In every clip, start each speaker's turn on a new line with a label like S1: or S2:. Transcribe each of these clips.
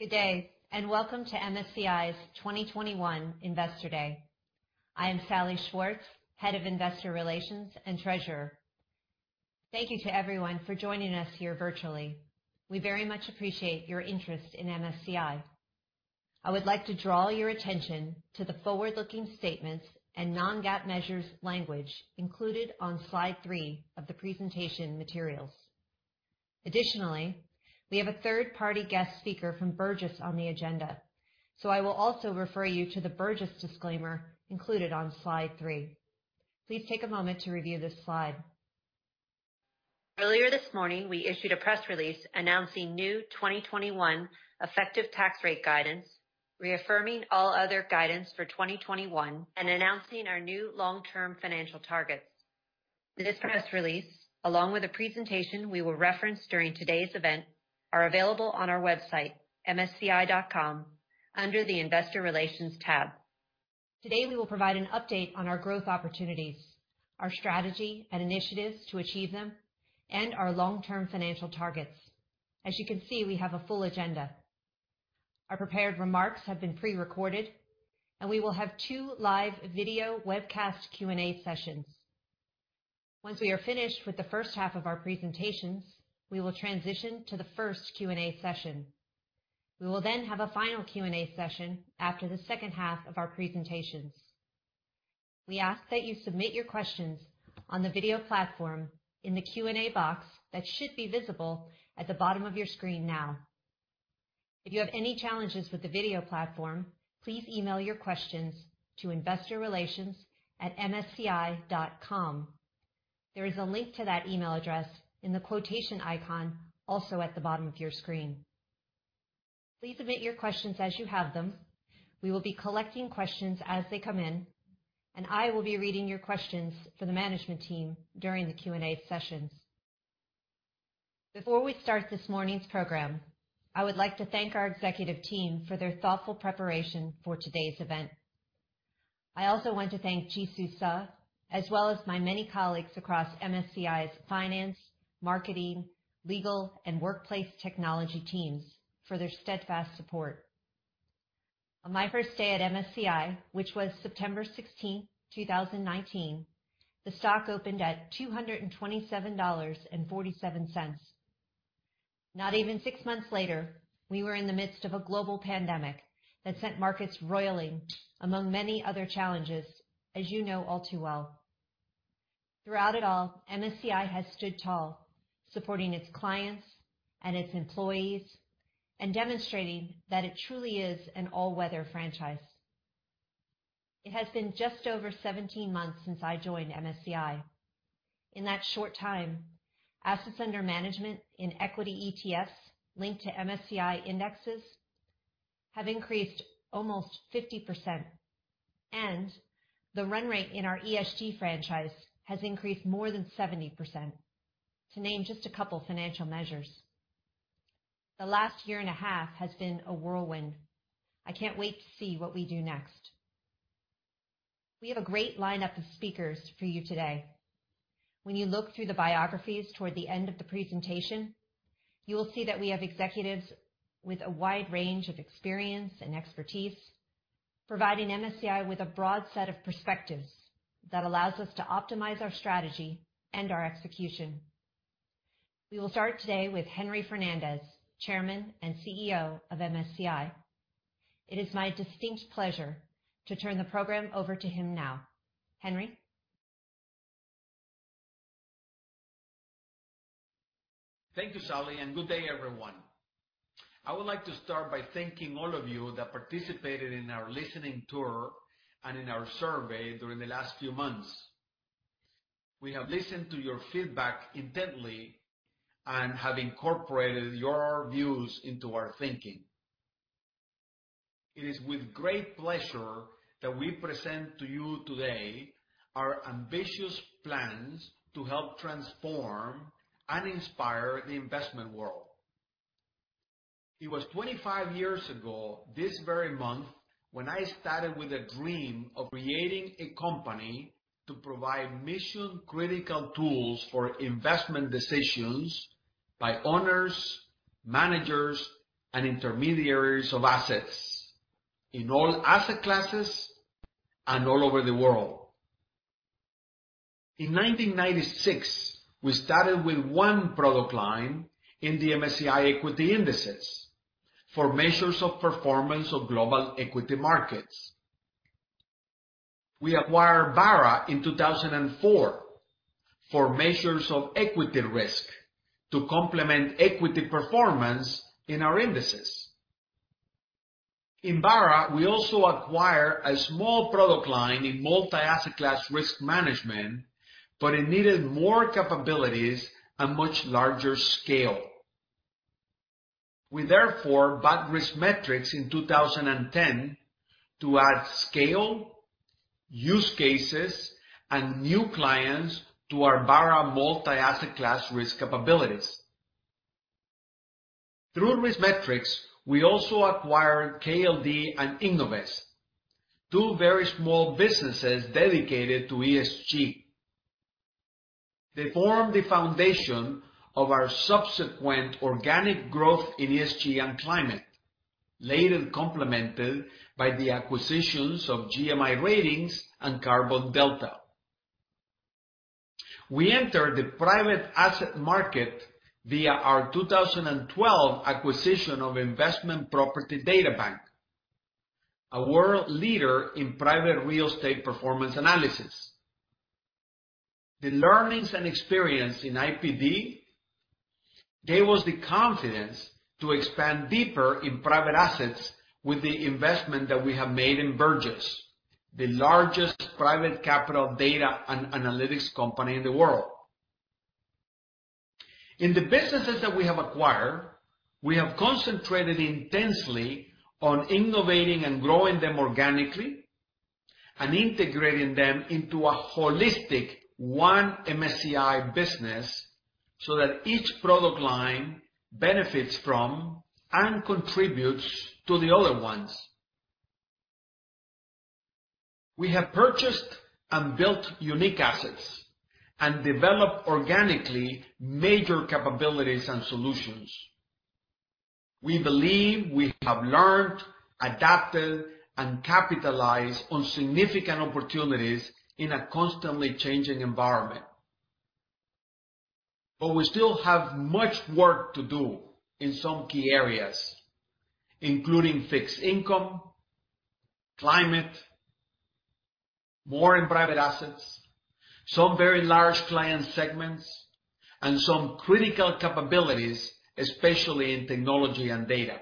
S1: Good day, welcome to MSCI's 2021 Investor Day. I am Salli Schwartz, Head of Investor Relations and Treasurer. Thank you to everyone for joining us here virtually. We very much appreciate your interest in MSCI. I would like to draw your attention to the forward-looking statements and non-GAAP measures language included on slide three of the presentation materials. Additionally, we have a third-party guest speaker from Burgiss on the agenda, so I will also refer you to the Burgiss disclaimer included on slide three. Please take a moment to review this slide. Earlier this morning, we issued a press release announcing new 2021 effective tax rate guidance, reaffirming all other guidance for 2021, and announcing our new long-term financial targets. This press release, along with a presentation we will reference during today's event, are available on our website, msci.com, under the Investor Relations tab. Today, we will provide an update on our growth opportunities, our strategy and initiatives to achieve them, and our long-term financial targets. As you can see, we have a full agenda. Our prepared remarks have been pre-recorded, and we will have two live video webcast Q&A sessions. Once we are finished with the first half of our presentations, we will transition to the first Q&A session. We will have a final Q&A session after the second half of our presentations. We ask that you submit your questions on the video platform in the Q&A box that should be visible at the bottom of your screen now. If you have any challenges with the video platform, please email your questions to investorrelations@msci.com. There is a link to that email address in the quotation icon, also at the bottom of your screen. Please submit your questions as you have them. We will be collecting questions as they come in, and I will be reading your questions for the management team during the Q&A sessions. Before we start this morning's program, I would like to thank our executive team for their thoughtful preparation for today's event. I also want to thank Jisoo Suh, as well as my many colleagues across MSCI's finance, marketing, legal, and workplace technology teams, for their steadfast support. On my first day at MSCI, which was September 16th, 2019, the stock opened at $227.47. Not even six months later, we were in the midst of a global pandemic that sent markets roiling, among many other challenges, as you know all too well. Throughout it all, MSCI has stood tall, supporting its clients and its employees, and demonstrating that it truly is an all-weather franchise. It has been just over 17 months since I joined MSCI. In that short time, assets under management in equity ETFs linked to MSCI indexes have increased almost 50%, and the run rate in our ESG franchise has increased more than 70%, to name just a couple financial measures. The last year and a half has been a whirlwind. I can't wait to see what we do next. We have a great lineup of speakers for you today. When you look through the biographies toward the end of the presentation, you will see that we have executives with a wide range of experience and expertise, providing MSCI with a broad set of perspectives that allows us to optimize our strategy and our execution. We will start today with Henry Fernandez, Chairman and CEO of MSCI. It is my distinct pleasure to turn the program over to him now. Henry?
S2: Thank you, Salli, and good day, everyone. I would like to start by thanking all of you that participated in our listening tour and in our survey during the last few months. We have listened to your feedback intently and have incorporated your views into our thinking. It is with great pleasure that we present to you today our ambitious plans to help transform and inspire the investment world. It was 25 years ago, this very month, when I started with a dream of creating a company to provide mission-critical tools for investment decisions by owners, managers, and intermediaries of assets, in all asset classes and all over the world. In 1996, we started with one product line in the MSCI equity indices for measures of performance of global equity markets. We acquired Barra in 2004 for measures of equity risk to complement equity performance in our indices. In Barra, we also acquired a small product line in multi-asset class risk management, but it needed more capabilities and much larger scale. We therefore bought RiskMetrics in 2010 to add scale, use cases, and new clients to our Barra multi-asset class risk capabilities. Through RiskMetrics, we also acquired KLD and Innovest, two very small businesses dedicated to ESG. They formed the foundation of our subsequent organic growth in ESG and climate, later complemented by the acquisitions of GMI Ratings and Carbon Delta. We entered the private asset market via our 2012 acquisition of Investment Property Databank, a world leader in private real estate performance analysis. The learnings and experience in IPD gave us the confidence to expand deeper in private assets with the investment that we have made in Burgiss, the largest private capital data and analytics company in the world. In the businesses that we have acquired, we have concentrated intensely on innovating and growing them organically and integrating them into a holistic one MSCI business so that each product line benefits from and contributes to the other ones. We have purchased and built unique assets and developed organically major capabilities and solutions. We believe we have learned, adapted, and capitalized on significant opportunities in a constantly changing environment. We still have much work to do in some key areas, including fixed income, climate, more in private assets, some very large client segments, and some critical capabilities, especially in technology and data.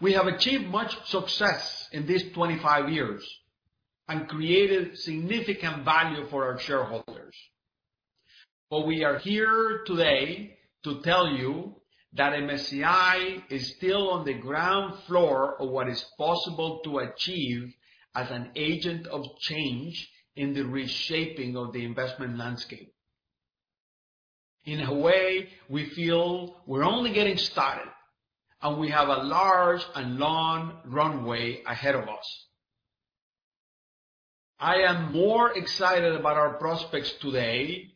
S2: We have achieved much success in these 25 years and created significant value for our shareholders. We are here today to tell you that MSCI is still on the ground floor of what is possible to achieve as an agent of change in the reshaping of the investment landscape. In a way, we feel we're only getting started, and we have a large and long runway ahead of us. I am more excited about our prospects today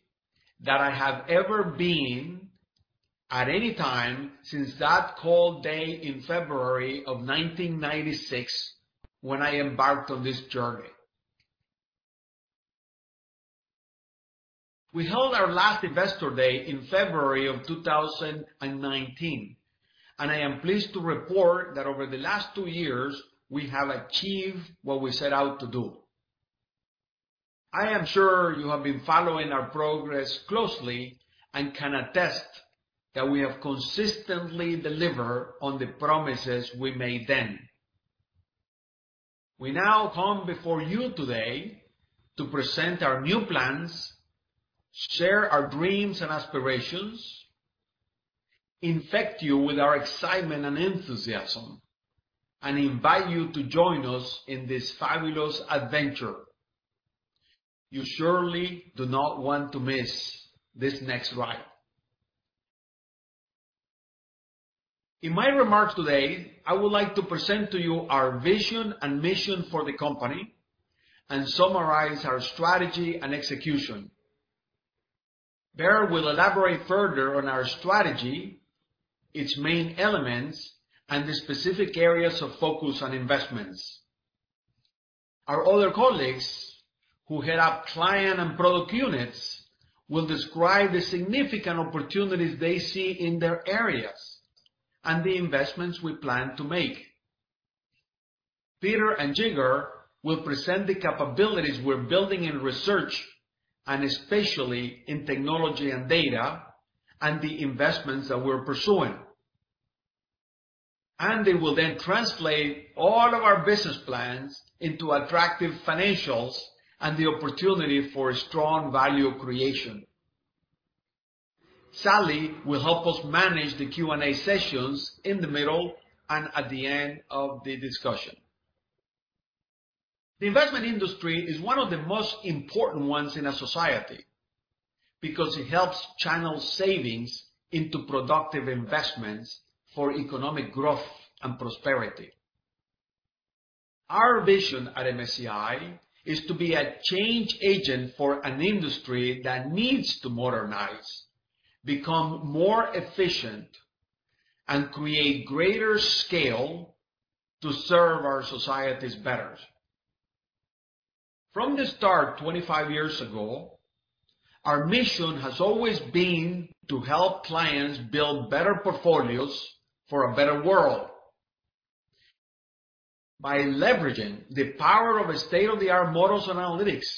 S2: than I have ever been at any time since that cold day in February of 1996 when I embarked on this journey. We held our last Investor Day in February of 2019. I am pleased to report that over the last two years, we have achieved what we set out to do. I am sure you have been following our progress closely and can attest that we have consistently delivered on the promises we made then. We now come before you today to present our new plans, share our dreams and aspirations, infect you with our excitement and enthusiasm, and invite you to join us in this fabulous adventure. You surely do not want to miss this next ride. In my remarks today, I would like to present to you our vision and mission for the company and summarize our strategy and execution. Baer will elaborate further on our strategy, its main elements, and the specific areas of focus on investments. Our other colleagues who head up client and product units will describe the significant opportunities they see in their areas and the investments we plan to make. Peter and Jigar will present the capabilities we're building in research and especially in technology and data, and the investments that we're pursuing. Andy will translate all of our business plans into attractive financials and the opportunity for strong value creation. Salli will help us manage the Q&A sessions in the middle and at the end of the discussion. The investment industry is one of the most important ones in our society because it helps channel savings into productive investments for economic growth and prosperity. Our vision at MSCI is to be a change agent for an industry that needs to modernize, become more efficient, and create greater scale to serve our societies better. From the start 25 years ago, our mission has always been to help clients build better portfolios for a better world by leveraging the power of state-of-the-art models and analytics,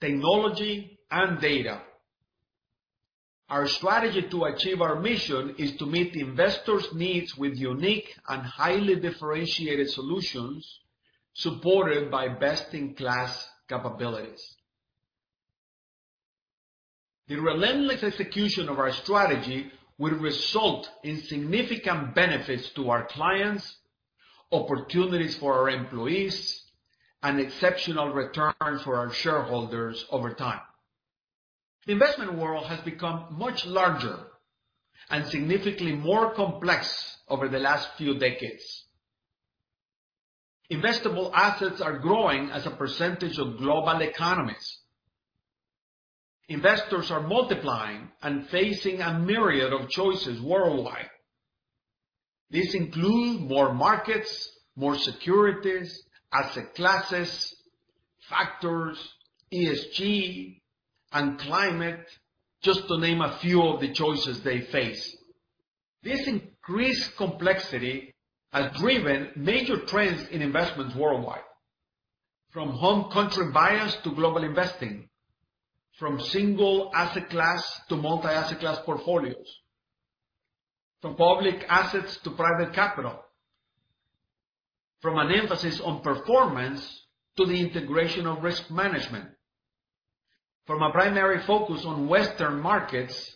S2: technology, and data. Our strategy to achieve our mission is to meet the investors' needs with unique and highly differentiated solutions, supported by best-in-class capabilities. The relentless execution of our strategy will result in significant benefits to our clients, opportunities for our employees, and exceptional returns for our shareholders over time. The investment world has become much larger and significantly more complex over the last few decades. Investable assets are growing as a percentage of global economies. Investors are multiplying and facing a myriad of choices worldwide. These include more markets, more securities, asset classes, factors, ESG, and climate, just to name a few of the choices they face. This increased complexity has driven major trends in investments worldwide, from home country bias to global investing, from single asset class to multi-asset class portfolios, from public assets to private capital, from an emphasis on performance to the integration of risk management, from a primary focus on Western markets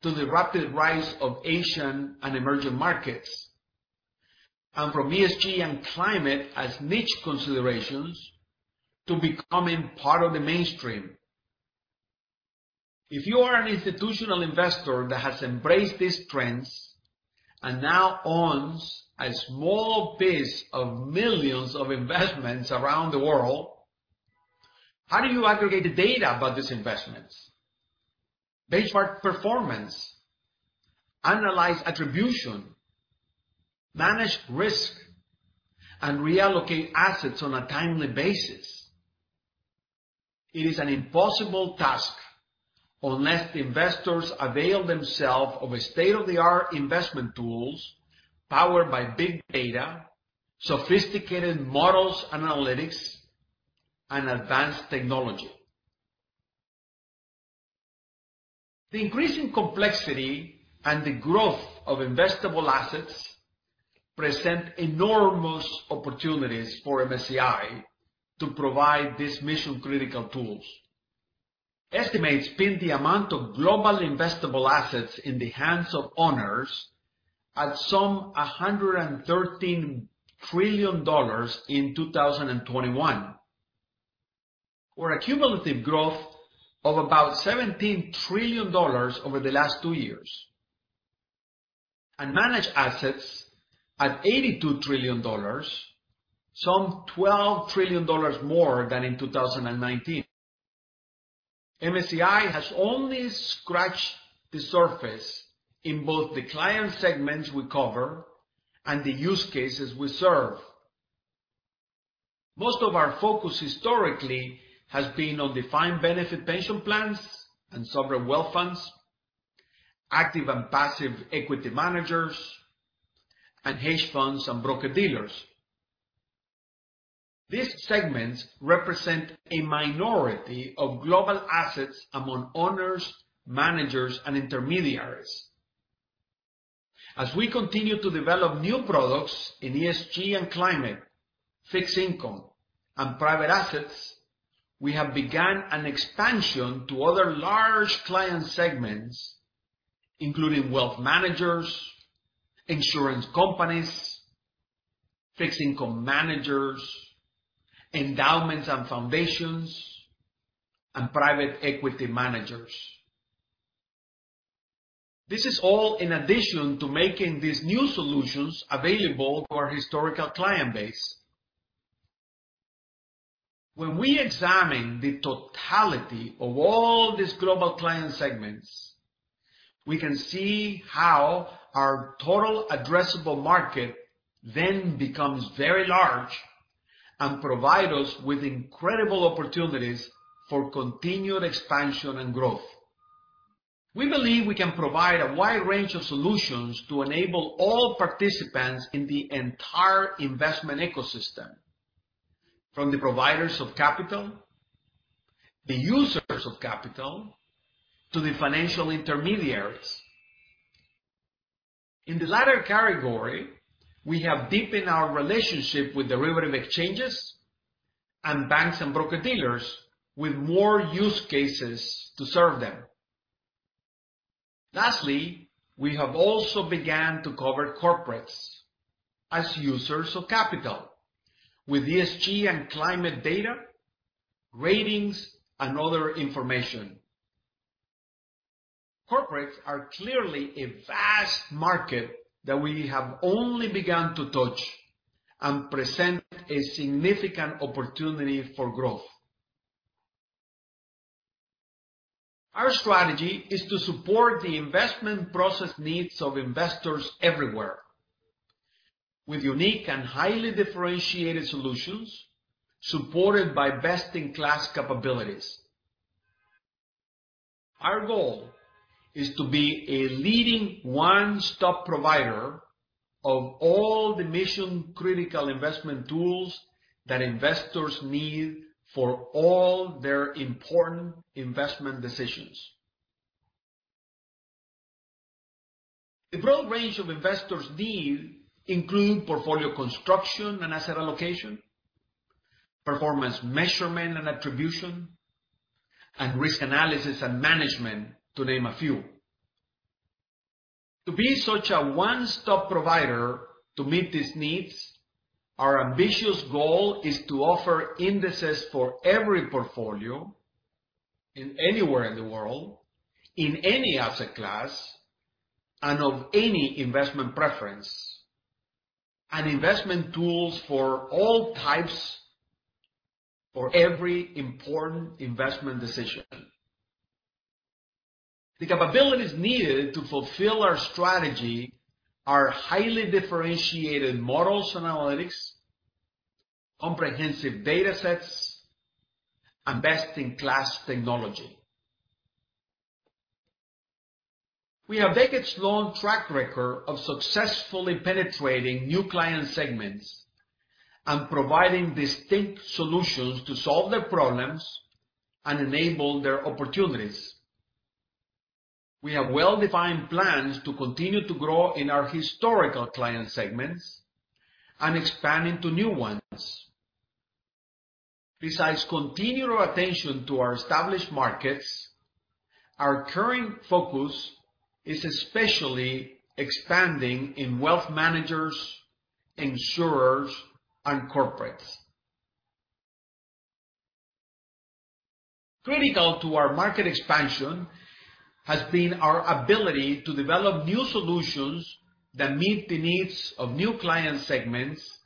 S2: to the rapid rise of Asian and emerging markets, and from ESG and climate as niche considerations to becoming part of the mainstream. If you are an institutional investor that has embraced these trends and now owns a small piece of millions of investments around the world, how do you aggregate the data about these investments, benchmark performance, analyze attribution, manage risk, and reallocate assets on a timely basis? It is an impossible task unless investors avail themselves of a state-of-the-art investment tools powered by big data, sophisticated models and analytics, and advanced technology. The increasing complexity and the growth of investable assets present enormous opportunities for MSCI to provide these mission-critical tools. Estimates pin the amount of global investable assets in the hands of owners at some $113 trillion in 2021, or a cumulative growth of about $17 trillion over the last two years, and managed assets at $82 trillion, some $12 trillion more than in 2019. MSCI has only scratched the surface in both the client segments we cover and the use cases we serve. Most of our focus historically has been on defined benefit pension plans and sovereign wealth funds, active and passive equity managers, and hedge funds and broker-dealers. These segments represent a minority of global assets among owners, managers, and intermediaries. As we continue to develop new products in ESG and climate, fixed income, and private assets, we have begun an expansion to other large client segments, including wealth managers, insurance companies, fixed-income managers, endowments and foundations, and private equity managers. This is all in addition to making these new solutions available to our historical client base. When we examine the totality of all these global client segments, we can see how our total addressable market then becomes very large and provide us with incredible opportunities for continued expansion and growth. We believe we can provide a wide range of solutions to enable all participants in the entire investment ecosystem, from the providers of capital, the users of capital, to the financial intermediaries. In the latter category, we have deepened our relationship with derivative exchanges and banks and broker-dealers with more use cases to serve them. Lastly, we have also began to cover corporates as users of capital with ESG and climate data, ratings, and other information. Corporates are clearly a vast market that we have only begun to touch and present a significant opportunity for growth. Our strategy is to support the investment process needs of investors everywhere with unique and highly differentiated solutions supported by best-in-class capabilities. Our goal is to be a leading one-stop provider of all the mission-critical investment tools that investors need for all their important investment decisions. The broad range of investors' needs include portfolio construction and asset allocation, performance measurement and attribution, and risk analysis and management, to name a few. To be such a one-stop provider to meet these needs, our ambitious goal is to offer indices for every portfolio anywhere in the world, in any asset class, and of any investment preference, and investment tools for all types, for every important investment decision. The capabilities needed to fulfill our strategy are highly differentiated models and analytics, comprehensive data sets, and best-in-class technology. We have decades long track record of successfully penetrating new client segments and providing distinct solutions to solve their problems and enable their opportunities. We have well-defined plans to continue to grow in our historical client segments and expand into new ones. Besides continual attention to our established markets, our current focus is especially expanding in wealth managers, insurers, and corporates. Critical to our market expansion has been our ability to develop new solutions that meet the needs of new client segments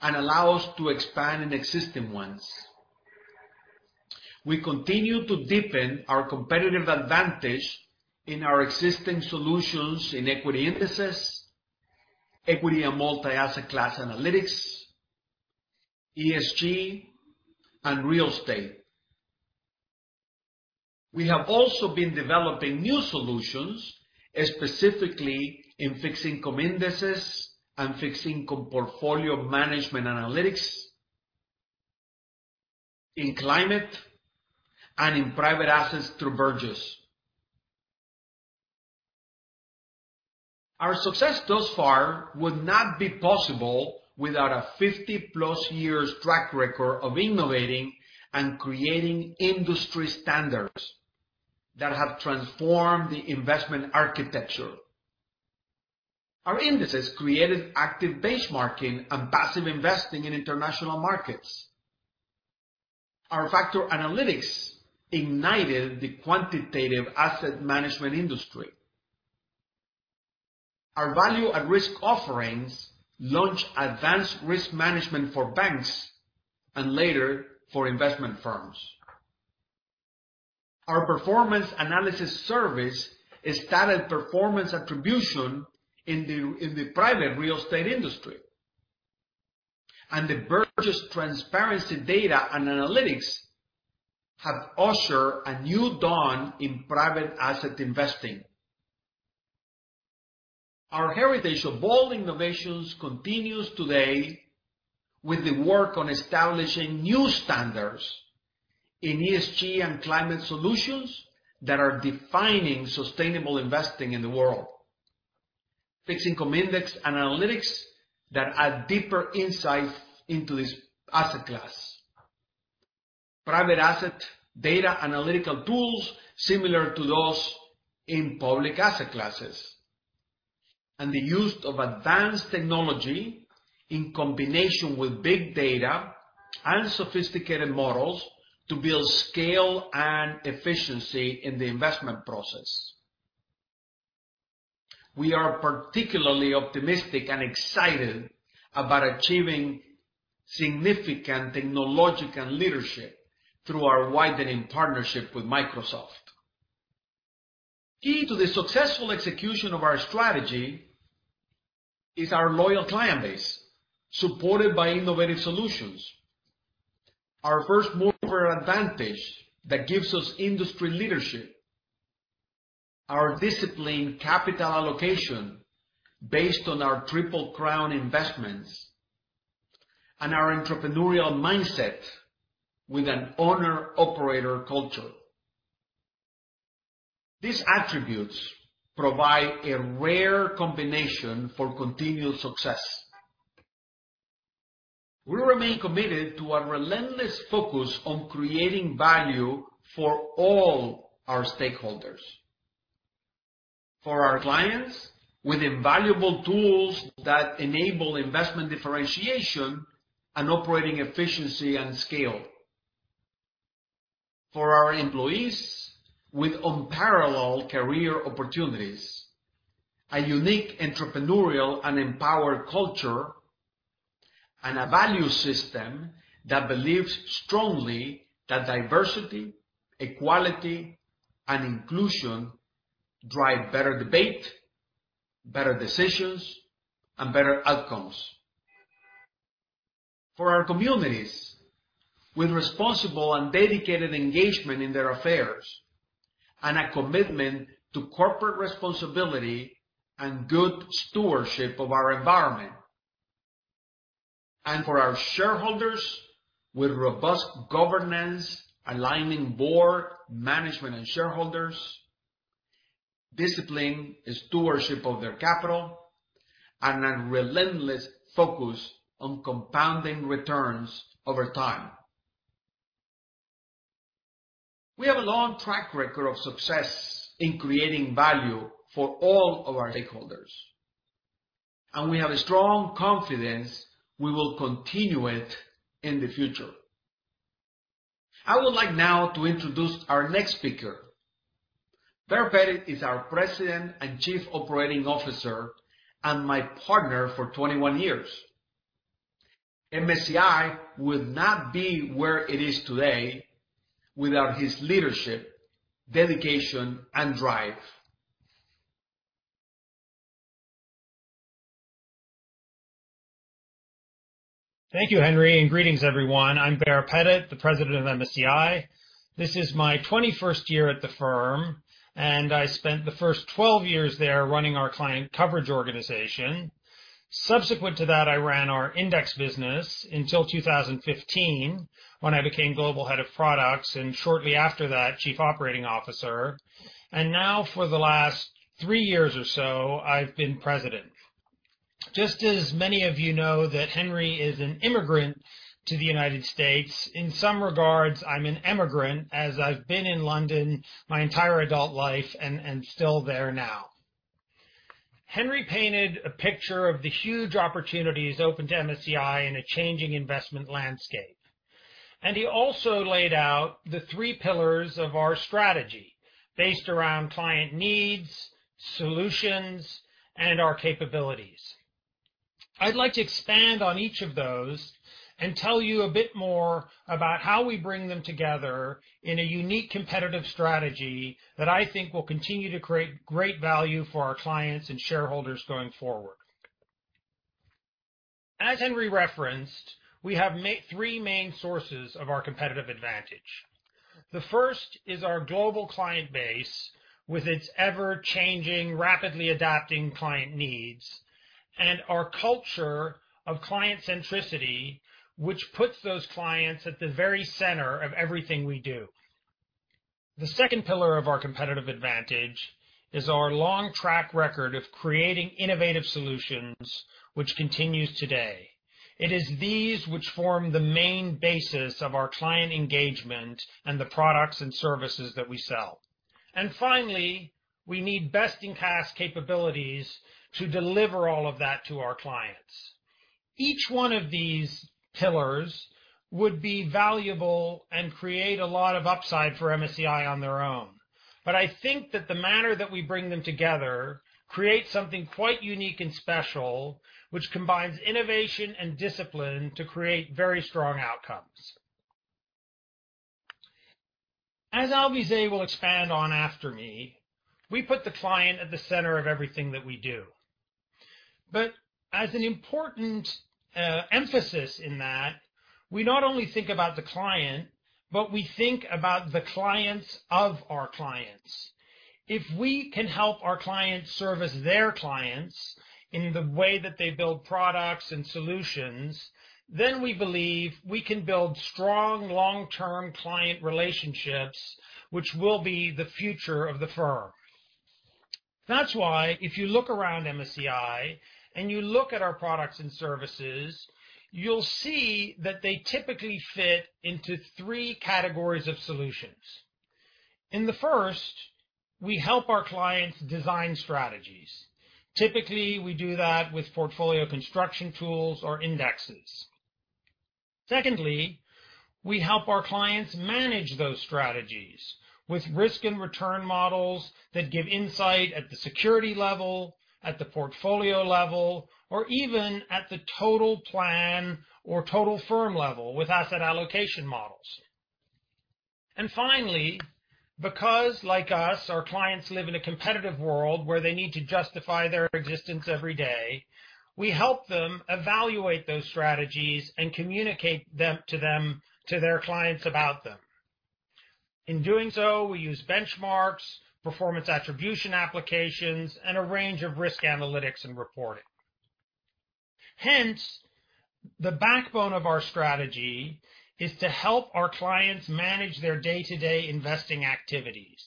S2: and allow us to expand in existing ones. We continue to deepen our competitive advantage in our existing solutions in equity indices, equity and multi-asset class analytics, ESG, and real estate. We have also been developing new solutions, specifically in fixed income indices and fixed income portfolio management analytics, in climate, and in private assets through Burgiss. Our success thus far would not be possible without a 50+ years track record of innovating and creating industry standards that have transformed the investment architecture. Our indices created active benchmarking and passive investing in international markets. Our factor analytics ignited the quantitative asset management industry. Our Value at Risk offerings launched advanced risk management for banks, and later for investment firms. Our performance analysis service started performance attribution in the private real estate industry. The Burgiss transparency data and analytics have ushered a new dawn in private asset investing. Our heritage of bold innovations continues today with the work on establishing new standards in ESG and climate solutions that are defining sustainable investing in the world. Fixed income index and analytics that add deeper insight into this asset class. Private asset data analytical tools similar to those in public asset classes. The use of advanced technology in combination with big data and sophisticated models to build scale and efficiency in the investment process. We are particularly optimistic and excited about achieving significant technological leadership through our widening partnership with Microsoft. Key to the successful execution of our strategy is our loyal client base, supported by innovative solutions. Our first-mover advantage that gives us industry leadership, our disciplined capital allocation based on our Triple Crown investments, and our entrepreneurial mindset with an owner-operator culture. These attributes provide a rare combination for continual success. We remain committed to a relentless focus on creating value for all our stakeholders. For our clients, with invaluable tools that enable investment differentiation and operating efficiency and scale. For our employees, with unparalleled career opportunities, a unique entrepreneurial and empowered culture, and a value system that believes strongly that diversity, equality, and inclusion drive better debate, better decisions, and better outcomes. For our communities, with responsible and dedicated engagement in their affairs, and a commitment to corporate responsibility and good stewardship of our environment. For our shareholders, with robust governance aligning board, management, and shareholders, disciplined stewardship of their capital, and a relentless focus on compounding returns over time. We have a long track record of success in creating value for all of our stakeholders, and we have a strong confidence we will continue it in the future. I would like now to introduce our next speaker. Baer Pettit is our President and Chief Operating Officer and my partner for 21 years. MSCI would not be where it is today without his leadership, dedication, and drive.
S3: Thank you, Henry, and greetings everyone. I'm Baer Pettit, the president of MSCI. This is my 21st year at the firm, and I spent the first 12 years there running our client coverage organization. Subsequent to that, I ran our index business until 2015, when I became Global Head of Products, and shortly after that, Chief Operating Officer. Now for the last three years or so, I've been President. Just as many of you know that Henry is an immigrant to the United States, in some regards, I'm an emigrant as I've been in London my entire adult life and still there now. Henry painted a picture of the huge opportunities open to MSCI in a changing investment landscape, and he also laid out the three pillars of our strategy based around client needs, solutions, and our capabilities. I'd like to expand on each of those and tell you a bit more about how we bring them together in a unique competitive strategy that I think will continue to create great value for our clients and shareholders going forward. As Henry referenced, we have three main sources of our competitive advantage. The first is our global client base with its ever-changing, rapidly adapting client needs, and our culture of client centricity, which puts those clients at the very center of everything we do. The second pillar of our competitive advantage is our long track record of creating innovative solutions, which continues today. It is these which form the main basis of our client engagement and the products and services that we sell. Finally, we need best-in-class capabilities to deliver all of that to our clients. Each one of these pillars would be valuable and create a lot of upside for MSCI on their own. I think that the manner that we bring them together creates something quite unique and special, which combines innovation and discipline to create very strong outcomes. As Alvise will expand on after me, we put the client at the center of everything that we do. As an important emphasis in that, we not only think about the client, we think about the clients of our clients. If we can help our clients service their clients in the way that they build products and solutions, we believe we can build strong long-term client relationships, which will be the future of the firm. That's why if you look around MSCI and you look at our products and services, you'll see that they typically fit into three categories of solutions. In the first, we help our clients design strategies. Typically, we do that with portfolio construction tools or indexes. Secondly, we help our clients manage those strategies with risk and return models that give insight at the security level, at the portfolio level, or even at the total plan or total firm level with asset allocation models. Finally, because like us, our clients live in a competitive world where they need to justify their existence every day, we help them evaluate those strategies and communicate to their clients about them. In doing so, we use benchmarks, performance attribution applications, and a range of risk analytics and reporting. Hence, the backbone of our strategy is to help our clients manage their day-to-day investing activities.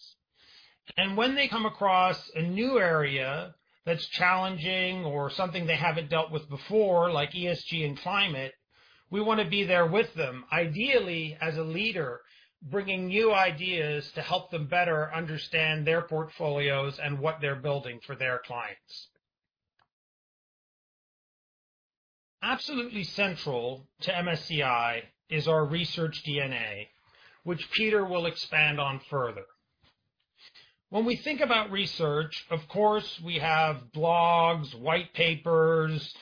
S3: When they come across a new area that's challenging or something they haven't dealt with before, like ESG and climate, we want to be there with them, ideally as a leader, bringing new ideas to help them better understand their portfolios and what they're building for their clients. Absolutely central to MSCI is our research DNA, which Peter will expand on further. When we think about research, of course, we have blogs, white papers,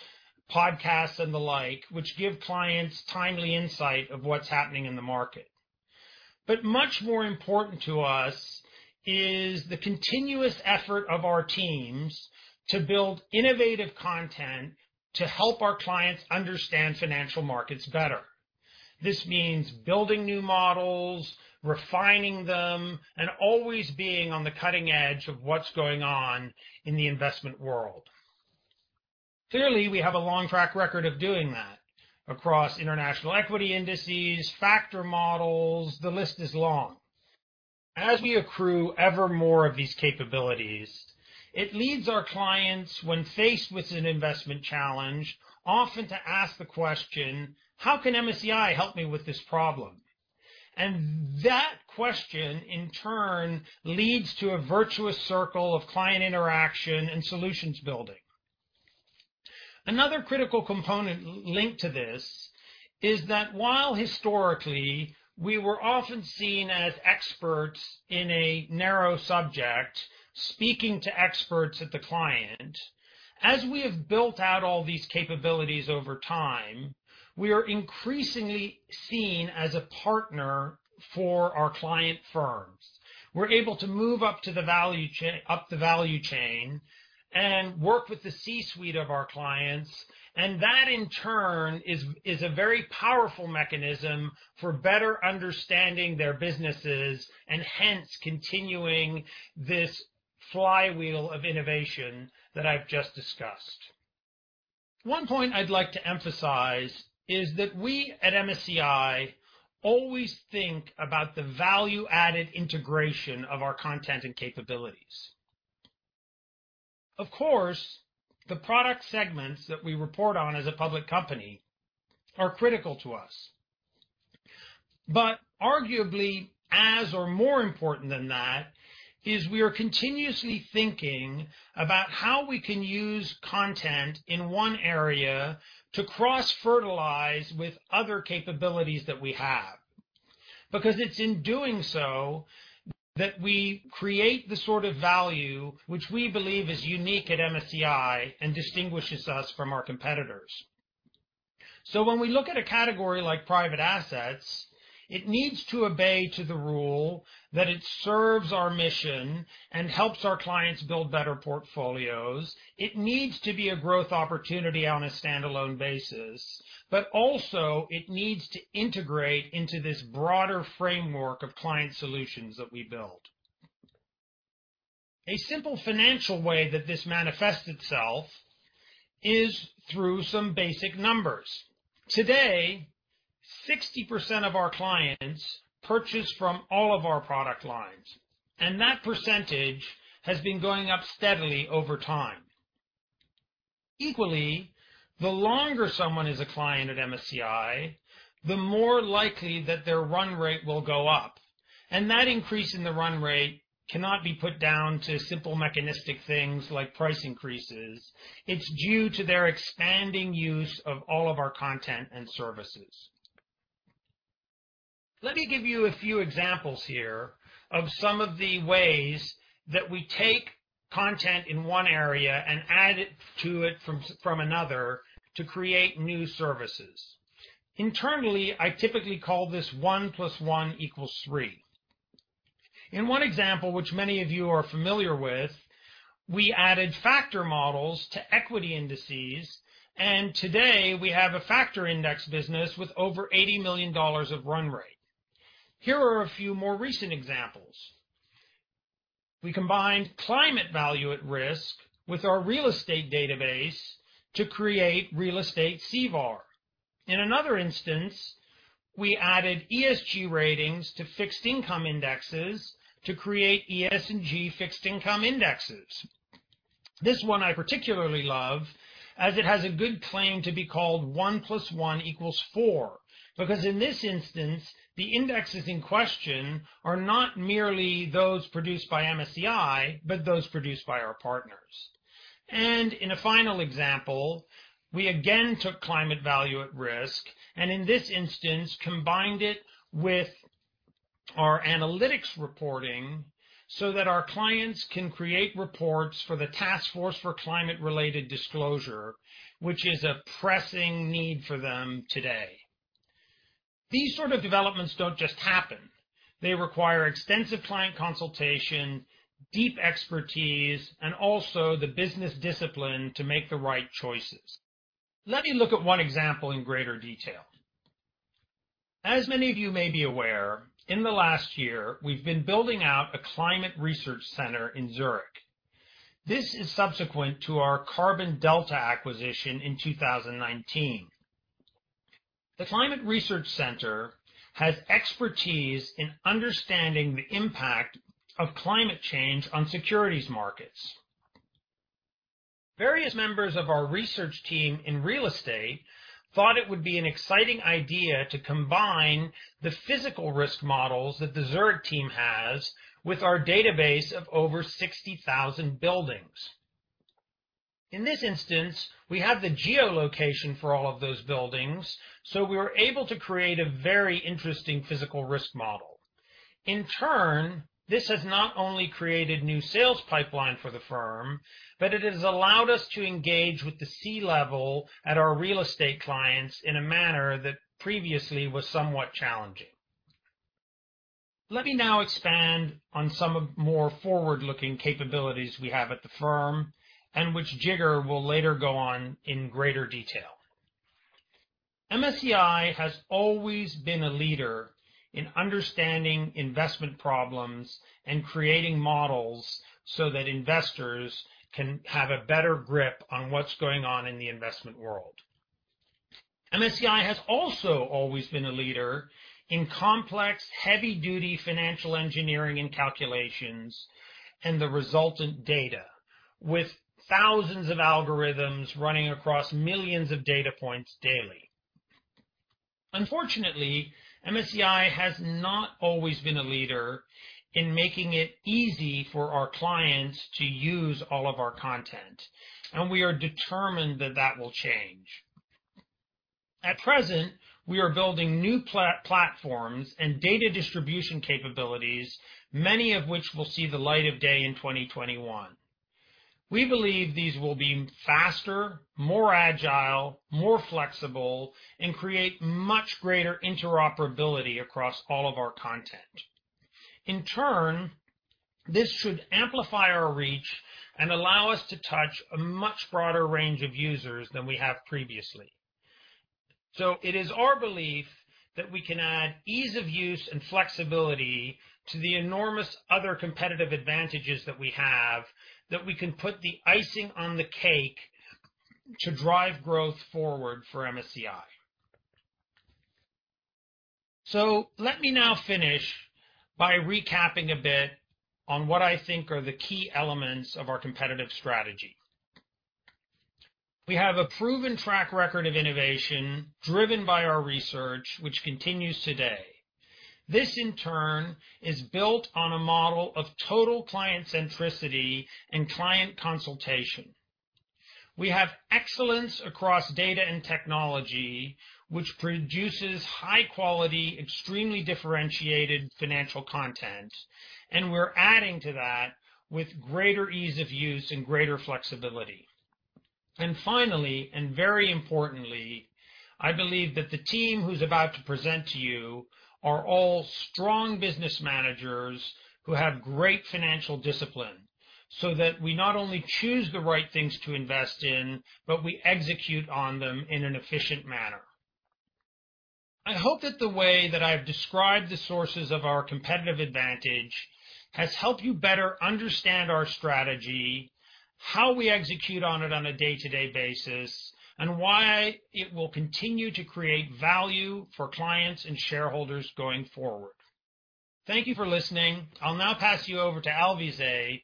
S3: podcasts, and the like, which give clients timely insight of what's happening in the market. Much more important to us is the continuous effort of our teams to build innovative content to help our clients understand financial markets better. This means building new models, refining them, and always being on the cutting edge of what's going on in the investment world. Clearly, we have a long track record of doing that across international equity indices, factor models. The list is long. As we accrue evermore of these capabilities, it leads our clients, when faced with an investment challenge, often to ask the question: how can MSCI help me with this problem? That question, in turn, leads to a virtuous circle of client interaction and solutions building. Another critical component linked to this is that while historically we were often seen as experts in a narrow subject, speaking to experts at the client, as we have built out all these capabilities over time, we are increasingly seen as a partner for our client firms. We're able to move up the value chain and work with the C-suite of our clients, and that in turn is a very powerful mechanism for better understanding their businesses, and hence continuing this flywheel of innovation that I've just discussed. One point I'd like to emphasize is that we at MSCI always think about the value-added integration of our content and capabilities. Of course, the product segments that we report on as a public company are critical to us. Arguably as, or more important than that, is we are continuously thinking about how we can use content in one area to cross-fertilize with other capabilities that we have, because it's in doing so that we create the sort of value which we believe is unique at MSCI and distinguishes us from our competitors. When we look at a category like private assets, it needs to obey to the rule that it serves our mission and helps our clients build better portfolios. It needs to be a growth opportunity on a standalone basis, but also it needs to integrate into this broader framework of client solutions that we build. A simple financial way that this manifests itself is through some basic numbers. Today, 60% of our clients purchase from all of our product lines, and that percentage has been going up steadily over time. Equally, the longer someone is a client at MSCI, the more likely that their run rate will go up. That increase in the run rate cannot be put down to simple mechanistic things like price increases. It's due to their expanding use of all of our content and services. Let me give you a few examples here of some of the ways that we take content in one area and add it to it from another to create new services. Internally, I typically call this one plus one equals three. In one example, which many of you are familiar with, we added factor models to equity indexes, and today we have a factor index business with over $80 million of run rate. Here are a few more recent examples. We combined Climate Value at Risk with our real estate database to create Real Estate C-VaR. In another instance, we added ESG ratings to fixed income indexes to create ESG fixed income indexes. This one I particularly love, as it has a good claim to be called one plus one equals four, because in this instance, the indexes in question are not merely those produced by MSCI, but those produced by our partners. In a final example, we again took Climate Value at Risk, and in this instance, combined it with our analytics reporting so that our clients can create reports for the Task Force on Climate-related Financial Disclosures, which is a pressing need for them today. These sort of developments don't just happen. They require extensive client consultation, deep expertise, and also the business discipline to make the right choices. Let me look at one example in greater detail. As many of you may be aware, in the last year, we've been building out a climate research center in Zurich. This is subsequent to our Carbon Delta acquisition in 2019. The Climate Research Center has expertise in understanding the impact of climate change on securities markets. Various members of our research team in real estate thought it would be an exciting idea to combine the physical risk models that the Zurich team has with our database of over 60,000 buildings. In this instance, we have the geolocation for all of those buildings, so we were able to create a very interesting physical risk model. In turn, this has not only created new sales pipeline for the firm, but it has allowed us to engage with the C-level at our real estate clients in a manner that previously was somewhat challenging. Let me now expand on some of more forward-looking capabilities we have at the firm, and which Jigar will later go on in greater detail. MSCI has always been a leader in understanding investment problems and creating models so that investors can have a better grip on what's going on in the investment world. MSCI has also always been a leader in complex, heavy-duty financial engineering and calculations, and the resultant data, with thousands of algorithms running across millions of data points daily. Unfortunately, MSCI has not always been a leader in making it easy for our clients to use all of our content, and we are determined that that will change. At present, we are building new platforms and data distribution capabilities, many of which will see the light of day in 2021. We believe these will be faster, more agile, more flexible, and create much greater interoperability across all of our content. In turn, this should amplify our reach and allow us to touch a much broader range of users than we have previously. It is our belief that we can add ease of use and flexibility to the enormous other competitive advantages that we have, that we can put the icing on the cake to drive growth forward for MSCI. Let me now finish by recapping a bit on what I think are the key elements of our competitive strategy. We have a proven track record of innovation driven by our research, which continues today. This, in turn, is built on a model of total client centricity and client consultation. We have excellence across data and technology, which produces high quality, extremely differentiated financial content, and we're adding to that with greater ease of use and greater flexibility. Finally, and very importantly, I believe that the team who's about to present to you are all strong business managers who have great financial discipline, so that we not only choose the right things to invest in, but we execute on them in an efficient manner. I hope that the way that I've described the sources of our competitive advantage has helped you better understand our strategy, how we execute on it on a day-to-day basis, and why it will continue to create value for clients and shareholders going forward. Thank you for listening. I'll now pass you over to Alvise,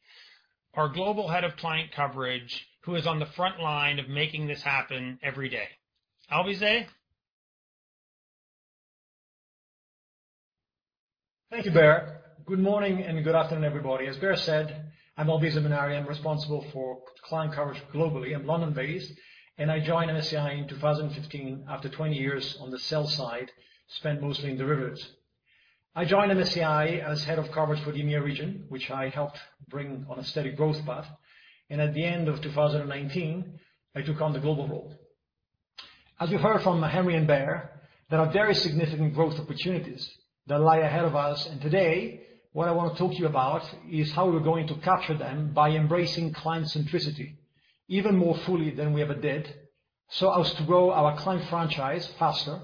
S3: our Global Head of Client Coverage, who is on the front line of making this happen every day. Alvise?
S4: Thank you, Baer. Good morning and good afternoon, everybody. As Baer said, I'm Alvise Munari. I'm responsible for client coverage globally. I'm London-based. I joined MSCI in 2015 after 20 years on the sell side, spent mostly in derivatives. I joined MSCI as Head of Coverage for the EMEA region, which I helped bring on a steady growth path. At the end of 2019, I took on the global role. As you heard from Henry and Baer, there are very significant growth opportunities that lie ahead of us. Today, what I want to talk to you about is how we're going to capture them by embracing client centricity even more fully than we ever did, so as to grow our client franchise faster,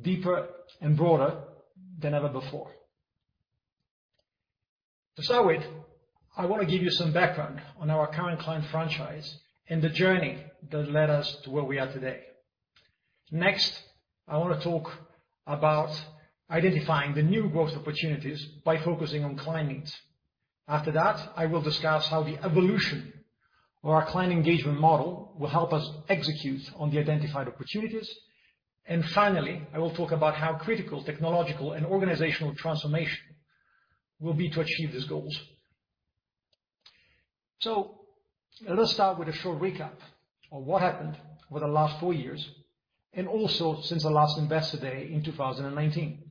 S4: deeper and broader than ever before. To start with, I want to give you some background on our current client franchise and the journey that led us to where we are today. Next, I want to talk about identifying the new growth opportunities by focusing on client needs. After that, I will discuss how the evolution of our client engagement model will help us execute on the identified opportunities. Finally, I will talk about how critical technological and organizational transformation will be to achieve these goals. Let us start with a short recap of what happened over the last four years and also since our last Investor Day in 2019.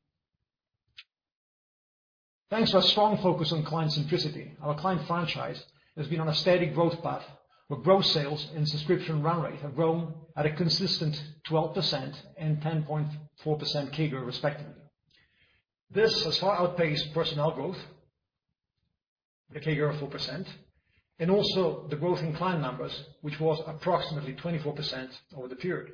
S4: Thanks to our strong focus on client centricity, our client franchise has been on a steady growth path, where gross sales and subscription run rate have grown at a consistent 12% and 10.4% CAGR, respectively. This has far outpaced personnel growth, with a CAGR of 4%, and also the growth in client numbers, which was approximately 24% over the period.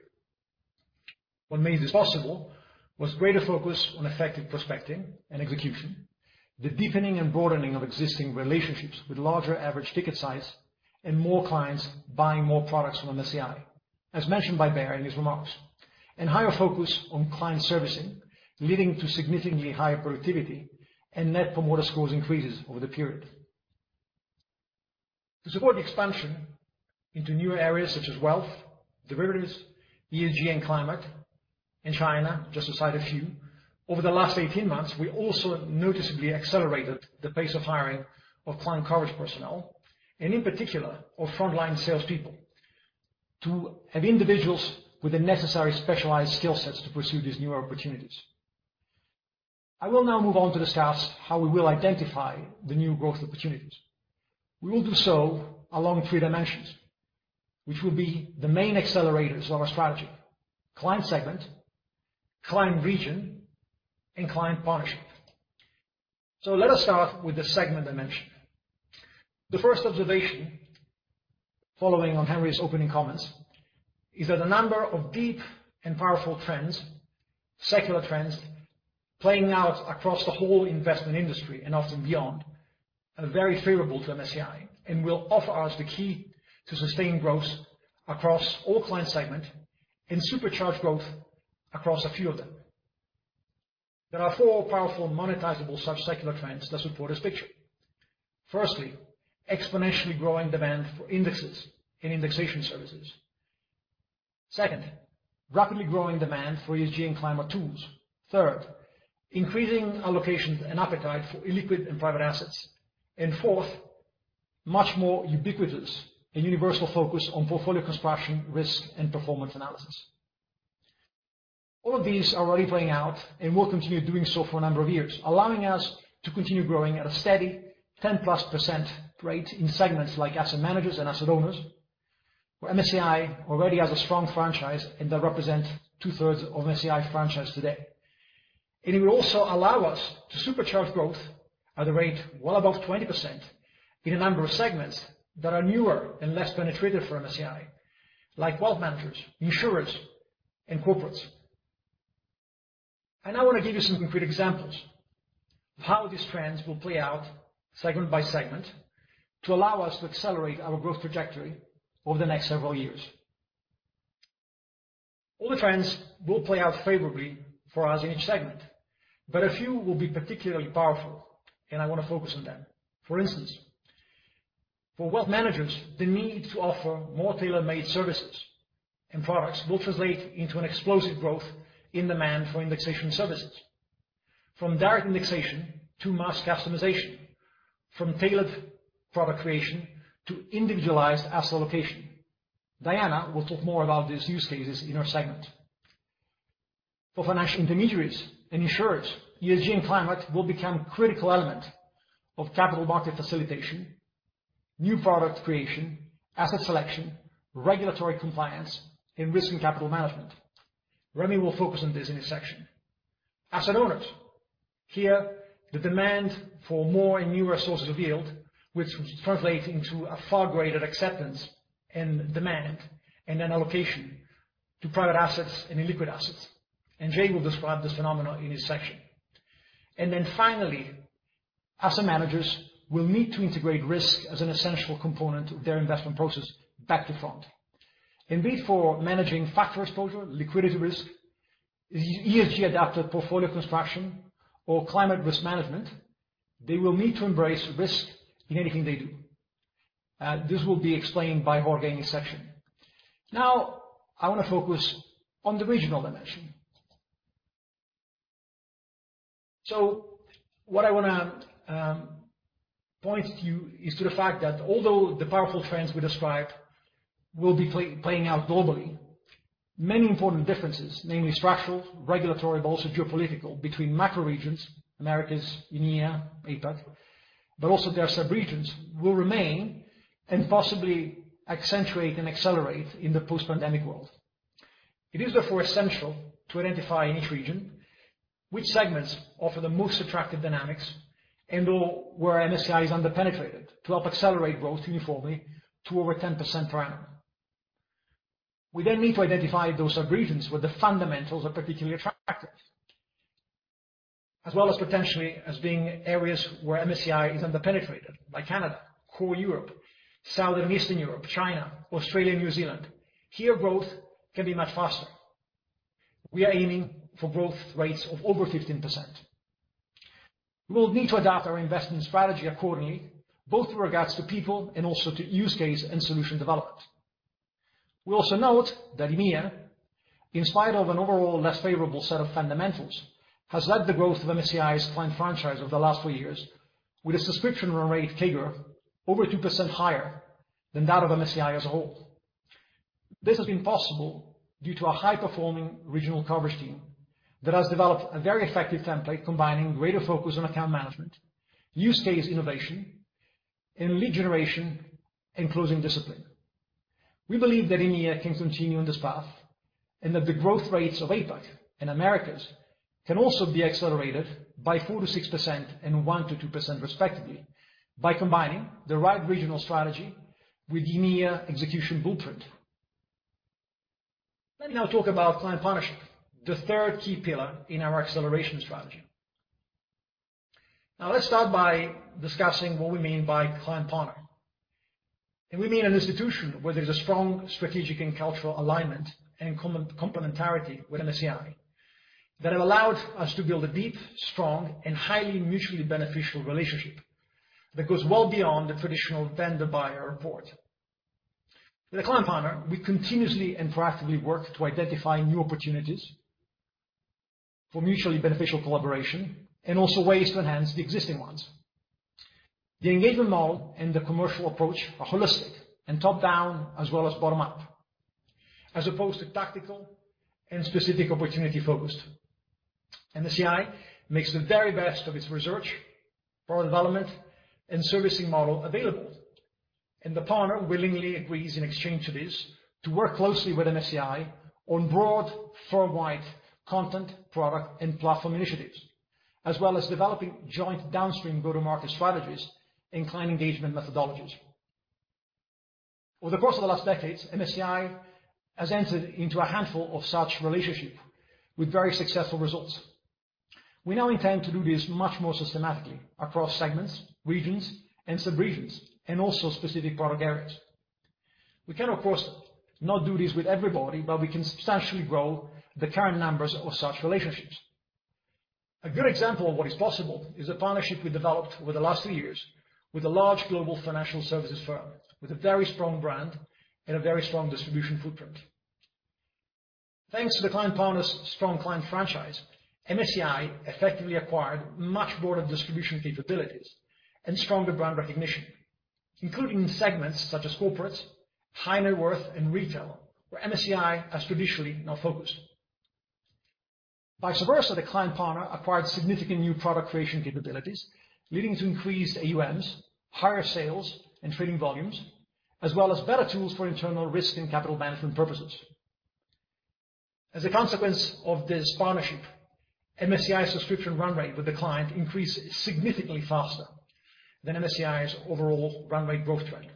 S4: What made this possible was greater focus on effective prospecting and execution, the deepening and broadening of existing relationships with larger average ticket size, and more clients buying more products from MSCI, as mentioned by Baer in his remarks. Higher focus on client servicing, leading to significantly higher productivity and Net Promoter Scores increases over the period. To support expansion into new areas such as wealth, derivatives, ESG and climate, and China, just to cite a few, over the last 18 months, we also noticeably accelerated the pace of hiring of client coverage personnel, and in particular, of frontline salespeople, to have individuals with the necessary specialized skill sets to pursue these new opportunities. I will now move on to discuss how we will identify the new growth opportunities. We will do so along three dimensions, which will be the main accelerators of our strategy, client segment, client region, and client partnership. Let us start with the segment dimension. The first observation following on Henry's opening comments is that a number of deep and powerful secular trends playing out across the whole investment industry and often beyond, are very favorable to MSCI and will offer us the key to sustained growth across all client segment and supercharge growth across a few of them. There are four powerful monetizable such secular trends that support this picture. Firstly, exponentially growing demand for indexes and indexation services. Second, rapidly growing demand for ESG and climate tools. Third, increasing allocations and appetite for illiquid and private assets. Fourth, much more ubiquitous and universal focus on portfolio construction, risk, and performance analysis. All of these are already playing out and will continue doing so for a number of years, allowing us to continue growing at a steady 10%+ rate in segments like asset managers and asset owners, where MSCI already has a strong franchise, and they represent two-thirds of MSCI franchise today. It will also allow us to supercharge growth at a rate well above 20% in a number of segments that are newer and less penetrated for MSCI, like wealth managers, insurers, and corporates. I want to give you some concrete examples of how these trends will play out segment by segment to allow us to accelerate our growth trajectory over the next several years. All the trends will play out favorably for us in each segment, but a few will be particularly powerful, and I want to focus on them. For instance, for wealth managers, the need to offer more tailor-made services and products will translate into an explosive growth in demand for indexation services. From direct indexing to mass customization, from tailored product creation to individualized asset allocation. Diana will talk more about these use cases in her segment. For financial intermediaries and insurers, ESG and climate will become a critical element of capital market facilitation, new product creation, asset selection, regulatory compliance, and risk and capital management. Remy will focus on this in his section. Asset owners. Here, the demand for more and newer sources of yield, which will translate into a far greater acceptance and demand and then allocation to private assets and illiquid assets. Jay will describe this phenomenon in his section. Finally, asset managers will need to integrate risk as an essential component of their investment process back to front. Be it for managing factor exposure, liquidity risk, ESG-adapted portfolio construction, or climate risk management, they will need to embrace risk in anything they do. This will be explained by Jorge in his section. I want to focus on the regional dimension. What I want to point you is to the fact that although the powerful trends we described will be playing out globally, many important differences, namely structural, regulatory, but also geopolitical, between macro regions, Americas, EMEA, APAC, but also their subregions, will remain and possibly accentuate and accelerate in the post-pandemic world. It is therefore essential to identify in each region which segments offer the most attractive dynamics and/or where MSCI is under-penetrated to help accelerate growth uniformly to over 10% per annum. We need to identify those subregions where the fundamentals are particularly attractive, as well as potentially as being areas where MSCI is under-penetrated, like Canada, core Europe, South and Eastern Europe, China, Australia, and New Zealand. Here, growth can be much faster. We are aiming for growth rates of over 15%. We will need to adapt our investment strategy accordingly, both with regards to people and also to use case and solution development. We also note that EMEA, in spite of an overall less favorable set of fundamentals, has led the growth of MSCI's client franchise over the last four years with a subscription run rate figure over 2% higher than that of MSCI as a whole. This has been possible due to a high-performing regional coverage team that has developed a very effective template combining greater focus on account management, use case innovation, and lead generation and closing discipline. We believe that EMEA can continue on this path and that the growth rates of APAC and Americas can also be accelerated by 4%-6% and 1%-2%, respectively, by combining the right regional strategy with the EMEA execution blueprint. Let me now talk about client partnership, the third key pillar in our acceleration strategy. Let's start by discussing what we mean by client partner. We mean an institution where there's a strong strategic and cultural alignment and complementarity with MSCI that have allowed us to build a deep, strong, and highly mutually beneficial relationship that goes well beyond the traditional vendor-buyer rapport. With a client partner, we continuously and proactively work to identify new opportunities for mutually beneficial collaboration and also ways to enhance the existing ones. The engagement model and the commercial approach are holistic and top-down as well as bottom-up, as opposed to tactical and specific opportunity-focused. MSCI makes the very best of its research, product development, and servicing model available, and the partner willingly agrees in exchange for this to work closely with MSCI on broad, firm-wide content, product, and platform initiatives, as well as developing joint downstream go-to-market strategies and client engagement methodologies. Over the course of the last decades, MSCI has entered into a handful of such relationship with very successful results. We now intend to do this much more systematically across segments, regions, and sub-regions, and also specific product areas. We cannot, of course, do this with everybody, but we can substantially grow the current numbers of such relationships. A good example of what is possible is a partnership we developed over the last three years with a large global financial services firm with a very strong brand and a very strong distribution footprint. Thanks to the client partner's strong client franchise, MSCI effectively acquired much broader distribution capabilities and stronger brand recognition, including in segments such as corporates, high net worth, and retail, where MSCI has traditionally not focused. Vice versa, the client partner acquired significant new product creation capabilities, leading to increased AUMs, higher sales and trading volumes, as well as better tools for internal risk and capital management purposes. As a consequence of this partnership, MSCI subscription run rate with the client increased significantly faster than MSCI's overall run rate growth rate.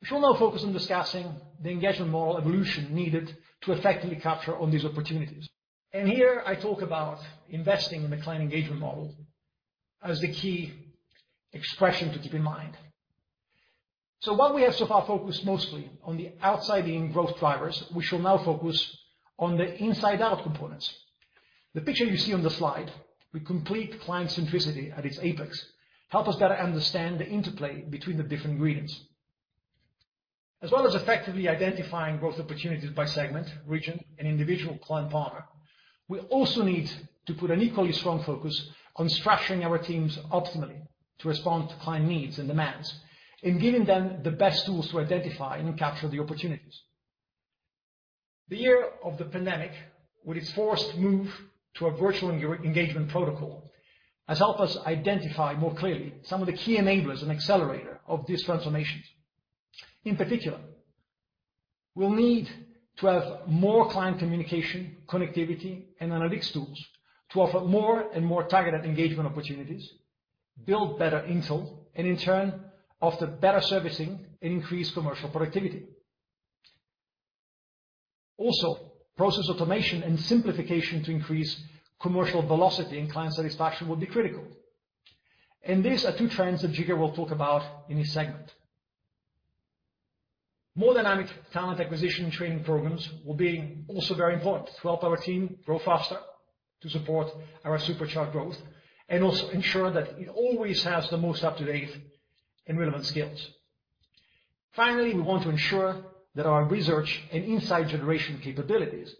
S4: We shall now focus on discussing the engagement model evolution needed to effectively capture all these opportunities. Here I talk about investing in the client engagement model as the key expression to keep in mind. While we have so far focused mostly on the outside-in growth drivers, we shall now focus on the inside-out components. The picture you see on the slide, with complete client centricity at its apex, help us better understand the interplay between the different ingredients. As well as effectively identifying growth opportunities by segment, region, and individual client partner, we also need to put an equally strong focus on structuring our teams optimally to respond to client needs and demands, and giving them the best tools to identify and capture the opportunities. The year of the pandemic, with its forced move to a virtual engagement protocol, has helped us identify more clearly some of the key enablers and accelerator of these transformations. In particular, we'll need to have more client communication, connectivity, and analytics tools to offer more and more targeted engagement opportunities, build better intel, and in turn, offer better servicing and increase commercial productivity. Also, process automation and simplification to increase commercial velocity and client satisfaction will be critical, and these are two trends that Jigar will talk about in his segment. More dynamic talent acquisition and training programs will be also very important to help our team grow faster, to support our supercharge growth, and also ensure that it always has the most up-to-date and relevant skills. Finally, we want to ensure that our research and insight generation capabilities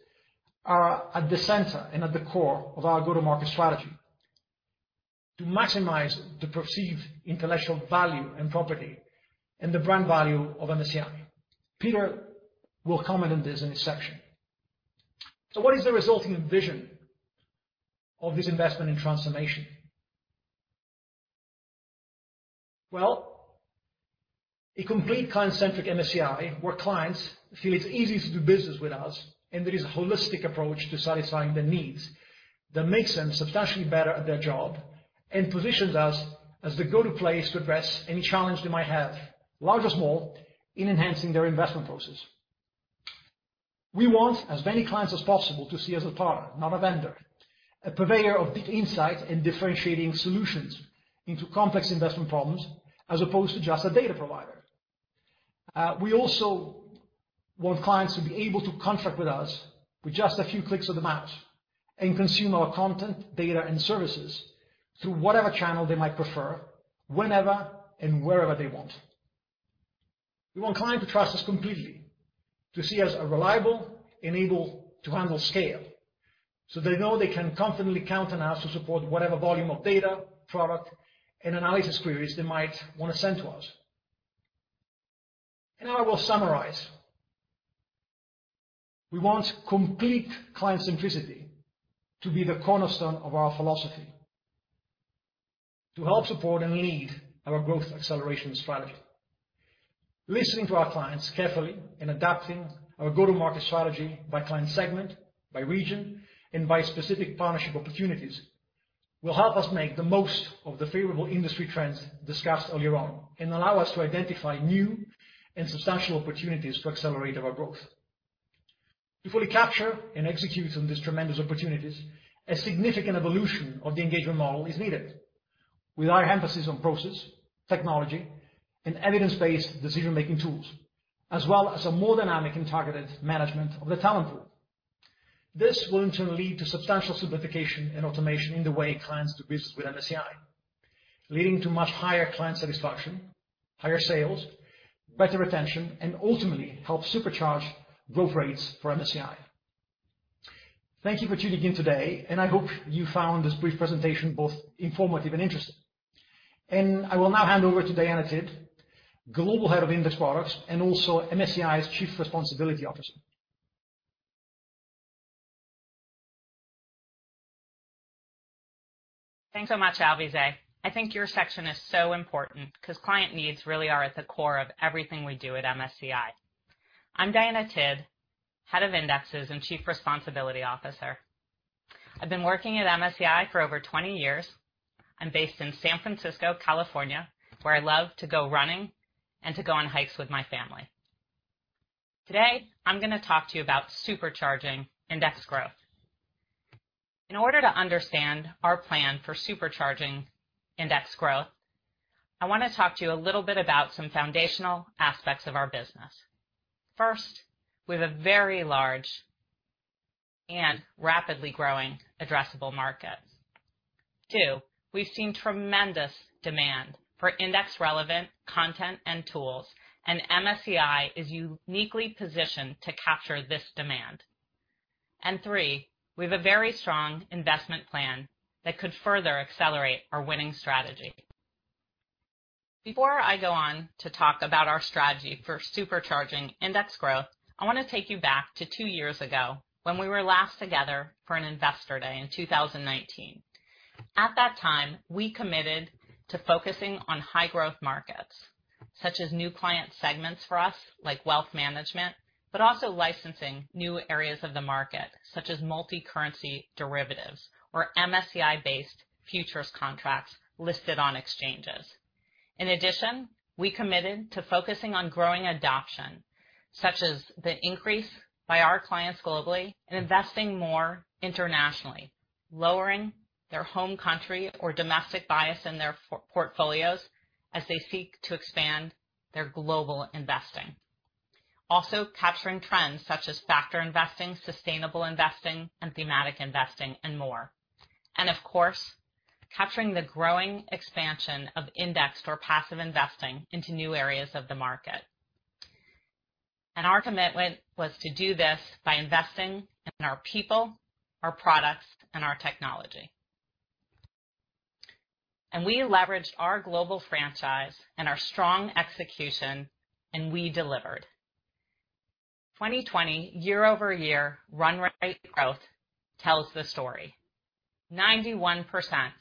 S4: are at the center and at the core of our go-to-market strategy to maximize the perceived intellectual value and property and the brand value of MSCI. Peter will comment on this in his section. What is the resulting vision of this investment and transformation? Well, a complete client-centric MSCI, where clients feel it's easy to do business with us, and there is a holistic approach to satisfying their needs that makes them substantially better at their job and positions us as the go-to place to address any challenge they might have, large or small, in enhancing their investment process. We want as many clients as possible to see us as a partner, not a vendor, a purveyor of deep insight and differentiating solutions into complex investment problems, as opposed to just a data provider. We also want clients to be able to contract with us with just a few clicks of the mouse and consume our content, data, and services through whatever channel they might prefer, whenever and wherever they want. We want clients to trust us completely, to see us as reliable and able to handle scale, so they know they can confidently count on us to support whatever volume of data, product, and analysis queries they might want to send to us. Now I will summarize. We want complete client centricity to be the cornerstone of our philosophy to help support and lead our growth acceleration strategy. Listening to our clients carefully and adapting our go-to-market strategy by client segment, by region, and by specific partnership opportunities will help us make the most of the favorable industry trends discussed earlier on and allow us to identify new and substantial opportunities to accelerate our growth. To fully capture and execute on these tremendous opportunities, a significant evolution of the engagement model is needed, with high emphasis on process, technology, and evidence-based decision-making tools, as well as a more dynamic and targeted management of the talent pool. This will in turn lead to substantial simplification and automation in the way clients do business with MSCI, leading to much higher client satisfaction, higher sales, better retention, and ultimately help supercharge growth rates for MSCI. Thank you for tuning in today, and I hope you found this brief presentation both informative and interesting. I will now hand over to Diana Tidd, Global Head of Index Products and also MSCI's Chief Responsibility Officer.
S5: Thanks so much, Alvise. I think your section is so important because client needs really are at the core of everything we do at MSCI. I'm Diana Tidd, Head of Indexes and Chief Responsibility Officer. I've been working at MSCI for over 20 years. I'm based in San Francisco, California, where I love to go running and to go on hikes with my family. Today, I'm going to talk to you about supercharging index growth. In order to understand our plan for supercharging index growth, I want to talk to you a little bit about some foundational aspects of our business. First, we have a very large and rapidly growing addressable market. Two, we've seen tremendous demand for index-relevant content and tools, MSCI is uniquely positioned to capture this demand. Three, we have a very strong investment plan that could further accelerate our winning strategy. Before I go on to talk about our strategy for supercharging index growth, I want to take you back to two years ago when we were last together for an Investor Day in 2019. At that time, we committed to focusing on high-growth markets, such as new client segments for us, like wealth management, but also licensing new areas of the market, such as multi-currency derivatives or MSCI-based futures contracts listed on exchanges. In addition, we committed to focusing on growing adoption, such as the increase by our clients globally in investing more internationally, lowering their home country or domestic bias in their portfolios as they seek to expand their global investing. Also, capturing trends such as factor investing, sustainable investing, and thematic investing, and more. Of course, capturing the growing expansion of indexed or passive investing into new areas of the market. Our commitment was to do this by investing in our people, our products, and our technology. We leveraged our global franchise and our strong execution, and we delivered. 2020 year-over-year run rate growth tells the story. 91%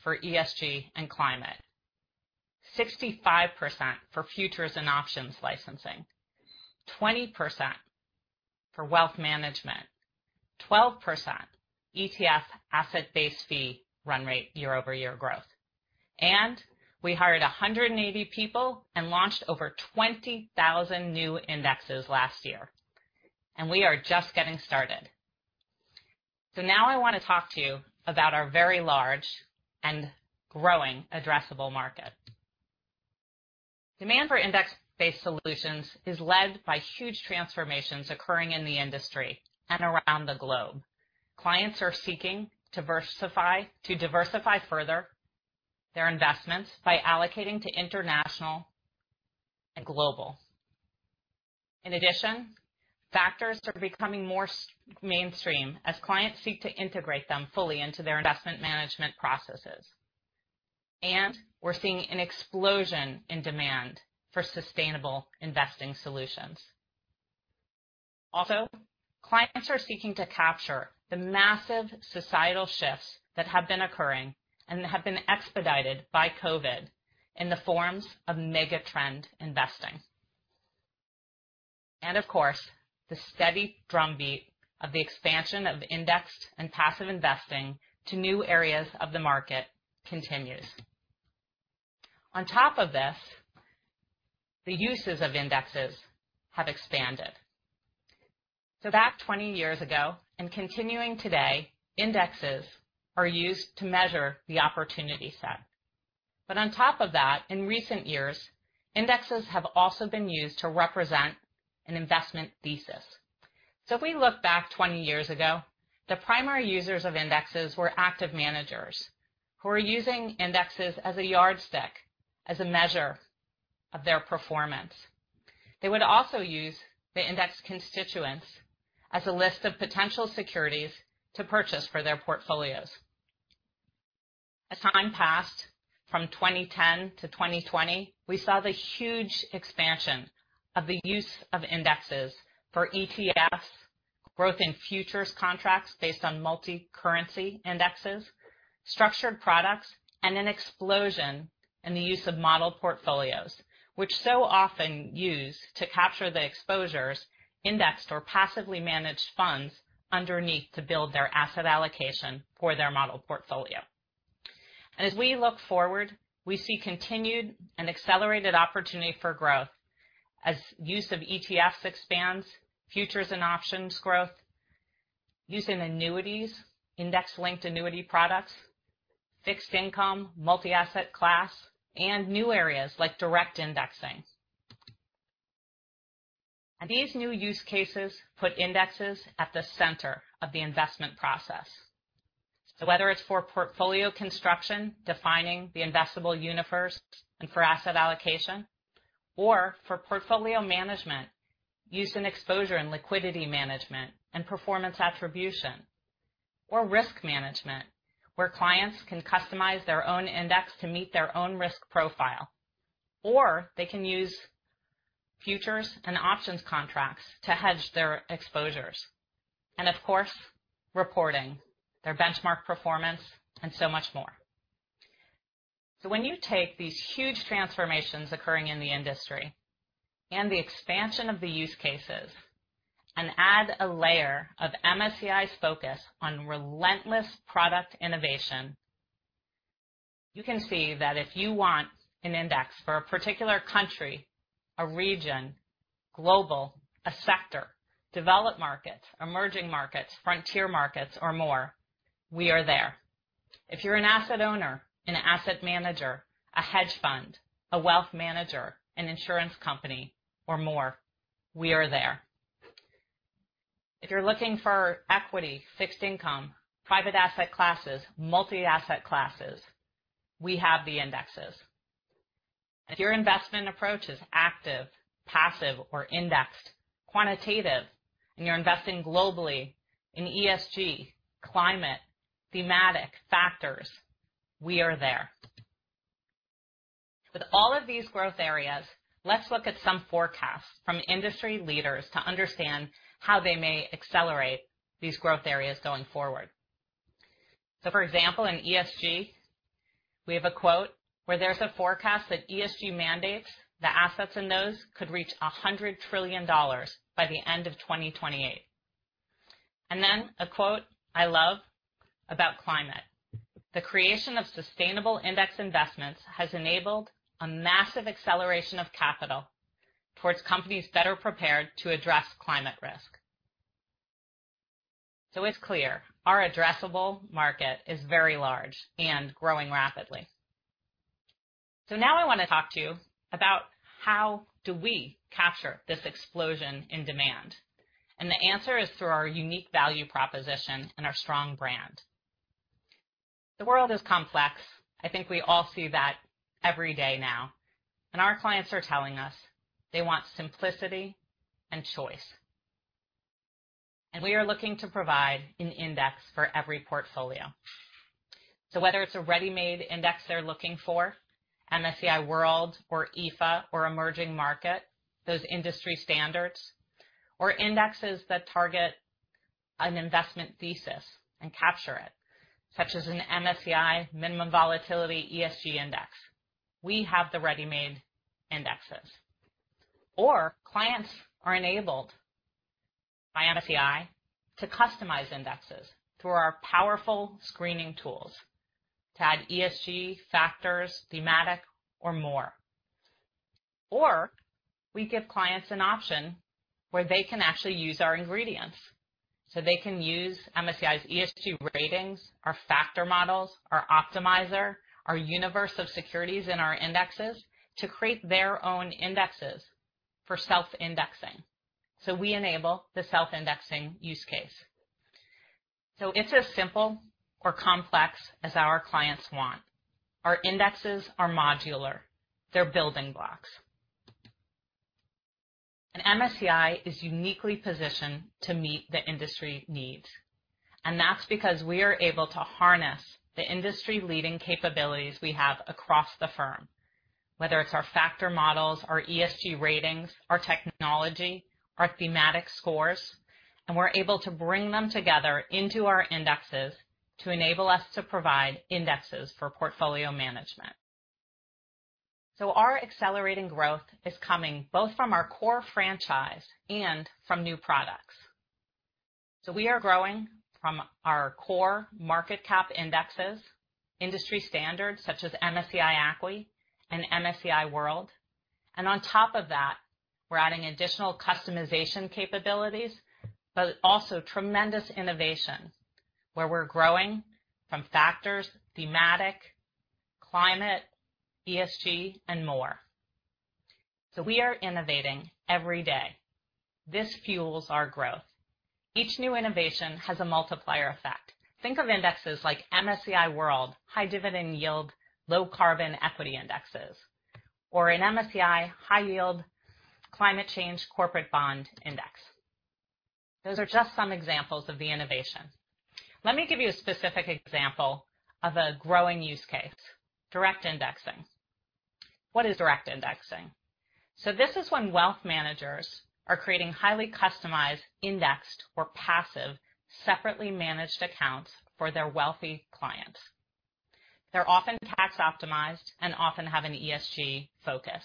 S5: for ESG and climate, 65% for futures and options licensing, 20% for wealth management, 12% ETF asset-based fee run rate year-over-year growth. We hired 180 people and launched over 20,000 new indexes last year. We are just getting started. Now I want to talk to you about our very large and growing addressable market. Demand for index-based solutions is led by huge transformations occurring in the industry and around the globe. Clients are seeking to diversify further their investments by allocating to international and global. In addition, factors are becoming more mainstream as clients seek to integrate them fully into their investment management processes. We're seeing an explosion in demand for sustainable investing solutions. Also, clients are seeking to capture the massive societal shifts that have been occurring and have been expedited by COVID in the forms of mega trend investing. Of course, the steady drumbeat of the expansion of indexed and passive investing to new areas of the market continues. On top of this, the uses of indexes have expanded. Back 20 years ago, and continuing today, indexes are used to measure the opportunity set. On top of that, in recent years, indexes have also been used to represent an investment thesis. If we look back 20 years ago, the primary users of indexes were active managers who were using indexes as a yardstick, as a measure of their performance. They would also use the index constituents as a list of potential securities to purchase for their portfolios. Time passed, from 2010 to 2020, we saw the huge expansion of the use of indexes for ETFs, growth in futures contracts based on multi-currency indexes, structured products, and an explosion in the use of model portfolios, which so often use to capture the exposures indexed or passively managed funds underneath to build their asset allocation for their model portfolio. As we look forward, we see continued and accelerated opportunity for growth as use of ETFs expands, futures and options growth, use in annuities, index-linked annuity products, fixed income, multi-asset class, and new areas like direct indexing. These new use cases put indexes at the center of the investment process. Whether it's for portfolio construction, defining the investable universe, and for asset allocation, or for portfolio management, use and exposure in liquidity management and performance attribution, or risk management, where clients can customize their own index to meet their own risk profile. They can use futures and options contracts to hedge their exposures. Of course, reporting their benchmark performance and so much more. When you take these huge transformations occurring in the industry and the expansion of the use cases, and add a layer of MSCI's focus on relentless product innovation, you can see that if you want an index for a particular country, a region, global, a sector, developed market, emerging markets, frontier markets or more, we are there. If you're an asset owner, an asset manager, a hedge fund, a wealth manager, an insurance company or more, we are there. If you're looking for equity, fixed income, private asset classes, multi-asset classes, we have the indexes. If your investment approach is active, passive, or indexed, quantitative, and you're investing globally in ESG, climate, thematic factors, we are there. With all of these growth areas, let's look at some forecasts from industry leaders to understand how they may accelerate these growth areas going forward. For example, in ESG, we have a quote where there's a forecast that ESG mandates, the assets in those could reach $100 trillion by the end of 2028. A quote I love about climate. The creation of sustainable index investments has enabled a massive acceleration of capital towards companies better prepared to address climate risk. It's clear our addressable market is very large and growing rapidly. I want to talk to you about how do we capture this explosion in demand. The answer is through our unique value proposition and our strong brand. The world is complex. I think we all see that every day now. Our clients are telling us they want simplicity and choice. We are looking to provide an index for every portfolio. Whether it's a ready-made index they're looking for, MSCI World or EAFE or emerging market, those industry standards, or indexes that target an investment thesis and capture it, such as an MSCI Minimum Volatility ESG Index. We have the ready-made indexes. Clients are enabled by MSCI to customize indexes through our powerful screening tools to add ESG factors, thematic or more. We give clients an option where they can actually use our ingredients. They can use MSCI's ESG ratings, our factor models, our optimizer, our universe of securities in our indexes to create their own indexes for self-indexing. We enable the self-indexing use case. It's as simple or complex as our clients want. Our indexes are modular. They're building blocks. MSCI is uniquely positioned to meet the industry needs. That's because we are able to harness the industry-leading capabilities we have across the firm, whether it's our factor models, our ESG ratings, our technology, our thematic scores, and we're able to bring them together into our indexes to enable us to provide indexes for portfolio management. Our accelerating growth is coming both from our core franchise and from new products. We are growing from our core market cap indexes, industry standards such as MSCI ACWI and MSCI World. On top of that, we're adding additional customization capabilities, but also tremendous innovation where we're growing from factors, thematic, climate, ESG and more. We are innovating every day. This fuels our growth. Each new innovation has a multiplier effect. Think of indexes like MSCI World High Dividend Yield, Low Carbon Equity Indexes, or an MSCI High Yield Climate Change Corporate Bond Index. Those are just some examples of the innovation. Let me give you a specific example of a growing use case, direct indexing. What is direct indexing? This is when wealth managers are creating highly customized, indexed or passive, separately managed accounts for their wealthy clients. They're often tax-optimized and often have an ESG focus.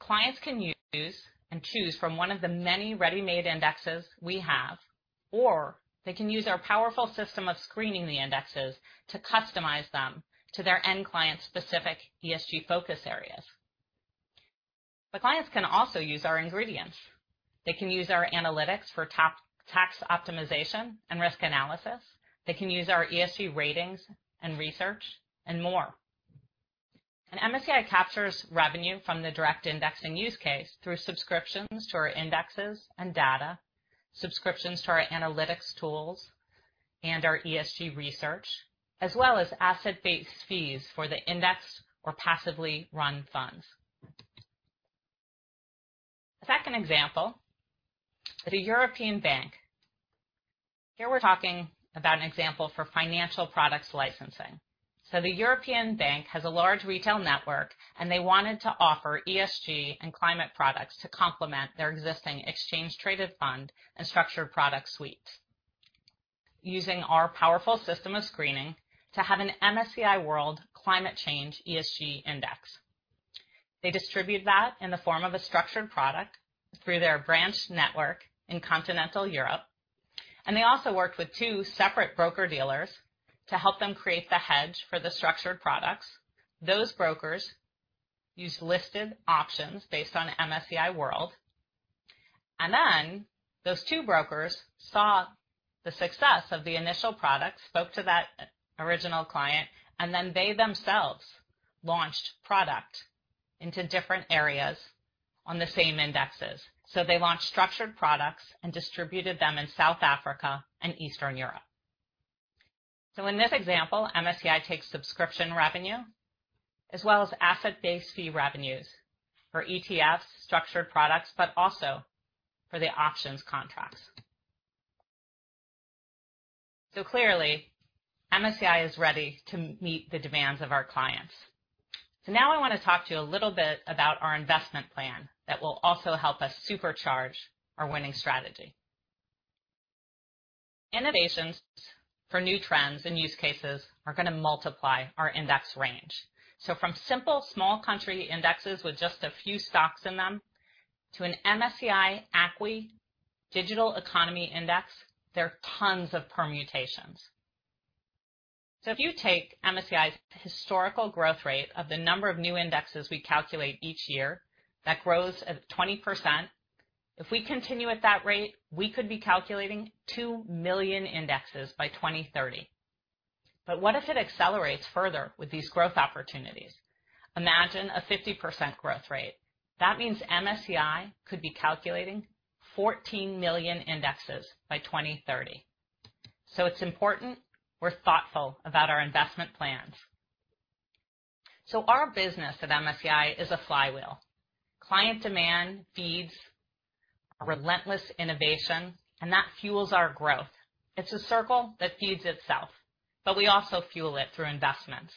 S5: Clients can use and choose from one of the many ready-made indexes we have. They can use our powerful system of screening the indexes to customize them to their end client's specific ESG focus areas. Clients can also use our ingredients. They can use our analytics for tax optimization and risk analysis. They can use our ESG ratings and research and more. MSCI captures revenue from the direct indexing use case through subscriptions to our indexes and data, subscriptions to our analytics tools and our ESG research, as well as asset-based fees for the index or passively run funds. A second example is a European bank. Here we're talking about an example for financial products licensing. The European bank has a large retail network, and they wanted to offer ESG and climate products to complement their existing exchange traded fund and structured product suite. Using our powerful system of screening to have an MSCI World Climate Change ESG Index. They distribute that in the form of a structured product through their branch network in continental Europe, they also worked with two separate broker-dealers to help them create the hedge for the structured products. Those brokers used listed options based on MSCI World. Those two brokers saw the success of the initial product, spoke to that original client, and then they themselves launched product into different areas on the same indexes. They launched structured products and distributed them in South Africa and Eastern Europe. In this example, MSCI takes subscription revenue as well as asset-based fee revenues for ETFs, structured products, but also for the options contracts. Clearly, MSCI is ready to meet the demands of our clients. I want to talk to you a little bit about our investment plan that will also help us supercharge our winning strategy. Innovations for new trends and use cases are going to multiply our index range. From simple small country indexes with just a few stocks in them to an MSCI ACWI Digital Economy Index, there are tons of permutations. If you take MSCI's historical growth rate of the number of new indexes we calculate each year, that grows at 20%. If we continue at that rate, we could be calculating 2 million indexes by 2030. What if it accelerates further with these growth opportunities? Imagine a 50% growth rate. That means MSCI could be calculating 14 million indexes by 2030. It's important we're thoughtful about our investment plans. Our business at MSCI is a flywheel. Client demand feeds our relentless innovation, and that fuels our growth. It's a circle that feeds itself, but we also fuel it through investments.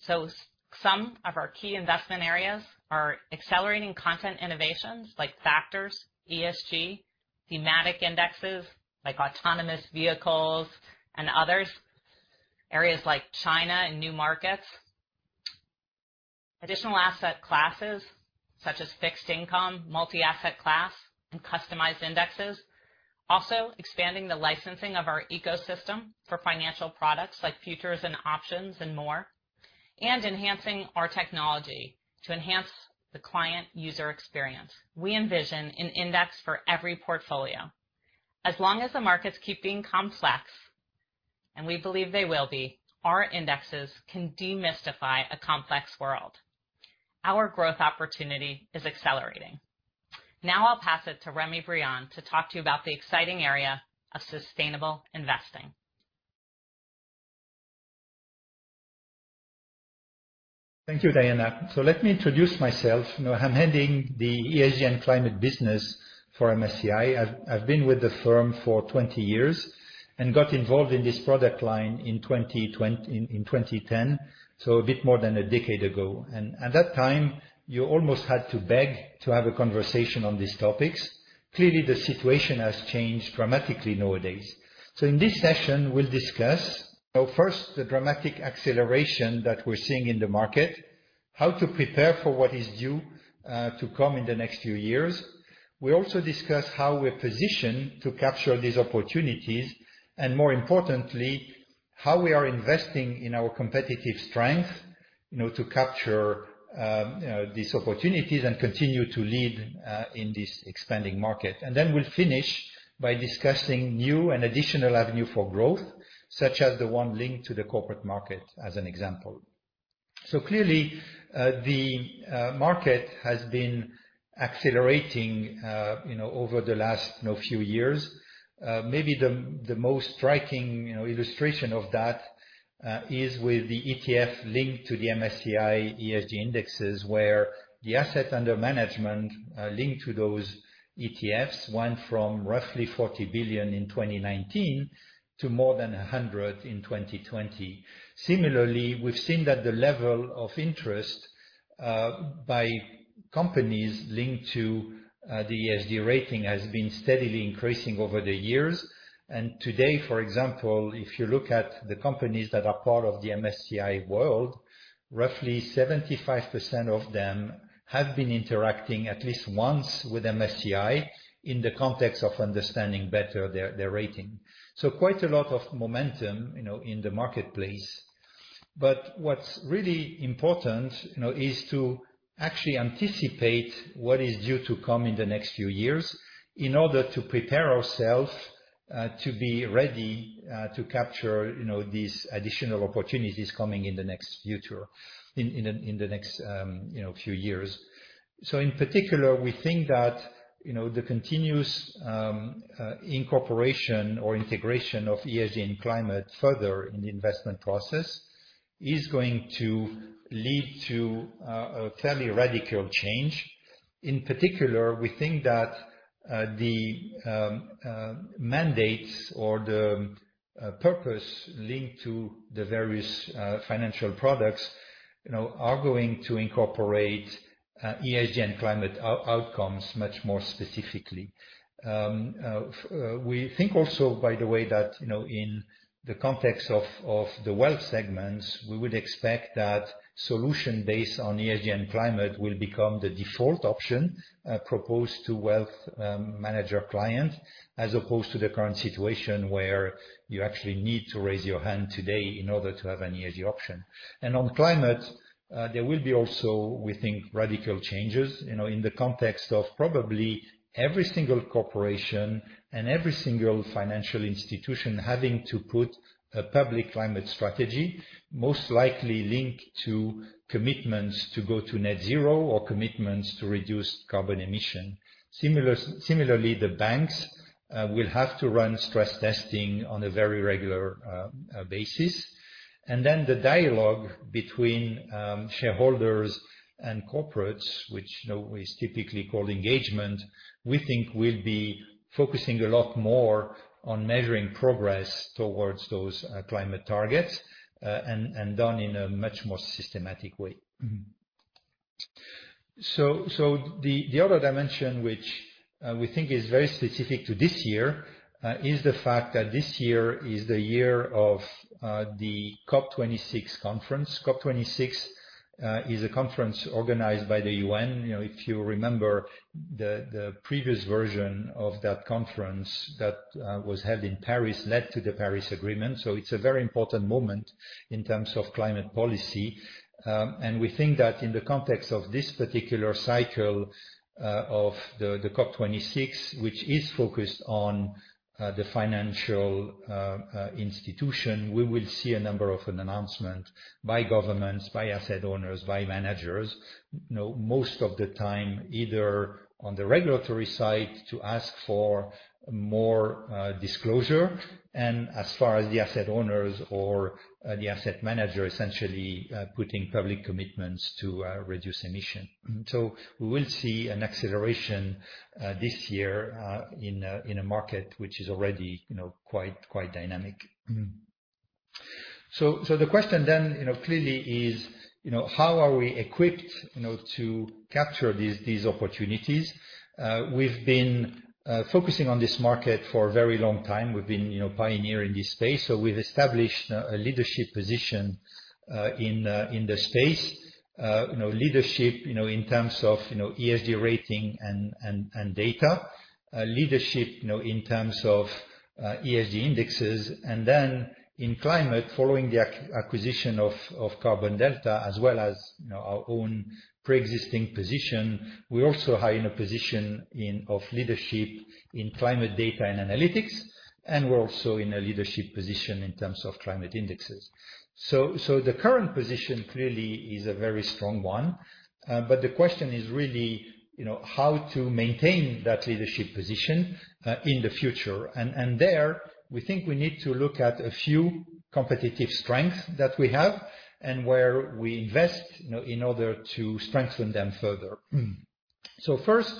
S5: Some of our key investment areas are accelerating content innovations like factors, ESG, thematic indexes like autonomous vehicles and others. Areas like China and new markets. Additional asset classes such as fixed income, multi-asset class, and customized indexes. Expanding the licensing of our ecosystem for financial products like futures and options and more, and enhancing our technology to enhance the client user experience. We envision an index for every portfolio. As long as the markets keep being complex, and we believe they will be, our indexes can demystify a complex world. Our growth opportunity is accelerating. I'll pass it to Remy Briand to talk to you about the exciting area of sustainable investing.
S6: Thank you, Diana. Let me introduce myself. I'm heading the ESG and climate business for MSCI. I've been with the firm for 20 years and got involved in this product line in 2010, so a bit more than a decade ago. At that time, you almost had to beg to have a conversation on these topics. Clearly, the situation has changed dramatically nowadays. In this session, we'll discuss, first, the dramatic acceleration that we're seeing in the market, how to prepare for what is due to come in the next few years. We'll also discuss how we're positioned to capture these opportunities, and more importantly, how we are investing in our competitive strength to capture these opportunities and continue to lead in this expanding market. We'll finish by discussing new and additional avenue for growth, such as the one linked to the corporate market, as an example. Clearly, the market has been accelerating over the last few years. Maybe the most striking illustration of that is with the ETF linked to the MSCI ESG indexes, where the asset under management linked to those ETFs went from roughly $40 billion in 2019 to more than $100 billion in 2020. Similarly, we've seen that the level of interest by companies linked to the ESG rating has been steadily increasing over the years. Today, for example, if you look at the companies that are part of the MSCI World, roughly 75% of them have been interacting at least once with MSCI in the context of understanding better their rating. Quite a lot of momentum in the marketplace. What's really important is to actually anticipate what is due to come in the next few years in order to prepare ourselves to be ready to capture these additional opportunities coming in the next future, in the next few years. In particular, we think that the continuous incorporation or integration of ESG and climate further in the investment process is going to lead to a fairly radical change. In particular, we think that the mandates or the purpose linked to the various financial products are going to incorporate ESG and climate outcomes much more specifically. We think also, by the way, that in the context of the wealth segments, we would expect that solution based on ESG and climate will become the default option proposed to wealth manager clients, as opposed to the current situation where you actually need to raise your hand today in order to have an ESG option. On climate, there will be also, we think, radical changes. In the context of probably every single corporation and every single financial institution having to put a public climate strategy, most likely linked to commitments to go to net zero or commitments to reduce carbon emission. Similarly, the banks will have to run stress testing on a very regular basis. The dialogue between shareholders and corporates, which is typically called engagement, we think will be focusing a lot more on measuring progress towards those climate targets, and done in a much more systematic way. The other dimension, which we think is very specific to this year, is the fact that this year is the year of the COP26 conference. COP26 is a conference organized by the UN. If you remember the previous version of that conference that was held in Paris led to the Paris Agreement. It's a very important moment in terms of climate policy. We think that in the context of this particular cycle of the COP26, which is focused on the financial institution, we will see a number of an announcement by governments, by asset owners, by managers. Most of the time, either on the regulatory side to ask for more disclosure, and as far as the asset owners or the asset manager, essentially putting public commitments to reduce emissions. We will see an acceleration this year in a market which is already quite dynamic. The question clearly is, how are we equipped to capture these opportunities? We've been focusing on this market for a very long time. We've been pioneering this space. We've established a leadership position in the space. Leadership in terms of ESG rating and data, leadership in terms of ESG indexes. In climate, following the acquisition of Carbon Delta, as well as our own preexisting position, we're also high in a position of leadership in climate data and analytics, and we're also in a leadership position in terms of climate indexes. The current position clearly is a very strong one. The question is really how to maintain that leadership position in the future. There, we think we need to look at a few competitive strengths that we have and where we invest in order to strengthen them further. First,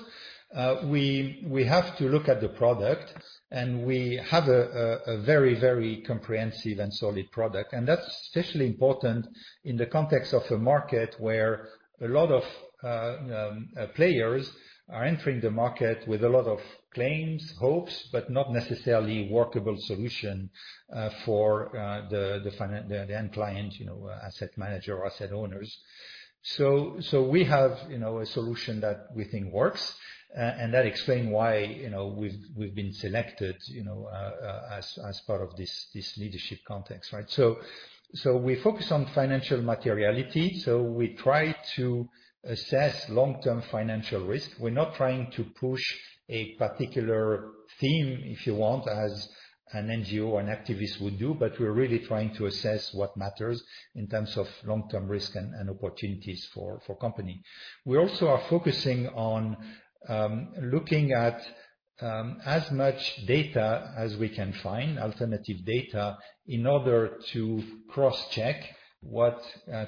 S6: we have to look at the product, and we have a very comprehensive and solid product. That's especially important in the context of a market where a lot of players are entering the market with a lot of claims, hopes, but not necessarily workable solution for the end client, asset manager or asset owners. We have a solution that we think works, and that explain why we've been selected as part of this leadership context, right? We focus on financial materiality. We try to assess long-term financial risk. We're not trying to push a particular theme, if you want, as an NGO, an activist would do, but we're really trying to assess what matters in terms of long-term risk and opportunities for company. We also are focusing on looking at as much data as we can find, alternative data, in order to cross-check what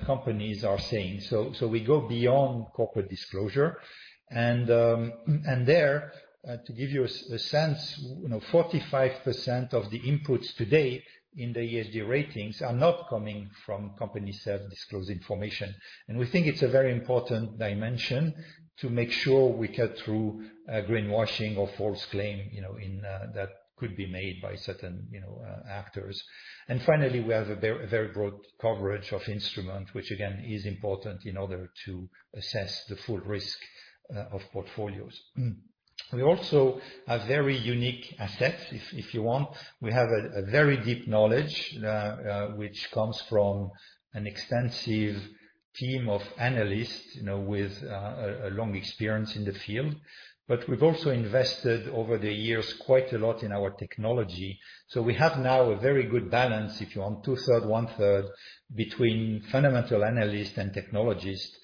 S6: companies are saying. We go beyond corporate disclosure. There, to give you a sense, 45% of the inputs today in the ESG ratings are not coming from company self-disclosed information. We think it's a very important dimension to make sure we cut through greenwashing or false claim that could be made by certain actors. Finally, we have a very broad coverage of instrument, which again, is important in order to assess the full risk of portfolios. We also have very unique assets, if you want. We have a very deep knowledge, which comes from an extensive team of analysts with a long experience in the field. We've also invested over the years quite a lot in our technology. We have now a very good balance, if you want, two-thirds, one-third between fundamental analysts and technologists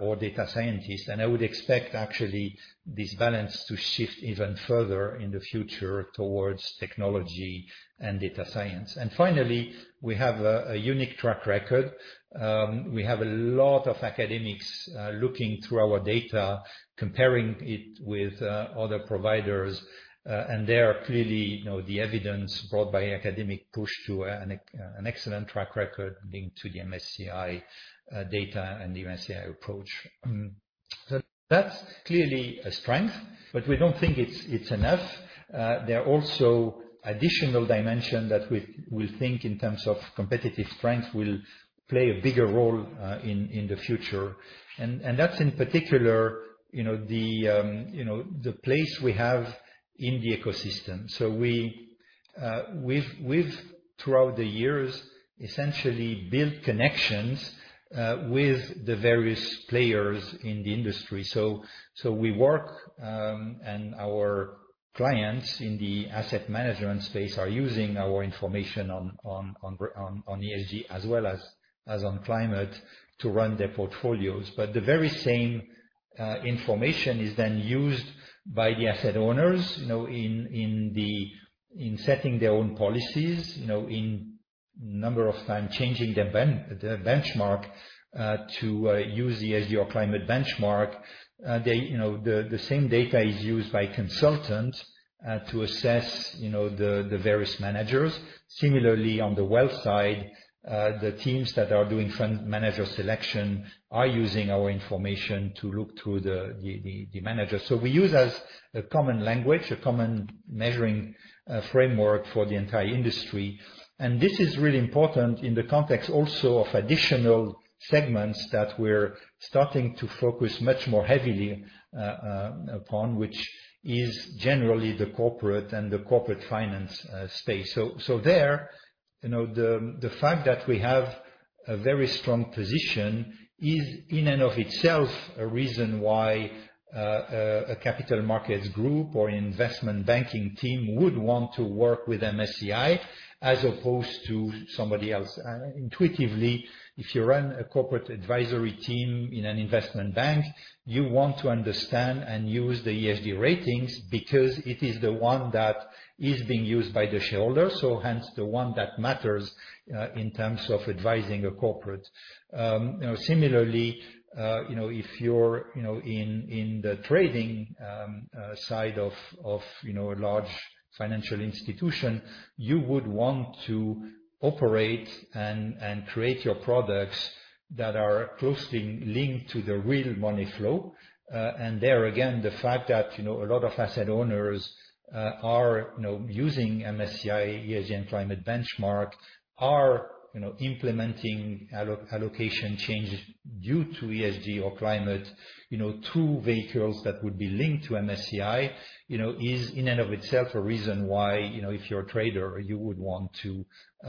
S6: or data scientists. I would expect actually this balance to shift even further in the future towards technology and data science. Finally, we have a unique track record. We have a lot of academics looking through our data, comparing it with other providers. There, clearly, the evidence brought by academic push to an excellent track record linked to the MSCI data and the MSCI approach. That's clearly a strength, but we don't think it's enough. There are also additional dimensions that we think in terms of competitive strength will play a bigger role in the future. That's in particular the place we have in the ecosystem. We've, throughout the years, essentially built connections with the various players in the industry. We work, and our clients in the asset management space are using our information on ESG as well as on climate to run their portfolios. The very same information is then used by the asset owners in setting their own policies, in a number of times changing their benchmark to use the ESG or climate benchmark. The same data is used by consultants to assess the various managers. Similarly, on the wealth side, the teams that are doing fund manager selection are using our information to look to the manager. We use as a common language, a common measuring framework for the entire industry. This is really important in the context also of additional segments that we're starting to focus much more heavily upon, which is generally the corporate and the corporate finance space. There, the fact that we have a very strong position is in and of itself a reason why a capital markets group or investment banking team would want to work with MSCI as opposed to somebody else. Intuitively, if you run a corporate advisory team in an investment bank, you want to understand and use the ESG ratings because it is the one that is being used by the shareholder, so hence the one that matters in terms of advising a corporate. Similarly if you're in the trading side of a large financial institution, you would want to operate and create your products that are closely linked to the real money flow. There again, the fact that a lot of asset owners are using MSCI ESG and climate benchmark are implementing allocation changes due to ESG or climate to vehicles that would be linked to MSCI, is in and of itself a reason why if you're a trader, you would want to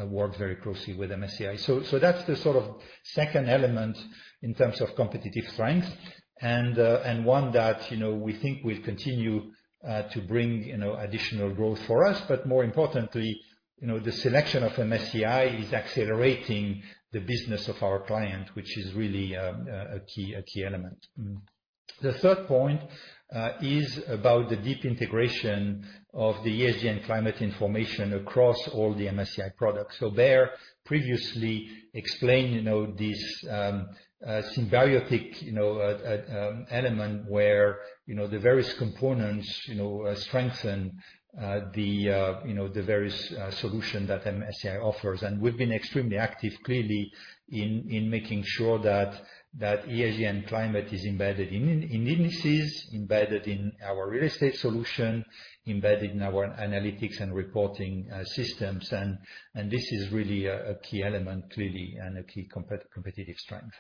S6: work very closely with MSCI. That's the sort of second element in terms of competitive strength and one that we think will continue to bring additional growth for us, but more importantly the selection of MSCI is accelerating the business of our client, which is really a key element. The third point is about the deep integration of the ESG and climate information across all the MSCI products. Bear previously explained this symbiotic element where the various components strengthen the various solution that MSCI offers. We've been extremely active, clearly, in making sure that ESG and climate is embedded in indices, embedded in our real estate solution, embedded in our analytics and reporting systems. This is really a key element, clearly, and a key competitive strength.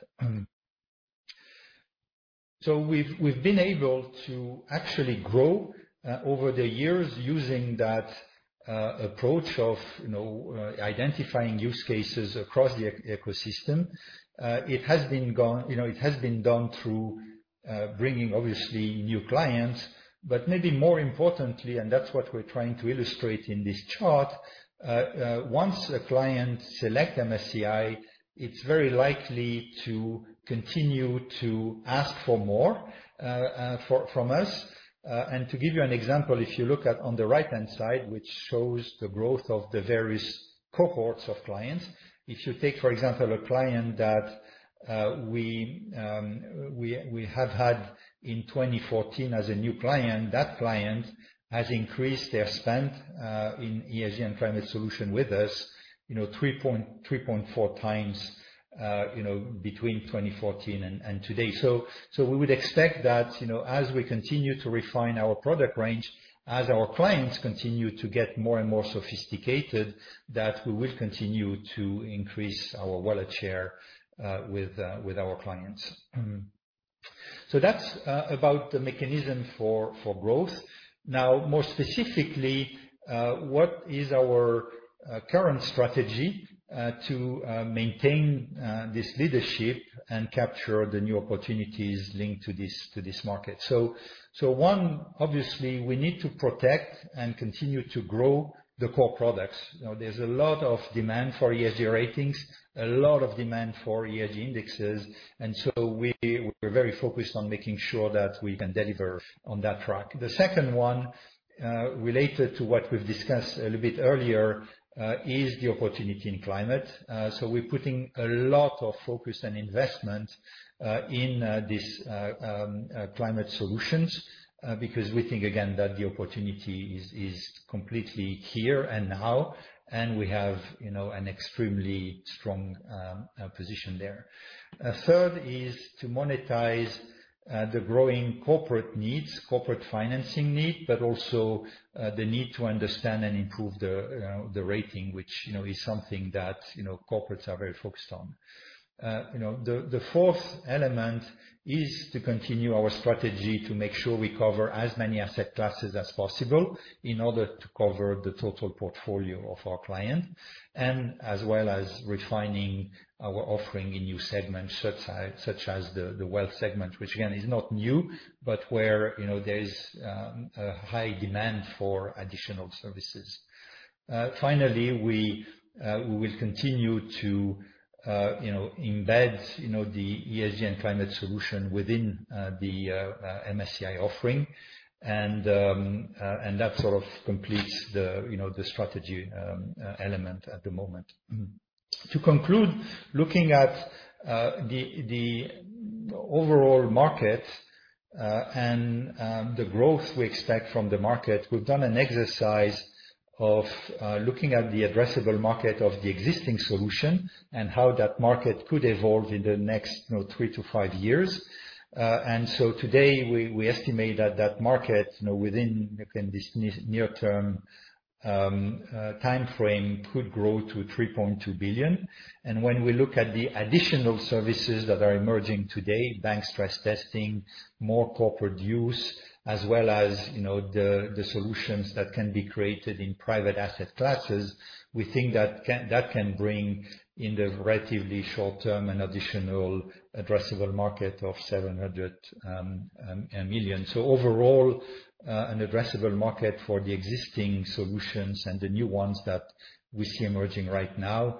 S6: We've been able to actually grow over the years using that approach of identifying use cases across the ecosystem. It has been done through bringing obviously new clients, but maybe more importantly, and that's what we're trying to illustrate in this chart, once a client select MSCI, it's very likely to continue to ask for more from us. To give you an example, if you look at on the right-hand side, which shows the growth of the various cohorts of clients, if you take, for example, a client that we have had in 2014 as a new client, that client has increased their spend in ESG and climate solution with us 3.4 times between 2014 and today. We would expect that as we continue to refine our product range, as our clients continue to get more and more sophisticated, that we will continue to increase our wallet share with our clients. That's about the mechanism for growth. Now, more specifically, what is our current strategy to maintain this leadership and capture the new opportunities linked to this market? One, obviously, we need to protect and continue to grow the core products. There's a lot of demand for ESG ratings, a lot of demand for ESG indexes. We're very focused on making sure that we can deliver on that track. The second one, related to what we've discussed a little bit earlier, is the opportunity in climate. We're putting a lot of focus and investment in these climate solutions, because we think, again, that the opportunity is completely here and now, and we have an extremely strong position there. Third is to monetize the growing corporate needs, corporate financing need, but also the need to understand and improve the rating, which is something that corporates are very focused on. The fourth element is to continue our strategy to make sure we cover as many asset classes as possible in order to cover the total portfolio of our client, and as well as refining our offering in new segments such as the wealth segment, which, again, is not new, but where there's a high demand for additional services. Finally, we will continue to embed the ESG and climate solution within the MSCI offering. That sort of completes the strategy element at the moment. To conclude, looking at the overall market and the growth we expect from the market, we've done an exercise of looking at the addressable market of the existing solution and how that market could evolve in the next three to five years. Today, we estimate that that market, within this near-term time frame, could grow to $3.2 billion. When we look at the additional services that are emerging today, bank stress testing, more corporate use, as well as the solutions that can be created in private asset classes, we think that can bring in the relatively short term an additional addressable market of $700 million. Overall, an addressable market for the existing solutions and the new ones that we see emerging right now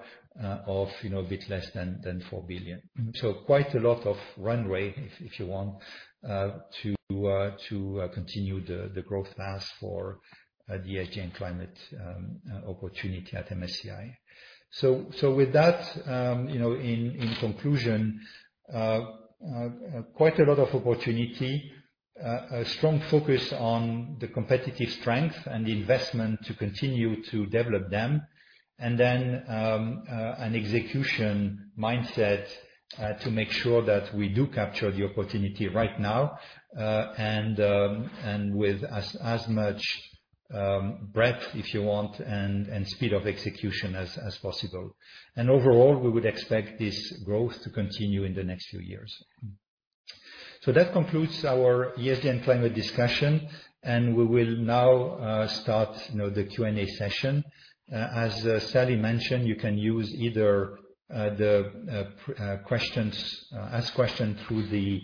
S6: of a bit less than $4 billion. Quite a lot of runway, if you want, to continue the growth path for the ESG and climate opportunity at MSCI. With that, in conclusion, quite a lot of opportunity, a strong focus on the competitive strength and the investment to continue to develop them, and then an execution mindset to make sure that we do capture the opportunity right now, and with as much breadth, if you want, and speed of execution as possible. Overall, we would expect this growth to continue in the next few years. That concludes our ESG and climate discussion, and we will now start the Q&A session. As Salli mentioned, you can use either ask questions through the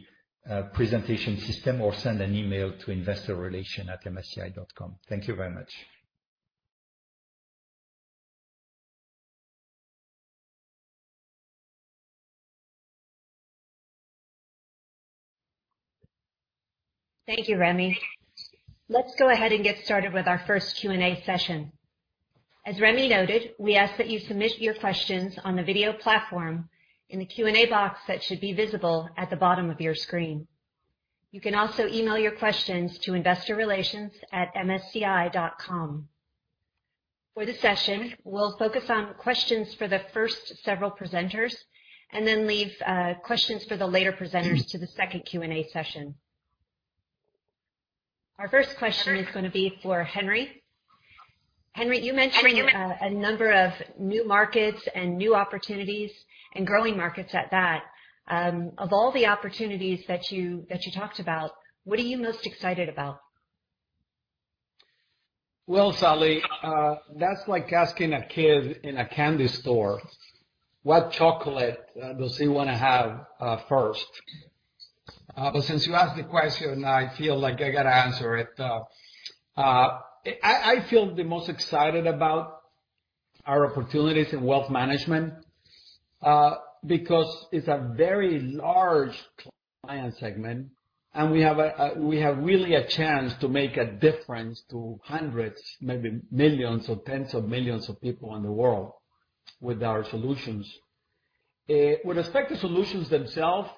S6: presentation system or send an email to investorrelations@msci.com. Thank you very much.
S1: Thank you, Remy. Let's go ahead and get started with our first Q&A session. As Remy noted, we ask that you submit your questions on the video platform in the Q&A box that should be visible at the bottom of your screen. You can also email your questions to investorrelations@msci.com. For this session, we'll focus on questions for the first several presenters, and then leave questions for the later presenters to the second Q&A session. Our first question is going to be for Henry. Henry, you mentioned a number of new markets and new opportunities and growing markets at that. Of all the opportunities that you talked about, what are you most excited about?
S2: Well, Salli, that's like asking a kid in a candy store what chocolate does he want to have first. Since you asked the question, I feel like I got to answer it. I feel the most excited about our opportunities in wealth management, because it's a very large client segment, and we have really a chance to make a difference to hundreds, maybe millions or tens of millions of people in the world with our solutions. With respect to solutions themselves,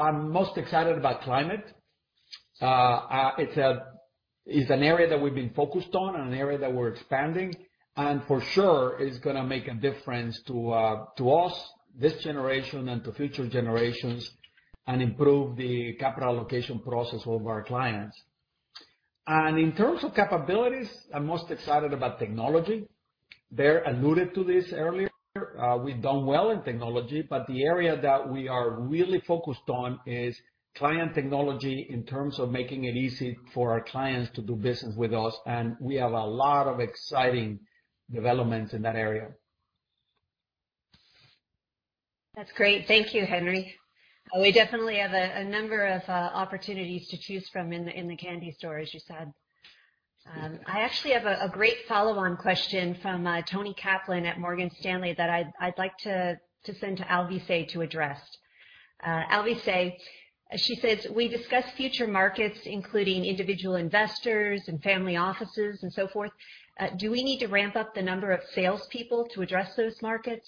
S2: I'm most excited about climate. It's an area that we've been focused on and an area that we're expanding, for sure, it's going to make a difference to us, this generation, and to future generations and improve the capital allocation process of our clients. In terms of capabilities, I'm most excited about technology. Baer alluded to this earlier. We've done well in technology, but the area that we are really focused on is client technology in terms of making it easy for our clients to do business with us, and we have a lot of exciting developments in that area.
S1: That's great. Thank you, Henry. We definitely have a number of opportunities to choose from in the candy store, as you said. I actually have a great follow-on question from Toni Kaplan at Morgan Stanley that I'd like to send to Alvise to address. Alvise, she says, "We discussed future markets, including individual investors and family offices and so forth. Do we need to ramp up the number of salespeople to address those markets?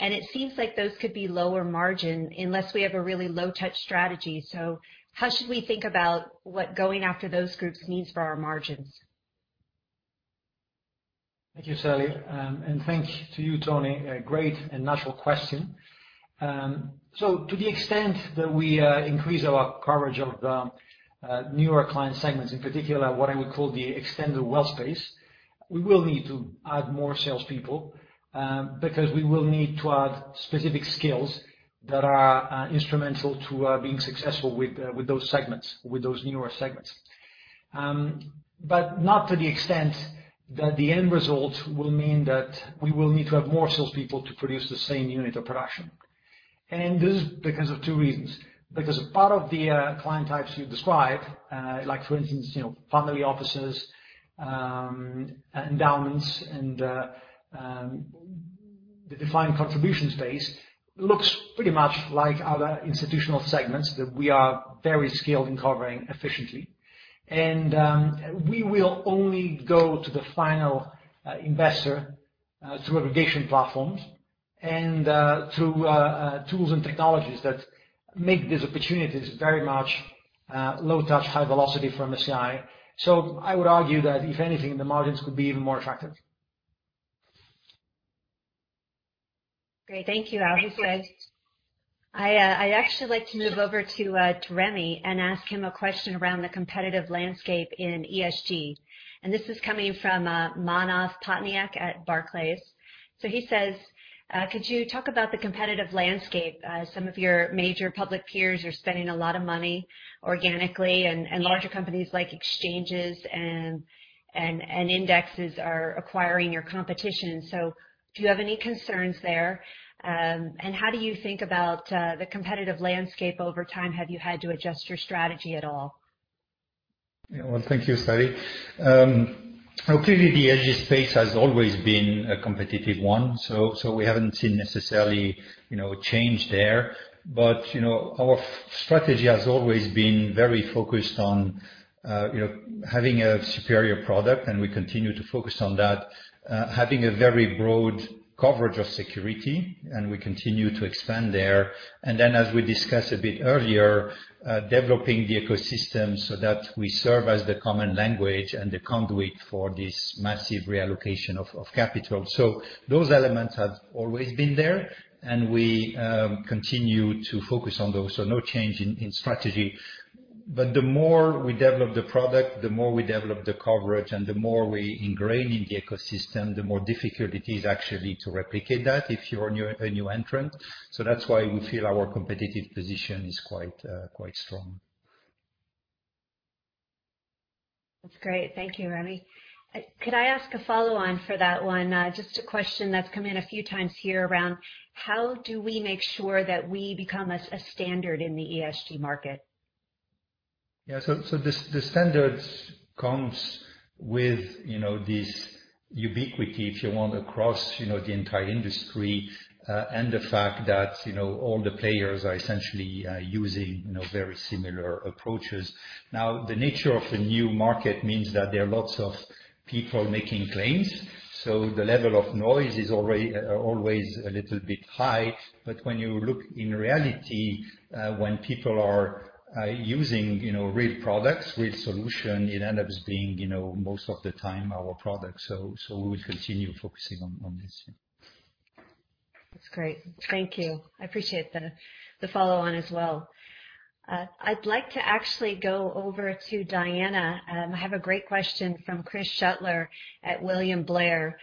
S1: It seems like those could be lower margin unless we have a really low touch strategy. How should we think about what going after those groups means for our margins?
S4: Thank you, Salli. Thanks to you, Toni. A great and natural question. To the extent that we increase our coverage of newer client segments, in particular what I would call the extended wealth space, we will need to add more salespeople, because we will need to add specific skills that are instrumental to being successful with those newer segments. Not to the extent that the end result will mean that we will need to have more salespeople to produce the same unit of production. This is because of two reasons. Part of the client types you described, like for instance, family offices, endowments, and the defined contribution space, looks pretty much like other institutional segments that we are very skilled in covering efficiently. We will only go to the final investor, through aggregation platforms and through tools and technologies that make these opportunities very much low touch, high velocity from MSCI. I would argue that if anything, the margins could be even more attractive.
S1: Great. Thank you, Alvise. I actually like to move over to Remy and ask him a question around the competitive landscape in ESG. This is coming from Manav Patnaik at Barclays. He says, "Could you talk about the competitive landscape? Some of your major public peers are spending a lot of money organically, and larger companies like exchanges and indexes are acquiring your competition. Do you have any concerns there? How do you think about the competitive landscape over time? Have you had to adjust your strategy at all?
S6: Thank you, Salli. Clearly the ESG space has always been a competitive one, we haven't seen necessarily a change there. Our strategy has always been very focused on having a superior product, we continue to focus on that. Having a very broad coverage of security, we continue to expand there. As we discussed a bit earlier, developing the ecosystem so that we serve as the common language and the conduit for this massive reallocation of capital. Those elements have always been there, we continue to focus on those. No change in strategy. The more we develop the product, the more we develop the coverage, the more we ingrain in the ecosystem, the more difficult it is actually to replicate that if you're a new entrant. That's why we feel our competitive position is quite strong.
S1: That's great. Thank you, Remy. Could I ask a follow-on for that one? Just a question that's come in a few times here around how do we make sure that we become a standard in the ESG market?
S6: Yeah. The standards comes with this ubiquity, if you want, across the entire industry, and the fact that all the players are essentially using very similar approaches. Now, the nature of a new market means that there are lots of people making claims, so the level of noise is always a little bit high. When you look in reality, when people are using real products, real solution, it ends up being, most of the time, our product. We will continue focusing on this.
S1: That's great. Thank you. I appreciate the follow-on as well. I'd like to actually go over to Diana. I have a great question from Chris Shutler at William Blair.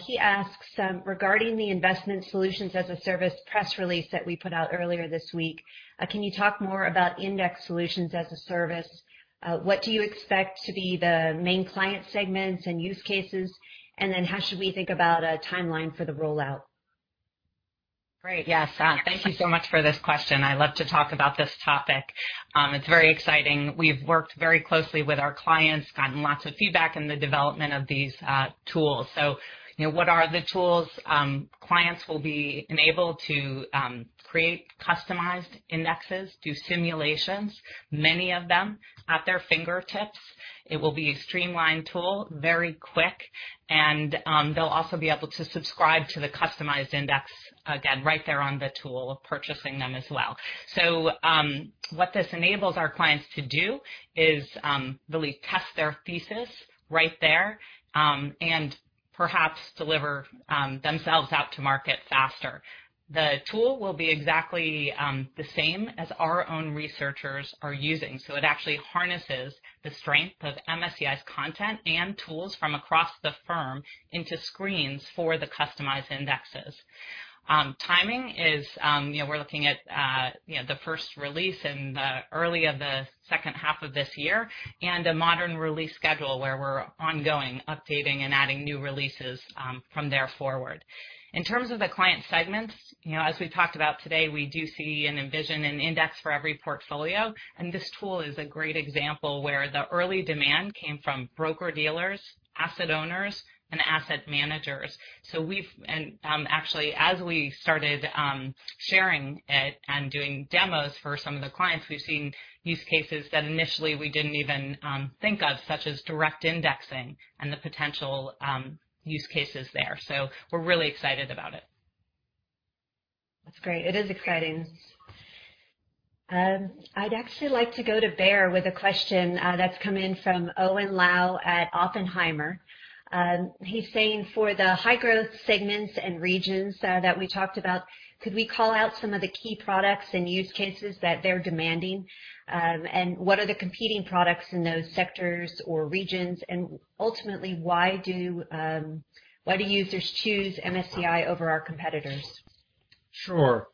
S1: He asks, "Regarding the Investment Solutions as a Service press release that we put out earlier this week, can you talk more about Index Solutions as a Service? What do you expect to be the main client segments and use cases? How should we think about a timeline for the rollout?
S5: Great. Yes. Thank you so much for this question. I love to talk about this topic. It's very exciting. We've worked very closely with our clients, gotten lots of feedback in the development of these tools. What are the tools? Clients will be enabled to create customized indexes, do simulations, many of them at their fingertips. It will be a streamlined tool, very quick, and they'll also be able to subscribe to the customized index, again, right there on the tool of purchasing them as well. What this enables our clients to do is really test their thesis right there. Perhaps deliver themselves out to market faster. The tool will be exactly the same as our own researchers are using. It actually harnesses the strength of MSCI's content and tools from across the firm into screens for the customized indexes. Timing is, we're looking at the first release in the early of the second half of this year and a modern release schedule where we're ongoing updating and adding new releases from there forward. In terms of the client segments, as we talked about today, we do see and envision an index for every portfolio, and this tool is a great example where the early demand came from broker-dealers, asset owners, and asset managers. Actually, as we started sharing it and doing demos for some of the clients, we've seen use cases that initially we didn't even think of, such as direct indexing and the potential use cases there. We're really excited about it.
S1: That's great. It is exciting. I'd actually like to go to Baer with a question that's come in from Owen Lau at Oppenheimer. He's saying for the high growth segments and regions that we talked about, could we call out some of the key products and use cases that they're demanding? What are the competing products in those sectors or regions? Ultimately, why do users choose MSCI over our competitors?
S3: Sure.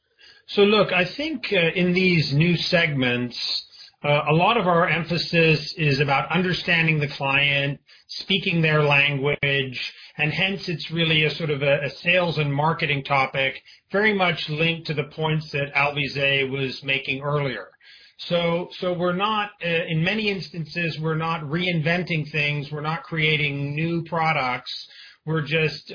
S3: Look, I think in these new segments, a lot of our emphasis is about understanding the client, speaking their language, and hence it's really a sales and marketing topic very much linked to the points that Alvise was making earlier. In many instances, we're not reinventing things. We're not creating new products. We're just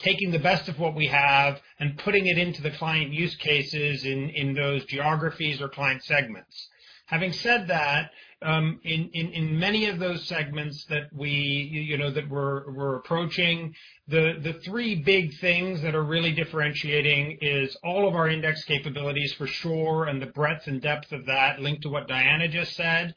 S3: taking the best of what we have and putting it into the client use cases in those geographies or client segments. Having said that, in many of those segments that we're approaching, the three big things that are really differentiating is all of our index capabilities, for sure, and the breadth and depth of that link to what Diana just said.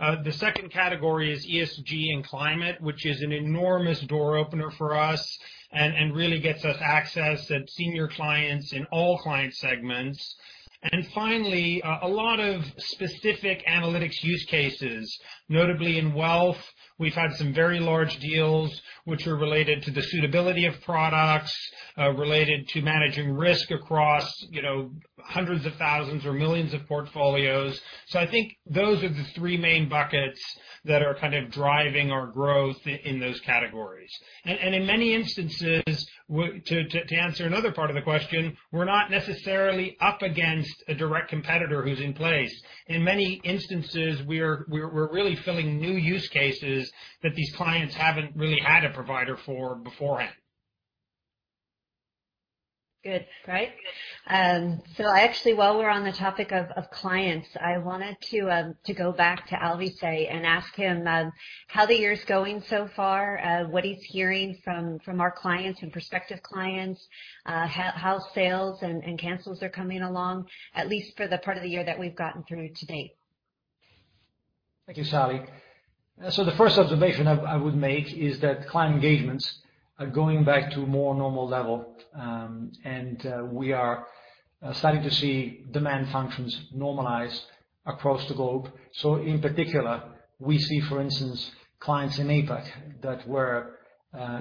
S3: The second category is ESG and climate, which is an enormous door opener for us and really gets us access at senior clients in all client segments. Finally, a lot of specific analytics use cases, notably in wealth. We've had some very large deals which were related to the suitability of products, related to managing risk across hundreds of thousands or millions of portfolios. I think those are the three main buckets that are kind of driving our growth in those categories. In many instances, to answer another part of the question, we're not necessarily up against a direct competitor who's in place. In many instances, we're really filling new use cases that these clients haven't really had a provider for beforehand.
S1: Good. Great. Actually, while we're on the topic of clients, I wanted to go back to Alvise and ask him how the year's going so far, what he's hearing from our clients and prospective clients, how sales and cancels are coming along, at least for the part of the year that we've gotten through to date.
S4: Thank you, Salli. The first observation I would make is that client engagements are going back to a more normal level, and we are starting to see demand functions normalize across the globe. In particular, we see, for instance, clients in APAC that were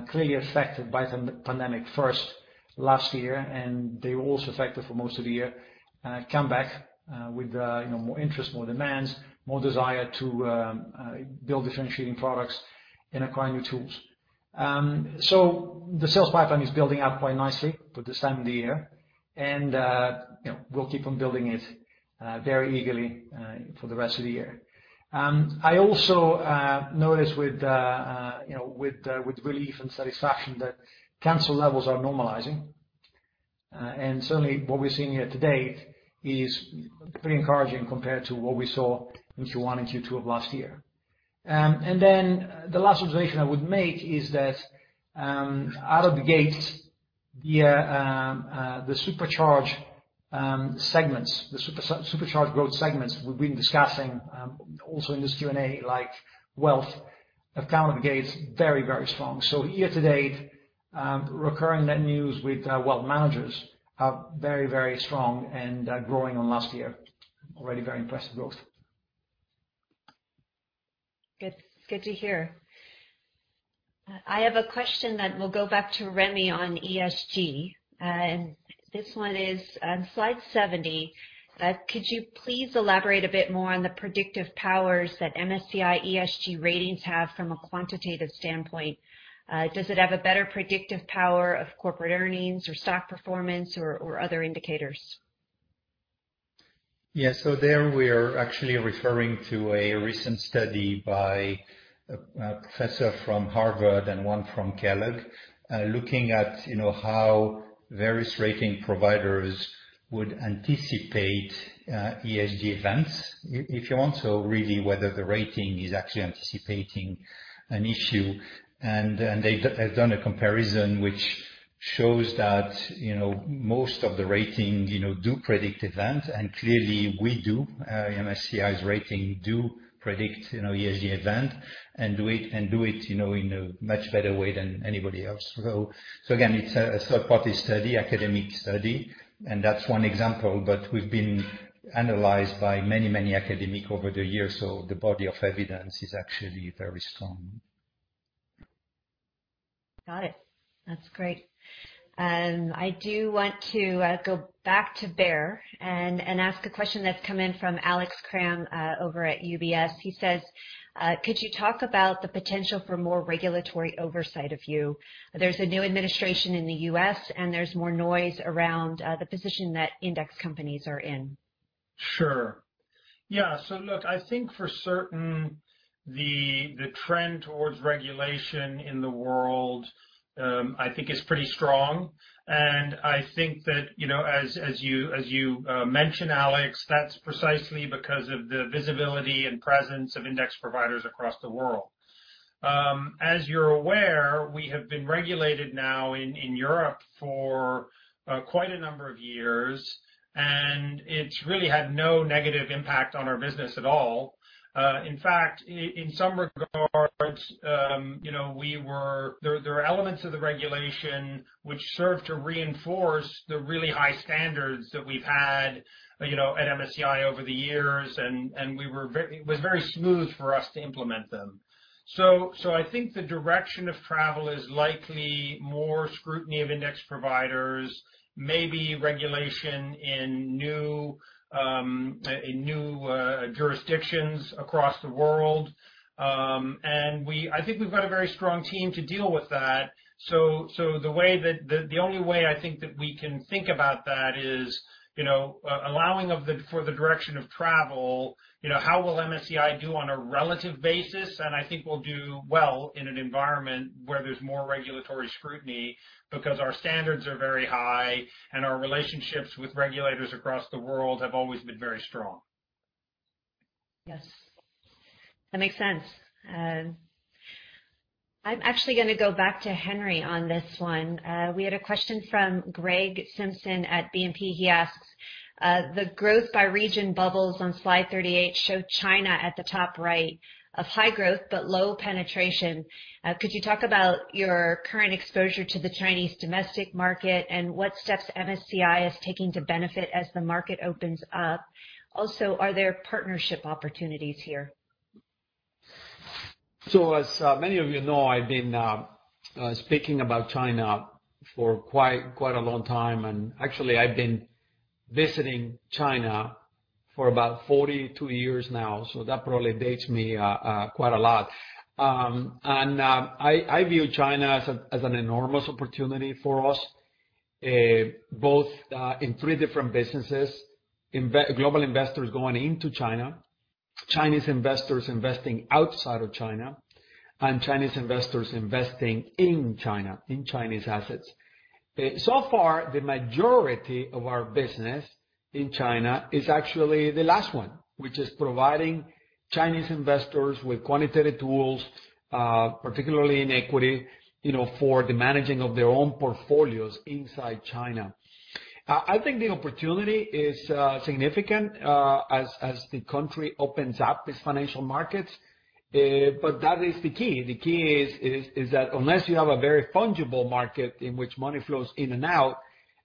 S4: clearly affected by the pandemic first last year, and they were also affected for most of the year, come back with more interest, more demands, more desire to build differentiating products and acquire new tools. The sales pipeline is building up quite nicely for this time of the year, and we'll keep on building it very eagerly for the rest of the year. I also noticed with relief and satisfaction that cancel levels are normalizing. Certainly what we're seeing here to date is pretty encouraging compared to what we saw in Q1 and Q2 of last year. The last observation I would make is that out of the gate, the supercharged growth segments we've been discussing, also in this Q&A, like wealth, have come out of the gate very strong. Year to date, recurring net news with wealth managers are very strong and growing on last year. Already very impressive growth.
S1: Good to hear. I have a question that will go back to Remy on ESG, and this one is on slide 70. Could you please elaborate a bit more on the predictive powers that MSCI ESG ratings have from a quantitative standpoint? Does it have a better predictive power of corporate earnings or stock performance or other indicators?
S6: There we are actually referring to a recent study by a professor from Harvard and one from Kellogg, looking at how various ratings providers would anticipate ESG events. If you want to really whether the ratings are actually anticipating an issue, and they've done a comparison which shows that most of the ratings do predict events and clearly we do, MSCI's ratings do predict ESG events and do it in a much better way than anybody else. Again, it's a third-party study, academic study, and that's one example. We've been analyzed by many academics over the years, so the body of evidence is actually very strong.
S1: Got it. That's great. I do want to go back to Baer and ask a question that's come in from Alex Kramm over at UBS. He says, 'Could you talk about the potential for more regulatory oversight of you? There's a new administration in the U.S. and there's more noise around the position that index companies are in.'
S3: Sure. Yeah. Look, I think for certain, the trend towards regulation in the world, I think is pretty strong. I think that as you mentioned, Alex, that's precisely because of the visibility and presence of index providers across the world. As you're aware, we have been regulated now in Europe for quite a number of years, it's really had no negative impact on our business at all. In fact, in some regards, there are elements of the regulation which serve to reinforce the really high standards that we've had at MSCI over the years, it was very smooth for us to implement them. I think the direction of travel is likely more scrutiny of index providers, maybe regulation in new jurisdictions across the world. I think we've got a very strong team to deal with that. The only way I think that we can think about that is, allowing for the direction of travel, how will MSCI do on a relative basis? I think we'll do well in an environment where there's more regulatory scrutiny because our standards are very high and our relationships with regulators across the world have always been very strong.
S1: Yes. That makes sense. I'm actually going to go back to Henry on this one. We had a question from Greg Simpson at BNP. He asks, "The growth by region bubbles on slide 38 show China at the top right of high growth, but low penetration. Could you talk about your current exposure to the Chinese domestic market and what steps MSCI is taking to benefit as the market opens up? Are there partnership opportunities here?
S2: As many of you know, I've been speaking about China for quite a long time, actually I've been visiting China for about 42 years now. That probably dates me quite a lot. I view China as an enormous opportunity for us, both in three different businesses. Global investors going into China, Chinese investors investing outside of China, and Chinese investors investing in China, in Chinese assets. So far, the majority of our business in China is actually the last one, which is providing Chinese investors with quantitative tools, particularly in equity, for the managing of their own portfolios inside China. I think the opportunity is significant as the country opens up its financial markets. That is the key. The key is that unless you have a very fungible market in which money flows in and out,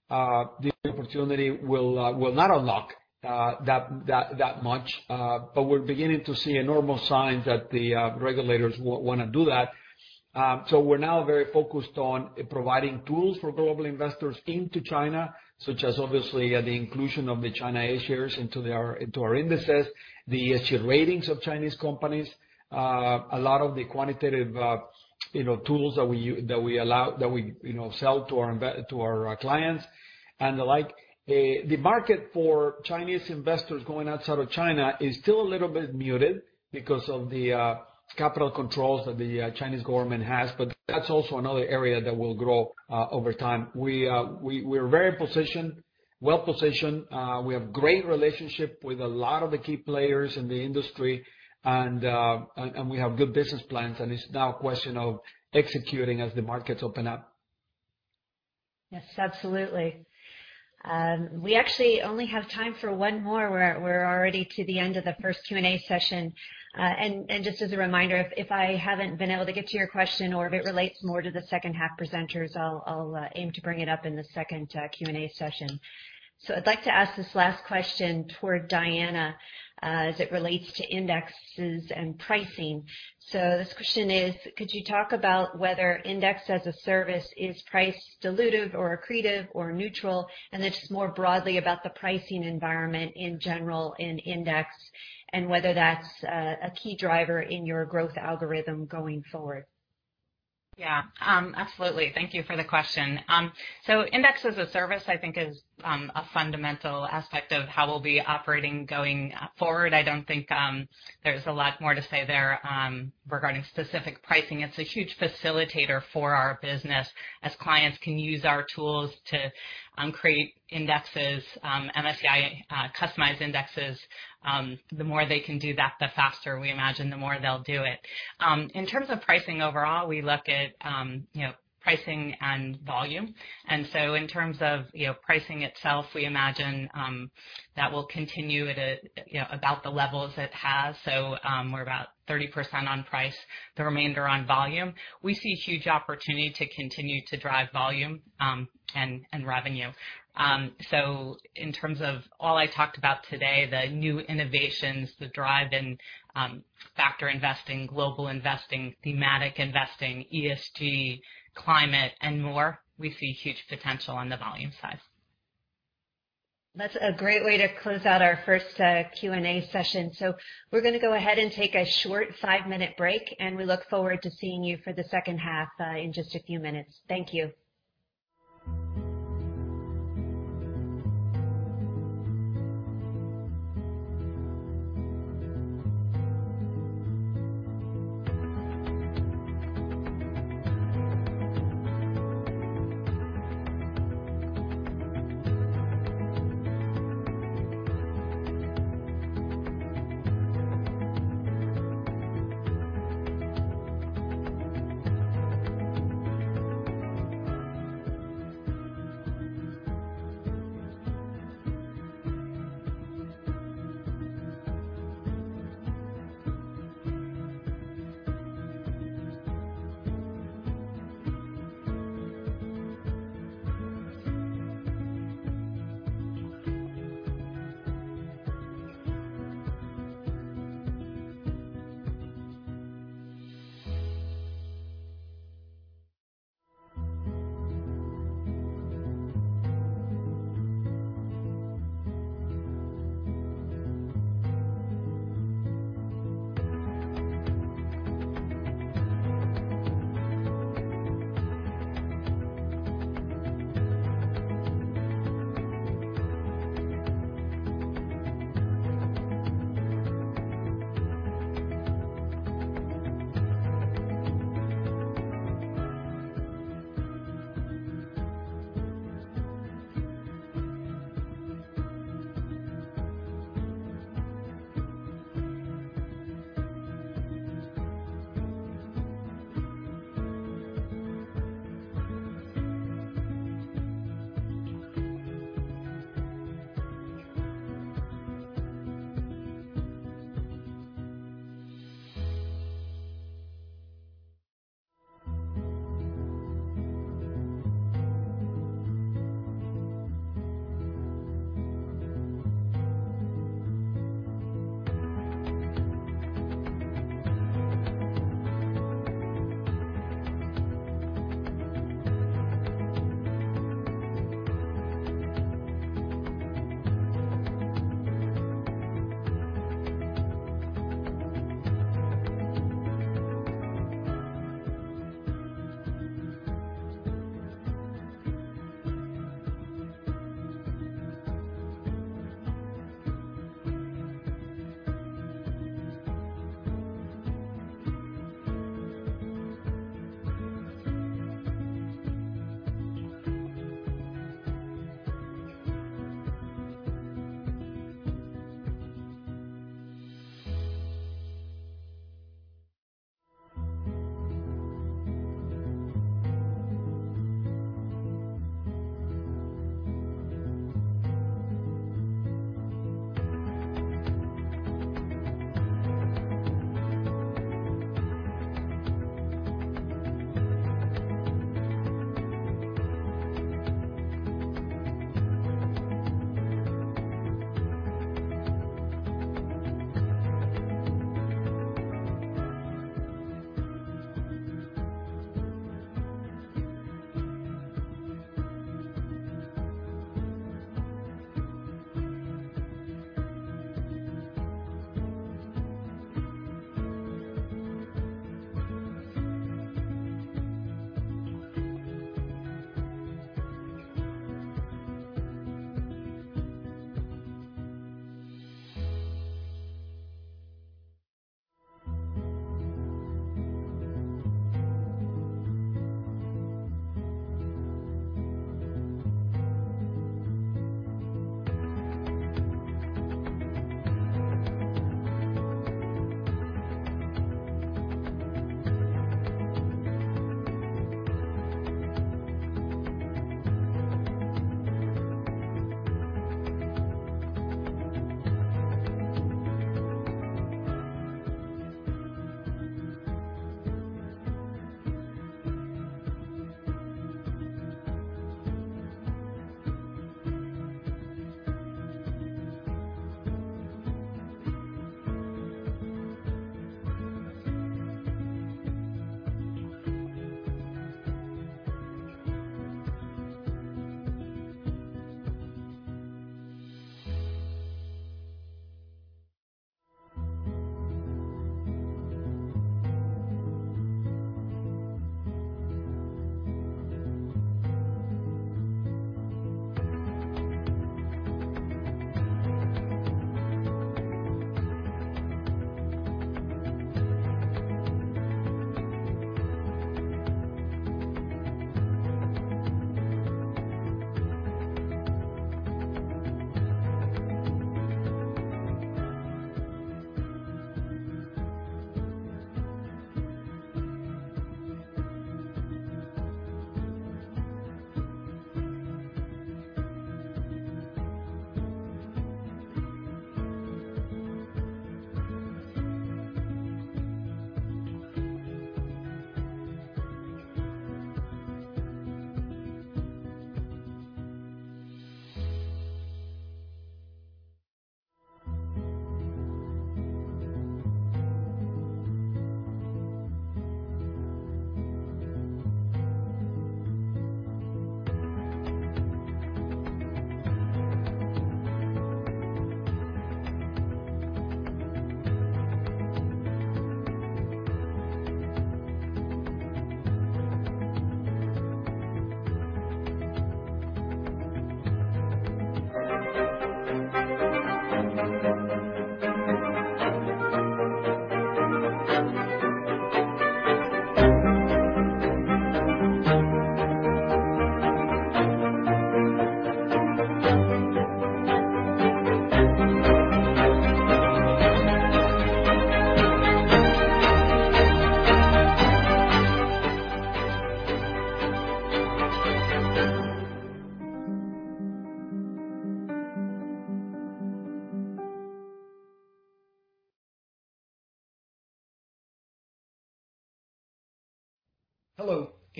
S2: the opportunity will not unlock that much. We're beginning to see enormous signs that the regulators want to do that. We're now very focused on providing tools for global investors into China, such as obviously the inclusion of the China A shares into our indices, the ESG ratings of Chinese companies, a lot of the quantitative tools that we sell to our clients and the like. The market for Chinese investors going outside of China is still a little bit muted because of the capital controls that the Chinese government has, but that's also another area that will grow over time. We're well-positioned. We have great relationship with a lot of the key players in the industry and we have good business plans, and it's now a question of executing as the markets open up.
S1: Yes, absolutely. We actually only have time for one more. We're already to the end of the first Q&A session. Just as a reminder, if I haven't been able to get to your question or if it relates more to the second half presenters, I'll aim to bring it up in the second Q&A session. I'd like to ask this last question toward Diana as it relates to indexes and pricing. This question is, could you talk about whether index as a service is price dilutive or accretive or neutral? Just more broadly about the pricing environment in general in index and whether that's a key driver in your growth algorithm going forward.
S5: Absolutely. Thank you for the question. Index as a service, I think, is a fundamental aspect of how we'll be operating going forward. I don't think there's a lot more to say there regarding specific pricing. It's a huge facilitator for our business as clients can use our tools to create indexes, MSCI Custom Indexes. The more they can do that, the faster we imagine, the more they'll do it. In terms of pricing overall, we look at pricing and volume. In terms of pricing itself, we imagine that will continue at about the levels it has. We're about 30% on price, the remainder on volume. We see huge opportunity to continue to drive volume and revenue. In terms of all I talked about today, the new innovations, the drive in factor investing, global investing, thematic investing, ESG, climate, and more, we see huge potential on the volume side.
S1: That's a great way to close out our first Q&A session. We're going to go ahead and take a short 5-minute break, and we look forward to seeing you for the second half in just a few minutes. Thank you.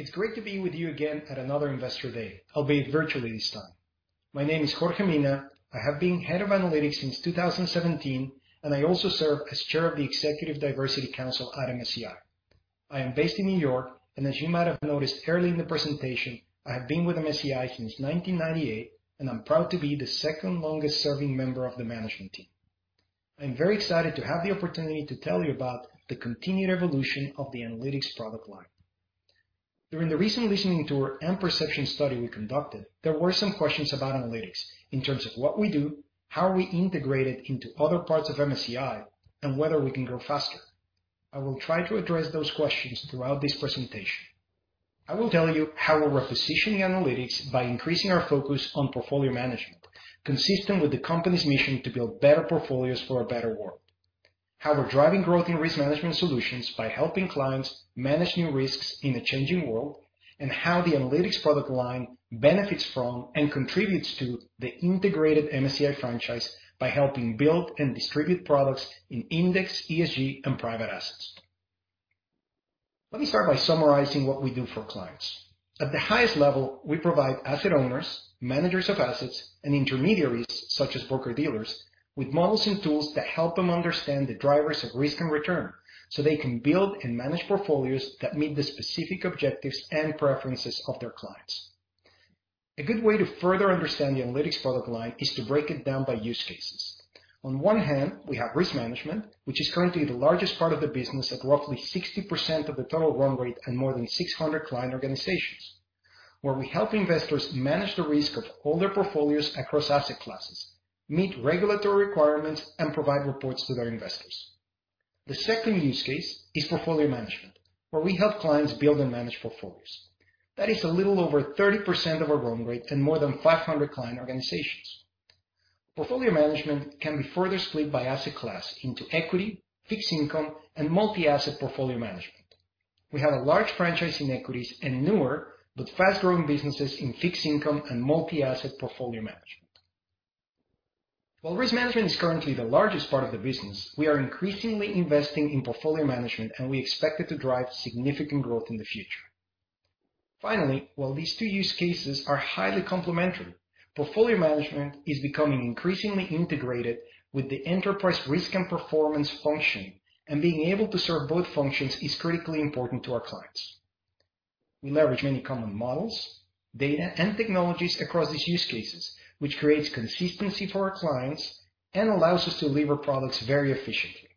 S7: Hello. It's great to be with you again at another Investor Day, albeit virtually this time. My name is Jorge Mina. I have been head of analytics since 2017, and I also serve as chair of the Executive Diversity Council at MSCI. I am based in New York, and as you might have noticed early in the presentation, I have been with MSCI since 1998, and I'm proud to be the second longest-serving member of the management team. I'm very excited to have the opportunity to tell you about the continued evolution of the analytics product line. During the recent listening tour and perception study we conducted, there were some questions about analytics in terms of what we do, how we integrate it into other parts of MSCI, and whether we can grow faster. I will try to address those questions throughout this presentation. I will tell you how we're repositioning analytics by increasing our focus on portfolio management, consistent with the company's mission to build better portfolios for a better world, how we're driving growth in risk management solutions by helping clients manage new risks in a changing world, and how the analytics product line benefits from and contributes to the integrated MSCI franchise by helping build and distribute products in index, ESG, and private assets. Let me start by summarizing what we do for clients. At the highest level, we provide asset owners, managers of assets, and intermediaries such as broker-dealers with models and tools that help them understand the drivers of risk and return, so they can build and manage portfolios that meet the specific objectives and preferences of their clients. A good way to further understand the analytics product line is to break it down by use cases. On one hand, we have risk management, which is currently the largest part of the business at roughly 60% of the total run rate and more than 600 client organizations, where we help investors manage the risk of all their portfolios across asset classes, meet regulatory requirements, and provide reports to their investors. The second use case is portfolio management, where we help clients build and manage portfolios. That is a little over 30% of our run rate and more than 500 client organizations. Portfolio management can be further split by asset class into equity, fixed income, and multi-asset portfolio management. We have a large franchise in equities and newer, but fast-growing businesses in fixed income and multi-asset portfolio management. While risk management is currently the largest part of the business, we are increasingly investing in portfolio management, and we expect it to drive significant growth in the future. Finally, while these two use cases are highly complementary, portfolio management is becoming increasingly integrated with the enterprise risk and performance function, and being able to serve both functions is critically important to our clients. We leverage many common models, data, and technologies across these use cases, which creates consistency for our clients and allows us to deliver products very efficiently.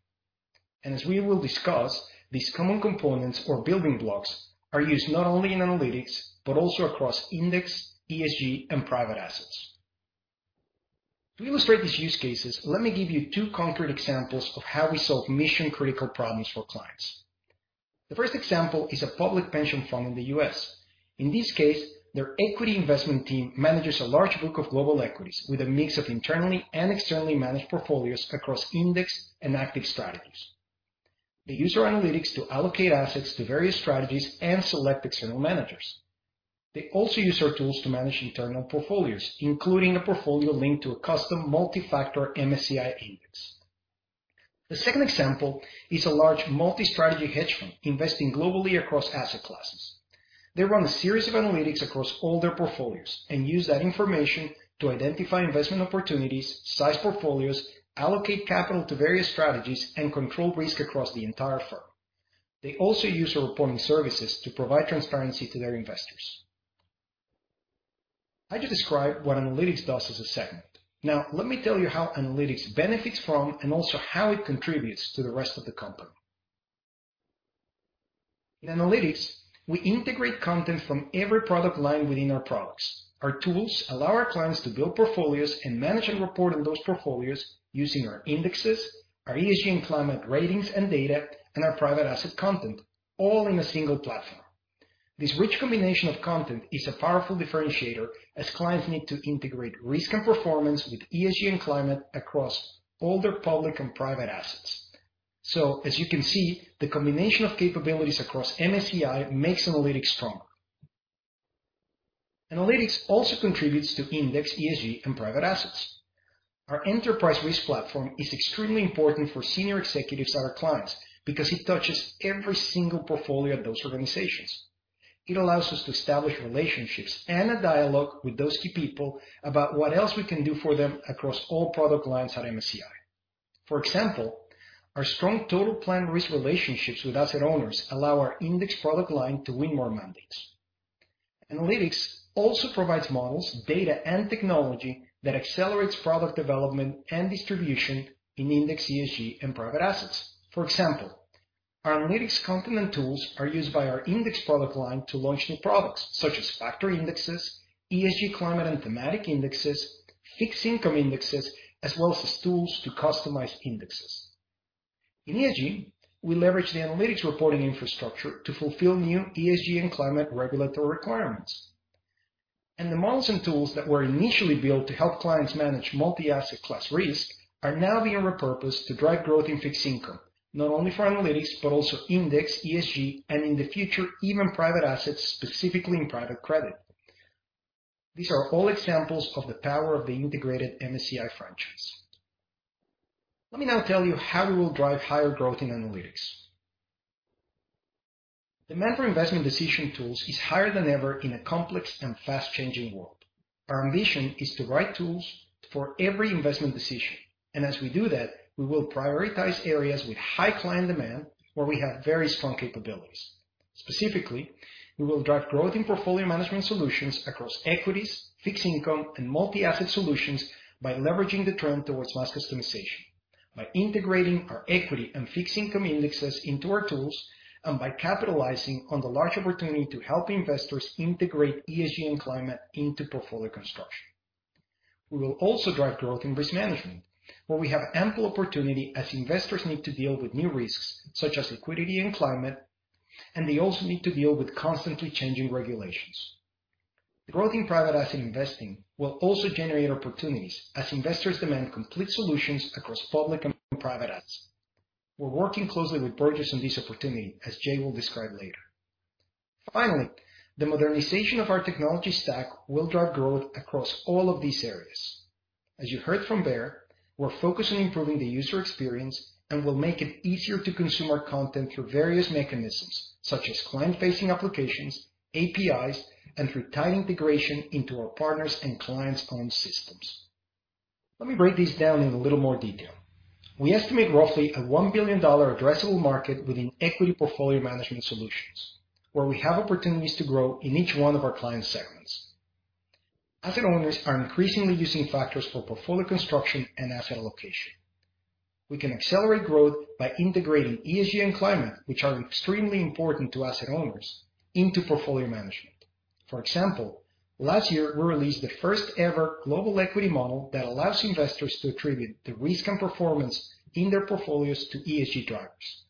S7: As we will discuss, these common components or building blocks are used not only in analytics, but also across index, ESG, and private assets. To illustrate these use cases, let me give you two concrete examples of how we solve mission-critical problems for clients. The first example is a public pension fund in the U.S. In this case, their equity investment team manages a large book of global equities with a mix of internally and externally managed portfolios across index and active strategies. They use our analytics to allocate assets to various strategies and select external managers. They also use our tools to manage internal portfolios, including a portfolio linked to a custom multi-factor MSCI index. The second example is a large multi-strategy hedge fund investing globally across asset classes. They run a series of analytics across all their portfolios and use that information to identify investment opportunities, size portfolios, allocate capital to various strategies, and control risk across the entire firm. They also use our reporting services to provide transparency to their investors. I just described what Analytics does as a segment. Now, let me tell you how Analytics benefits from, and also how it contributes to the rest of the company. In Analytics, we integrate content from every product line within our products. Our tools allow our clients to build portfolios and manage and report on those portfolios using our indexes, our ESG and climate ratings and data, and our private asset content, all in a single platform. This rich combination of content is a powerful differentiator as clients need to integrate risk and performance with ESG and climate across all their public and private assets. As you can see, the combination of capabilities across MSCI makes Analytics stronger. Analytics also contributes to Index ESG and Private Assets. Our enterprise risk platform is extremely important for senior executives at our clients, because it touches every single portfolio at those organizations. It allows us to establish relationships and a dialogue with those key people about what else we can do for them across all product lines at MSCI. For example, our strong total plan risk relationships with asset owners allow our index product line to win more mandates. Analytics also provides models, data, and technology that accelerates product development and distribution in Index ESG and Private Assets. For example, our analytics content and tools are used by our index product line to launch new products, such as factor indexes, ESG climate and thematic indexes, fixed income indexes, as well as tools to customize indexes. In ESG, we leverage the analytics reporting infrastructure to fulfill new ESG and climate regulatory requirements, and the models and tools that were initially built to help clients manage multi-asset class risk are now being repurposed to drive growth in fixed income, not only for Analytics, but also Index ESG, and in the future, even Private Assets, specifically in private credit. These are all examples of the power of the integrated MSCI franchise. Let me now tell you how we will drive higher growth in Analytics. Demand for investment decision tools is higher than ever in a complex and fast-changing world. Our ambition is the right tools for every investment decision, and as we do that, we will prioritize areas with high client demand where we have very strong capabilities. Specifically, we will drive growth in portfolio management solutions across equities, fixed income, and multi-asset solutions by leveraging the trend towards mass customization, by integrating our equity and fixed income indexes into our tools, and by capitalizing on the large opportunity to help investors integrate ESG and climate into portfolio construction. We will also drive growth in risk management, where we have ample opportunity as investors need to deal with new risks, such as liquidity and climate, and they also need to deal with constantly changing regulations. Growth in private asset investing will also generate opportunities as investors demand complete solutions across public and private assets. We're working closely with Burgiss on this opportunity, as Jay will describe later. Finally, the modernization of our technology stack will drive growth across all of these areas. As you heard from Baer, we're focused on improving the user experience, and we'll make it easier to consume our content through various mechanisms, such as client-facing applications, APIs, and through tight integration into our partners' and clients' own systems. Let me break these down in a little more detail. We estimate roughly a $1 billion addressable market within equity portfolio management solutions, where we have opportunities to grow in each one of our client segments. Asset owners are increasingly using factors for portfolio construction and asset allocation. We can accelerate growth by integrating ESG and climate, which are extremely important to asset owners, into portfolio management. For example, last year, we released the first ever global equity model that allows investors to attribute the risk and performance in their portfolios to ESG drivers.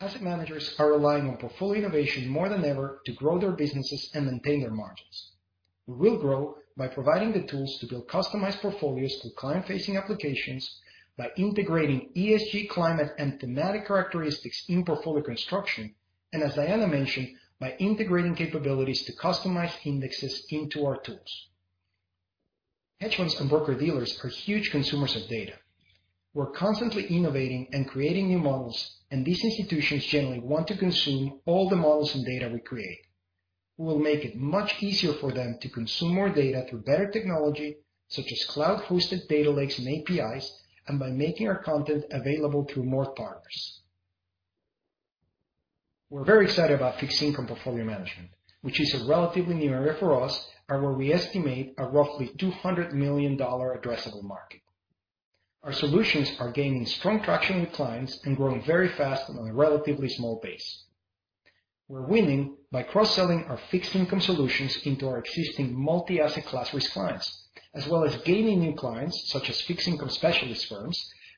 S7: Asset managers are relying on portfolio innovation more than ever to grow their businesses and maintain their margins. We will grow by providing the tools to build customized portfolios through client-facing applications by integrating ESG climate and thematic characteristics in portfolio construction, and as Diana mentioned, by integrating capabilities to customize indexes into our tools. Hedge funds and broker-dealers are huge consumers of data. We are constantly innovating and creating new models, and these institutions generally want to consume all the models and data we create. We will make it much easier for them to consume more data through better technology, such as cloud-hosted data lakes and APIs, and by making our content available through more partners. We're very excited about fixed income portfolio management, which is a relatively new area for us and where we estimate a roughly $200 million addressable market. Our solutions are gaining strong traction with clients and growing very fast on a relatively small base. We're winning by cross-selling our fixed income solutions into our existing multi-asset class risk clients, as well as gaining new clients, such as fixed income specialist firms,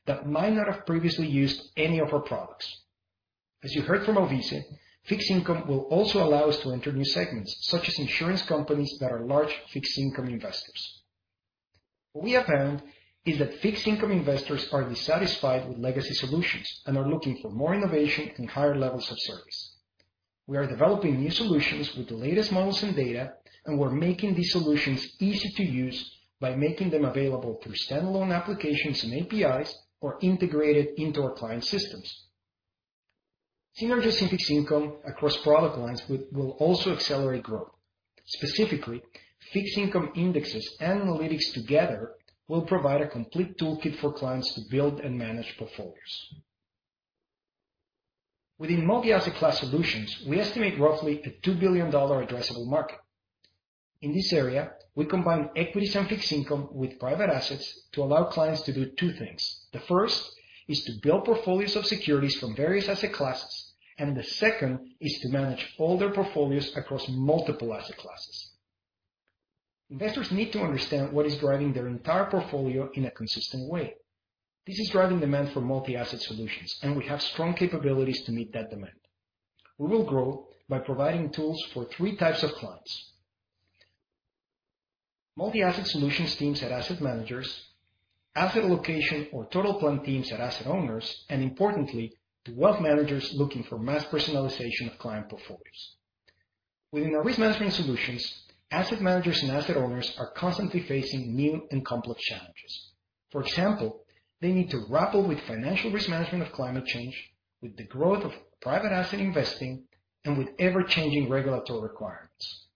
S7: that might not have previously used any of our products. As you heard from Alvise, fixed income will also allow us to enter new segments, such as insurance companies that are large fixed income investors. What we have found is that fixed income investors are dissatisfied with legacy solutions and are looking for more innovation and higher levels of service. We are developing new solutions with the latest models and data, and we're making these solutions easy to use by making them available through standalone applications and APIs or integrated into our client systems. Synergies in fixed income across product lines will also accelerate growth. Specifically, fixed income indexes and analytics together will provide a complete toolkit for clients to build and manage portfolios. Within multi-asset class solutions, we estimate roughly a $2 billion addressable market. In this area, we combine equities and fixed income with private assets to allow clients to do two things. The first is to build portfolios of securities from various asset classes, and the second is to manage all their portfolios across multiple asset classes. Investors need to understand what is driving their entire portfolio in a consistent way. This is driving demand for multi-asset solutions, and we have strong capabilities to meet that demand. We will grow by providing tools for three types of clients. Multi-asset solutions teams at asset managers, asset allocation or total plan teams at asset owners, and importantly, to wealth managers looking for mass personalization of client portfolios. Within our risk management solutions, asset managers and asset owners are constantly facing new and complex challenges. For example, they need to grapple with financial risk management of climate change, with the growth of private asset investing, and with ever-changing regulatory requirements.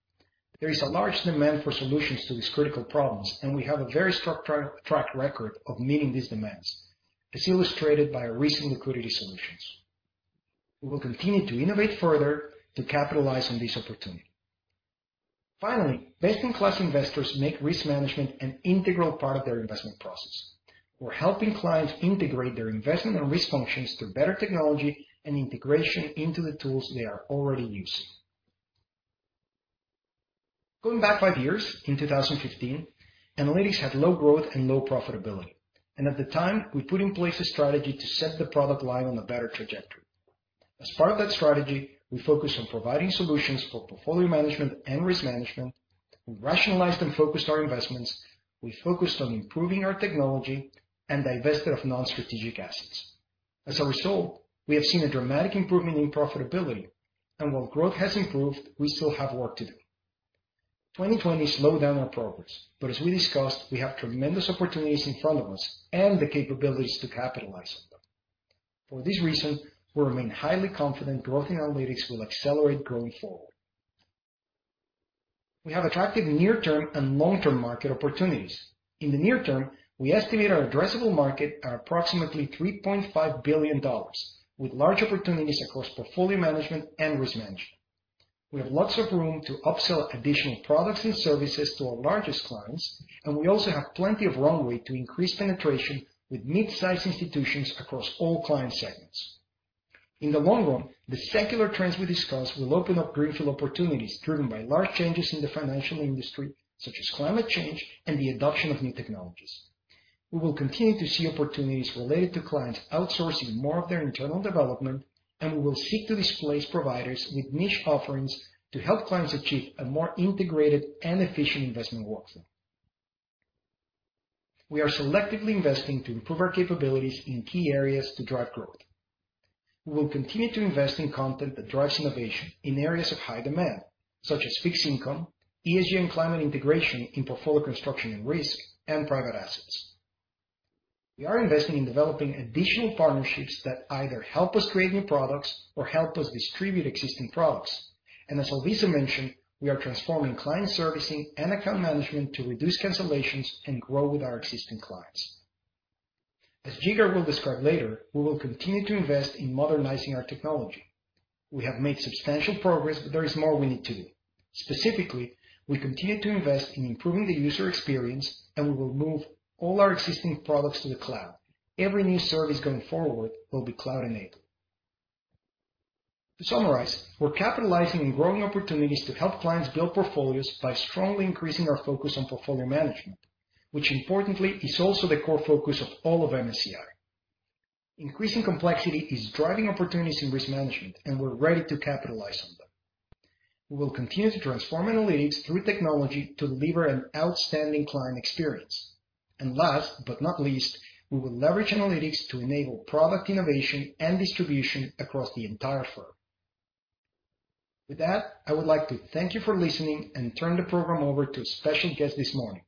S7: There is a large demand for solutions to these critical problems, and we have a very strong track record of meeting these demands, as illustrated by our recent liquidity solutions. We will continue to innovate further to capitalize on this opportunity. Best-in-class investors make risk management an integral part of their investment process. We're helping clients integrate their investment and risk functions through better technology and integration into the tools they are already using. Going back five years, in 2015, analytics had low growth and low profitability, and at the time, we put in place a strategy to set the product line on a better trajectory. As part of that strategy, we focused on providing solutions for portfolio management and risk management. We rationalized and focused our investments. We focused on improving our technology and divested of non-strategic assets. We have seen a dramatic improvement in profitability, and while growth has improved, we still have work to do. 2020 slowed down our progress, but as we discussed, we have tremendous opportunities in front of us and the capabilities to capitalize on them. For this reason, we remain highly confident growth in analytics will accelerate going forward. We have attractive near-term and long-term market opportunities. In the near term, we estimate our addressable market at approximately $3.5 billion, with large opportunities across portfolio management and risk management. We have lots of room to upsell additional products and services to our largest clients, and we also have plenty of runway to increase penetration with mid-size institutions across all client segments. In the long run, the secular trends we discussed will open up greenfield opportunities driven by large changes in the financial industry, such as climate change and the adoption of new technologies. We will continue to see opportunities related to clients outsourcing more of their internal development, and we will seek to displace providers with niche offerings to help clients achieve a more integrated and efficient investment workflow. We are selectively investing to improve our capabilities in key areas to drive growth. We will continue to invest in content that drives innovation in areas of high demand, such as fixed income, ESG and climate integration in portfolio construction and risk, and private assets. As Alvise mentioned, we are transforming client servicing and account management to reduce cancellations and grow with our existing clients. As Jigar will describe later, we will continue to invest in modernizing our technology. We have made substantial progress, but there is more we need to do. Specifically, we continue to invest in improving the user experience, and we will move all our existing products to the cloud. Every new service going forward will be cloud-enabled. To summarize, we're capitalizing on growing opportunities to help clients build portfolios by strongly increasing our focus on portfolio management, which importantly, is also the core focus of all of MSCI. Increasing complexity is driving opportunities in risk management, and we're ready to capitalize on them. We will continue to transform analytics through technology to deliver an outstanding client experience. Last but not least, we will leverage analytics to enable product innovation and distribution across the entire firm. With that, I would like to thank you for listening and turn the program over to a special guest this morning,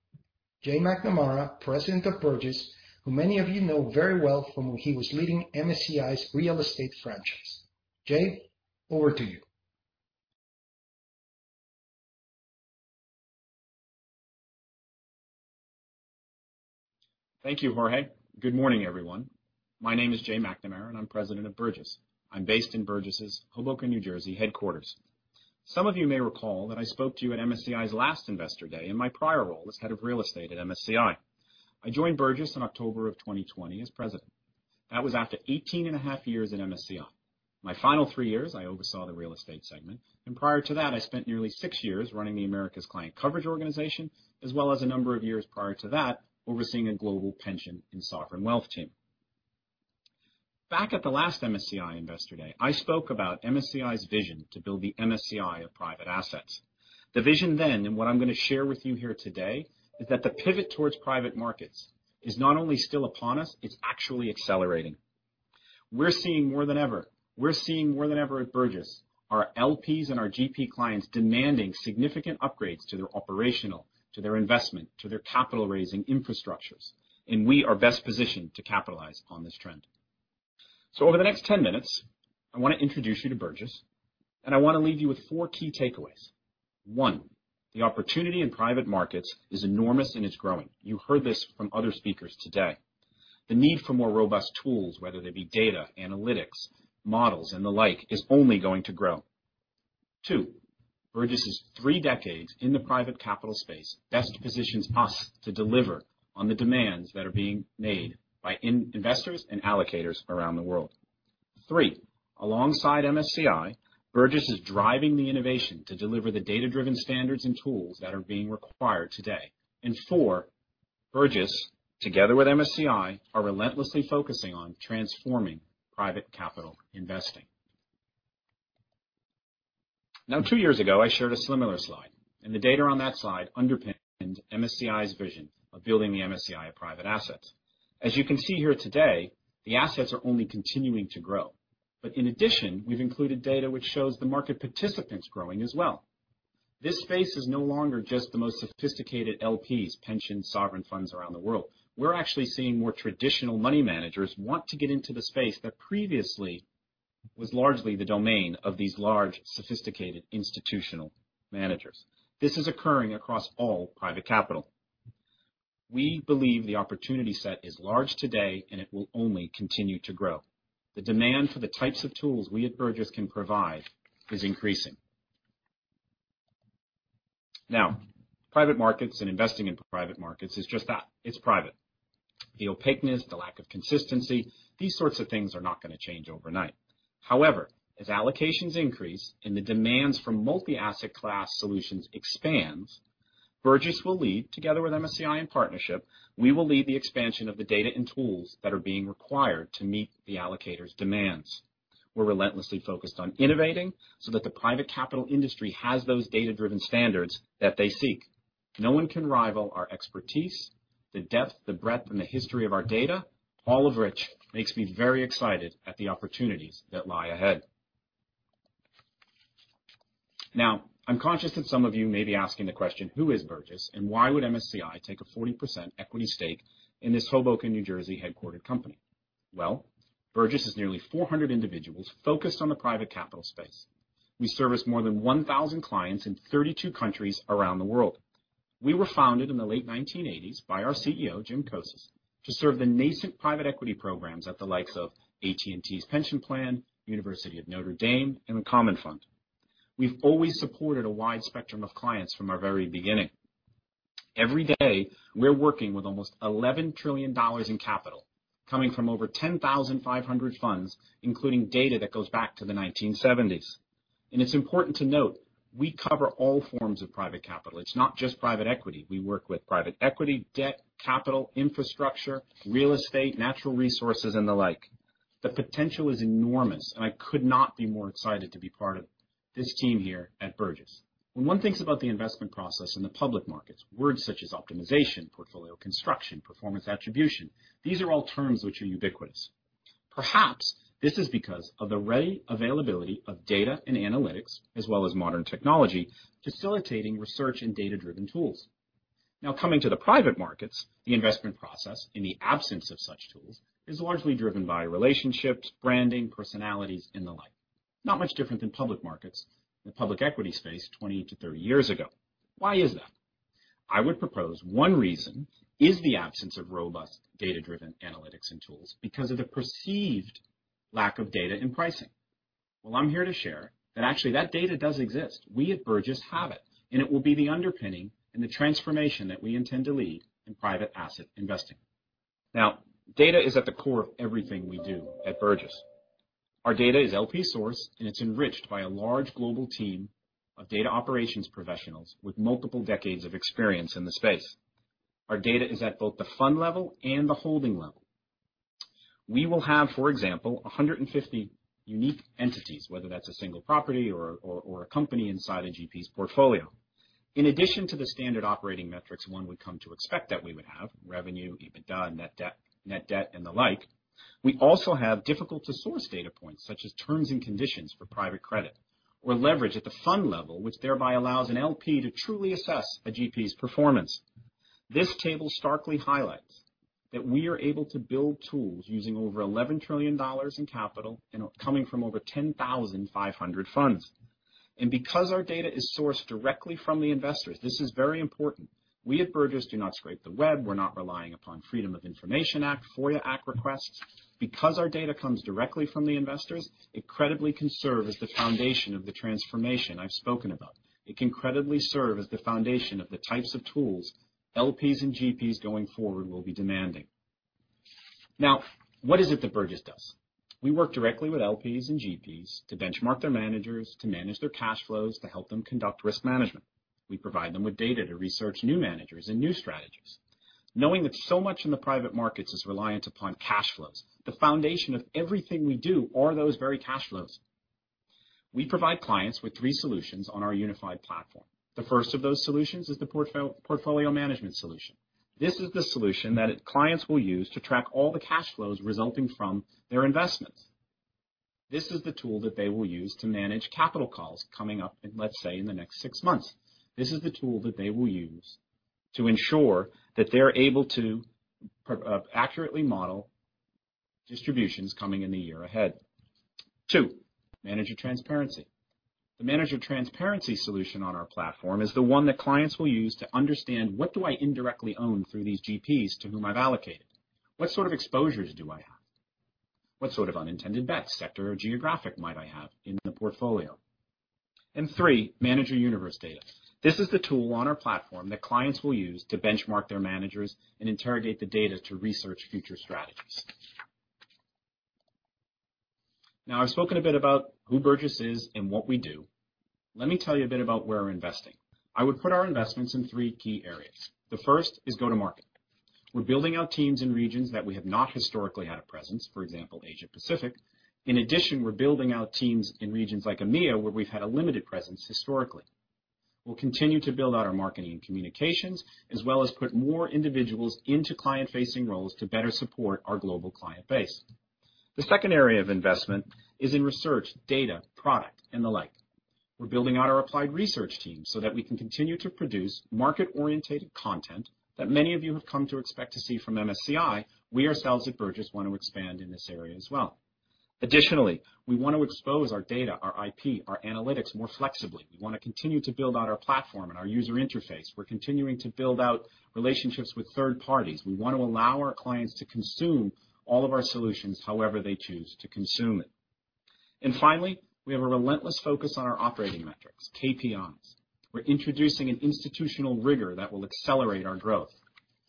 S7: Jay McNamara, President of Burgiss, who many of you know very well from when he was leading MSCI's real estate franchise. Jay, over to you.
S8: Thank you, Jorge. Good morning, everyone. My name is Jay McNamara, and I'm President of Burgiss. I'm based in Burgiss' Hoboken, New Jersey headquarters. Some of you may recall that I spoke to you at MSCI's last Investor Day in my prior role as head of real estate at MSCI. I joined Burgiss in October of 2020 as president. That was after 18 and a half years at MSCI. My final three years, I oversaw the real estate segment, and prior to that, I spent nearly six years running the Americas client coverage organization, as well as a number of years prior to that, overseeing a global pension and sovereign wealth team. Back at the last MSCI Investor Day, I spoke about MSCI's vision to build the MSCI of private assets. The vision, and what I'm going to share with you here today, is that the pivot towards private markets is not only still upon us, it's actually accelerating. We're seeing more than ever. We're seeing more than ever at Burgiss, our LPs and our GP clients demanding significant upgrades to their operational, to their investment, to their capital raising infrastructures, we are best positioned to capitalize on this trend. Over the next 10 minutes, I want to introduce you to Burgiss, I want to leave you with four key takeaways. One, the opportunity in private markets is enormous, and it's growing. You heard this from other speakers today. The need for more robust tools, whether they be data, analytics, models, and the like, is only going to grow. Two, Burgiss' three decades in the private capital space best positions us to deliver on the demands that are being made by investors and allocators around the world. Three, alongside MSCI, Burgiss is driving the innovation to deliver the data-driven standards and tools that are being required today. Four, Burgiss, together with MSCI, are relentlessly focusing on transforming private capital investing. Now, two years ago, I shared a similar slide, and the data on that slide underpinned MSCI's vision of building the MSCI of private assets. As you can see here today, the assets are only continuing to grow. In addition, we've included data which shows the market participants growing as well. This space is no longer just the most sophisticated LPs, pension sovereign funds around the world. We're actually seeing more traditional money managers want to get into the space that previously was largely the domain of these large, sophisticated institutional managers. This is occurring across all private capital. We believe the opportunity set is large today, and it will only continue to grow. The demand for the types of tools we at Burgiss can provide is increasing. Now, private markets and investing in private markets is just that. It's private. The opaqueness, the lack of consistency, these sorts of things are not going to change overnight. However, as allocations increase and the demands for multi-asset class solutions expands, Burgiss will lead together with MSCI in partnership, we will lead the expansion of the data and tools that are being required to meet the allocators demands. We're relentlessly focused on innovating so that the private capital industry has those data-driven standards that they seek. No one can rival our expertise, the depth, the breadth, and the history of our data, all of which makes me very excited at the opportunities that lie ahead. Now, I'm conscious that some of you may be asking the question, who is Burgiss, and why would MSCI take a 40% equity stake in this Hoboken, New Jersey headquartered company? Well, Burgiss is nearly 400 individuals focused on the private capital space. We service more than 1,000 clients in 32 countries around the world. We were founded in the late 1980s by our CEO, Jim Kocis, to serve the nascent private equity programs at the likes of AT&T's pension plan, University of Notre Dame, and the Commonfund. We've always supported a wide spectrum of clients from our very beginning. Every day, we're working with almost $11 trillion in capital coming from over 10,500 funds, including data that goes back to the 1970s. It's important to note, we cover all forms of private capital. It's not just private equity. We work with private equity, debt, capital, infrastructure, real estate, natural resources, and the like. The potential is enormous, and I could not be more excited to be part of this team here at Burgiss. When one thinks about the investment process in the public markets, words such as optimization, portfolio construction, performance attribution, these are all terms which are ubiquitous. Perhaps this is because of the ready availability of data and analytics, as well as modern technology facilitating research and data-driven tools. Now, coming to the private markets, the investment process, in the absence of such tools, is largely driven by relationships, branding, personalities, and the like. Not much different than public markets in the public equity space 20-30 years ago. Why is that? I would propose one reason is the absence of robust data-driven analytics and tools because of the perceived lack of data in pricing. Well, I'm here to share that actually that data does exist. We at Burgiss have it, and it will be the underpinning and the transformation that we intend to lead in private asset investing. Now, data is at the core of everything we do at Burgiss. Our data is LP sourced, and it's enriched by a large global team of data operations professionals with multiple decades of experience in the space. Our data is at both the fund level and the holding level. We will have for example, 150 unique entities, whether that's a single property or a company inside a GP's portfolio. In addition to the standard operating metrics one would come to expect that we would have, revenue, EBITDA, net debt, and the like, we also have difficult to source data points, such as terms and conditions for private credit or leverage at the fund level, which thereby allows an LP to truly assess a GP's performance. This table starkly highlights that we are able to build tools using over $11 trillion in capital and coming from over 10,500 funds. Because our data is sourced directly from the investors, this is very important. We at Burgiss do not scrape the web. We're not relying upon Freedom of Information Act, FOIA Act requests. Because our data comes directly from the investors, it credibly can serve as the foundation of the transformation I've spoken about. It can credibly serve as the foundation of the types of tools LPs and GPs going forward will be demanding. Now, what is it that Burgiss does? We work directly with LPs and GPs to benchmark their managers, to manage their cash flows, to help them conduct risk management. We provide them with data to research new managers and new strategies. Knowing that so much in the private markets is reliant upon cash flows, the foundation of everything we do are those very cash flows. We provide clients with three solutions on our unified platform. The first of those solutions is the portfolio management solution. This is the solution that clients will use to track all the cash flows resulting from their investments. This is the tool that they will use to manage capital calls coming up in, let's say, in the next six months. This is the tool that they will use to ensure that they're able to accurately model distributions coming in the year ahead. Two, manager transparency. The manager transparency solution on our platform is the one that clients will use to understand what do I indirectly own through these GPs to whom I've allocated? What sort of exposures do I have? What sort of unintended bets, sector or geographic might I have in the portfolio? three, manager universe data. This is the tool on our platform that clients will use to benchmark their managers and interrogate the data to research future strategies. I've spoken a bit about who Burgiss is and what we do. Let me tell you a bit about where we're investing. I would put our investments in three key areas. The first is go to market. We're building out teams in regions that we have not historically had a presence, for example, Asia Pacific. In addition, we're building out teams in regions like EMEA, where we've had a limited presence historically. We'll continue to build out our marketing and communications, as well as put more individuals into client-facing roles to better support our global client base. The second area of investment is in research, data, product, and the like. We're building out our applied research team so that we can continue to produce market-orientated content that many of you have come to expect to see from MSCI. We ourselves at Burgiss want to expand in this area as well. Additionally, we want to expose our data, our IP, our analytics more flexibly. We want to continue to build out our platform and our user interface. We're continuing to build out relationships with third parties. We want to allow our clients to consume all of our solutions however they choose to consume it. Finally, we have a relentless focus on our operating metrics, KPIs. We're introducing an institutional rigor that will accelerate our growth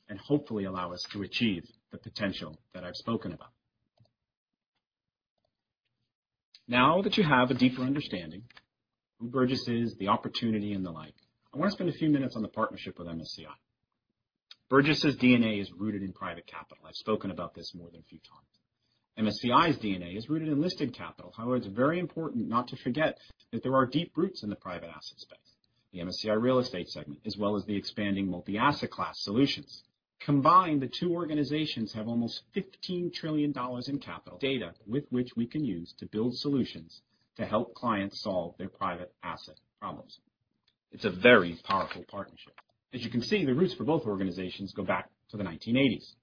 S8: and hopefully allow us to achieve the potential that I've spoken about. Now that you have a deeper understanding of Burgiss, the opportunity, and the like, I want to spend a few minutes on the partnership with MSCI. Burgiss's DNA is rooted in private capital. I've spoken about this more than a few times. MSCI's DNA is rooted in listed capital. However, it's very important not to forget that there are deep roots in the private assets space, the MSCI real estate segment, as well as the expanding multi-asset class solutions. Combined, the two organizations have almost $15 trillion in capital data with which we can use to build solutions to help clients solve their private asset problems. It's a very powerful partnership. As you can see, the roots for both organizations go back to the 1980s.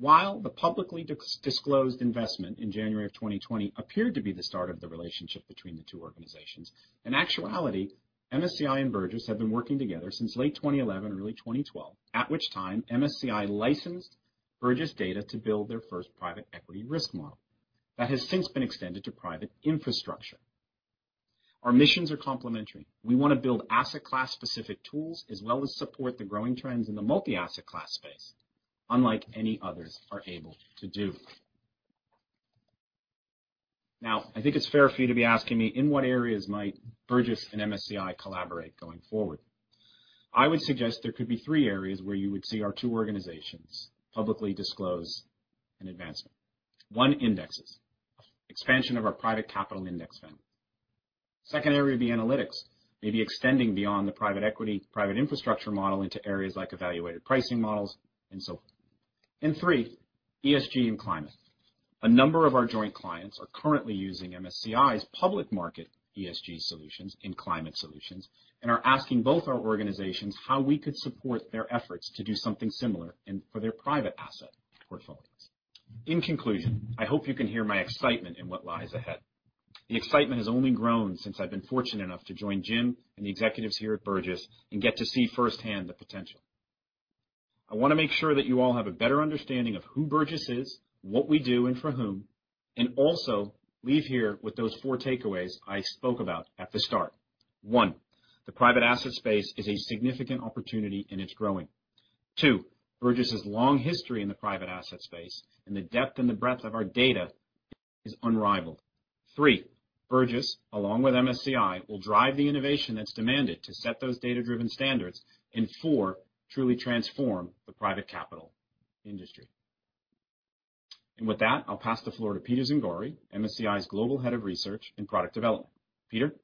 S8: While the publicly disclosed investment in January of 2020 appeared to be the start of the relationship between the two organizations, in actuality, MSCI and Burgiss have been working together since late 2011, early 2012, at which time MSCI licensed Burgiss data to build their first private equity risk model. That has since been extended to private infrastructure. Our missions are complementary. We want to build asset class specific tools as well as support the growing trends in the multi-asset class space, unlike any others are able to do. I think it's fair for you to be asking me, in what areas might Burgiss and MSCI collaborate going forward? I would suggest there could be three areas where you would see our two organizations publicly disclose an advancement. One. Indexes. Expansion of our private capital index family. Second area would be analytics, maybe extending beyond the private equity, private infrastructure model into areas like evaluated pricing models and so on. Three. ESG and climate. A number of our joint clients are currently using MSCI's public market ESG solutions and climate solutions, and are asking both our organizations how we could support their efforts to do something similar and for their private asset portfolios. In conclusion, I hope you can hear my excitement in what lies ahead. The excitement has only grown since I've been fortunate enough to join Jim and the executives here at Burgiss and get to see firsthand the potential. I want to make sure that you all have a better understanding of who Burgiss is, what we do, and for whom, and also leave here with those four takeaways I spoke about at the start. One, the private asset space is a significant opportunity and it's growing. Two, Burgiss' long history in the private asset space and the depth and the breadth of our data is unrivaled. Three, Burgiss, along with MSCI, will drive the innovation that's demanded to set those data-driven standards. Four, truly transform the private capital industry. With that, I'll pass the floor to Peter Zangari, MSCI's Global Head of Research and Product Development. Peter?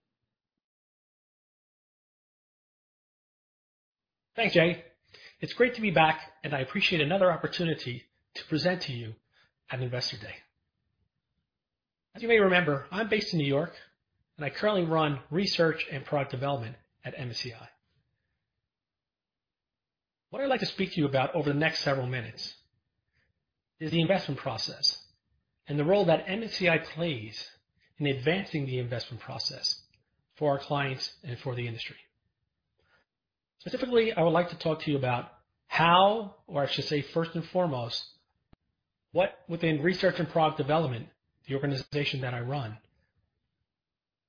S9: Thanks, Jay. It's great to be back, and I appreciate another opportunity to present to you at Investor Day. As you may remember, I'm based in New York, and I currently run research and product development at MSCI. What I'd like to speak to you about over the next several minutes is the investment process and the role that MSCI plays in advancing the investment process for our clients and for the industry. Specifically, I would like to talk to you about how, or I should say first and foremost, what within research and product development, the organization that I run,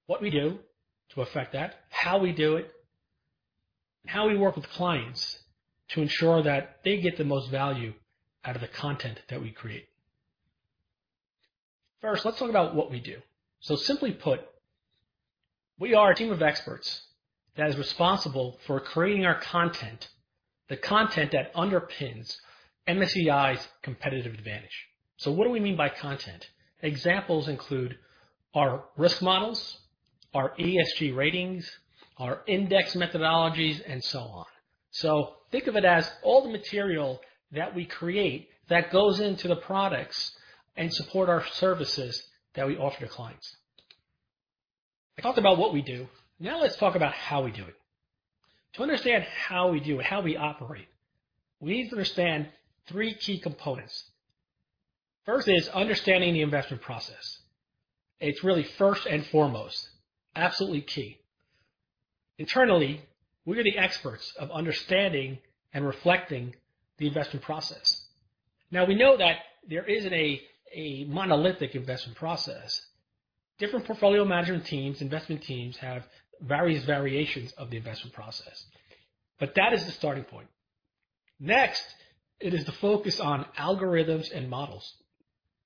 S9: what we do to affect that, how we do it, and how we work with clients to ensure that they get the most value out of the content that we create. First, let's talk about what we do. Simply put, we are a team of experts that is responsible for creating our content, the content that underpins MSCI's competitive advantage. What do we mean by content? Examples include our risk models, our ESG ratings, our index methodologies, and so on. Think of it as all the material that we create that goes into the products and support our services that we offer to clients. I talked about what we do. Now let's talk about how we do it. To understand how we do it, how we operate, we need to understand three key components. First is understanding the investment process. It's really first and foremost absolutely key. Internally, we're the experts of understanding and reflecting the investment process. Now, we know that there isn't a monolithic investment process. Different portfolio management teams, investment teams, have various variations of the investment process, but that is the starting point. Next, it is the focus on algorithms and models.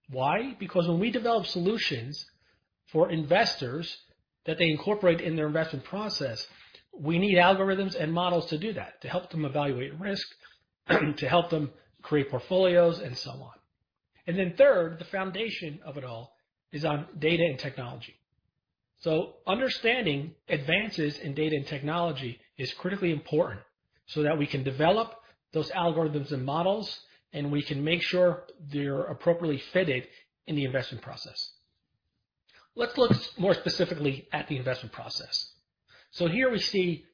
S9: Why? Because when we develop solutions for investors that they incorporate in their investment process, we need algorithms and models to do that, to help them evaluate risk, to help them create portfolios and so on. Third, the foundation of it all is on data and technology. Understanding advances in data and technology is critically important so that we can develop those algorithms and models, and we can make sure they're appropriately fitted in the investment process. Let's look more specifically at the investment process. Here we see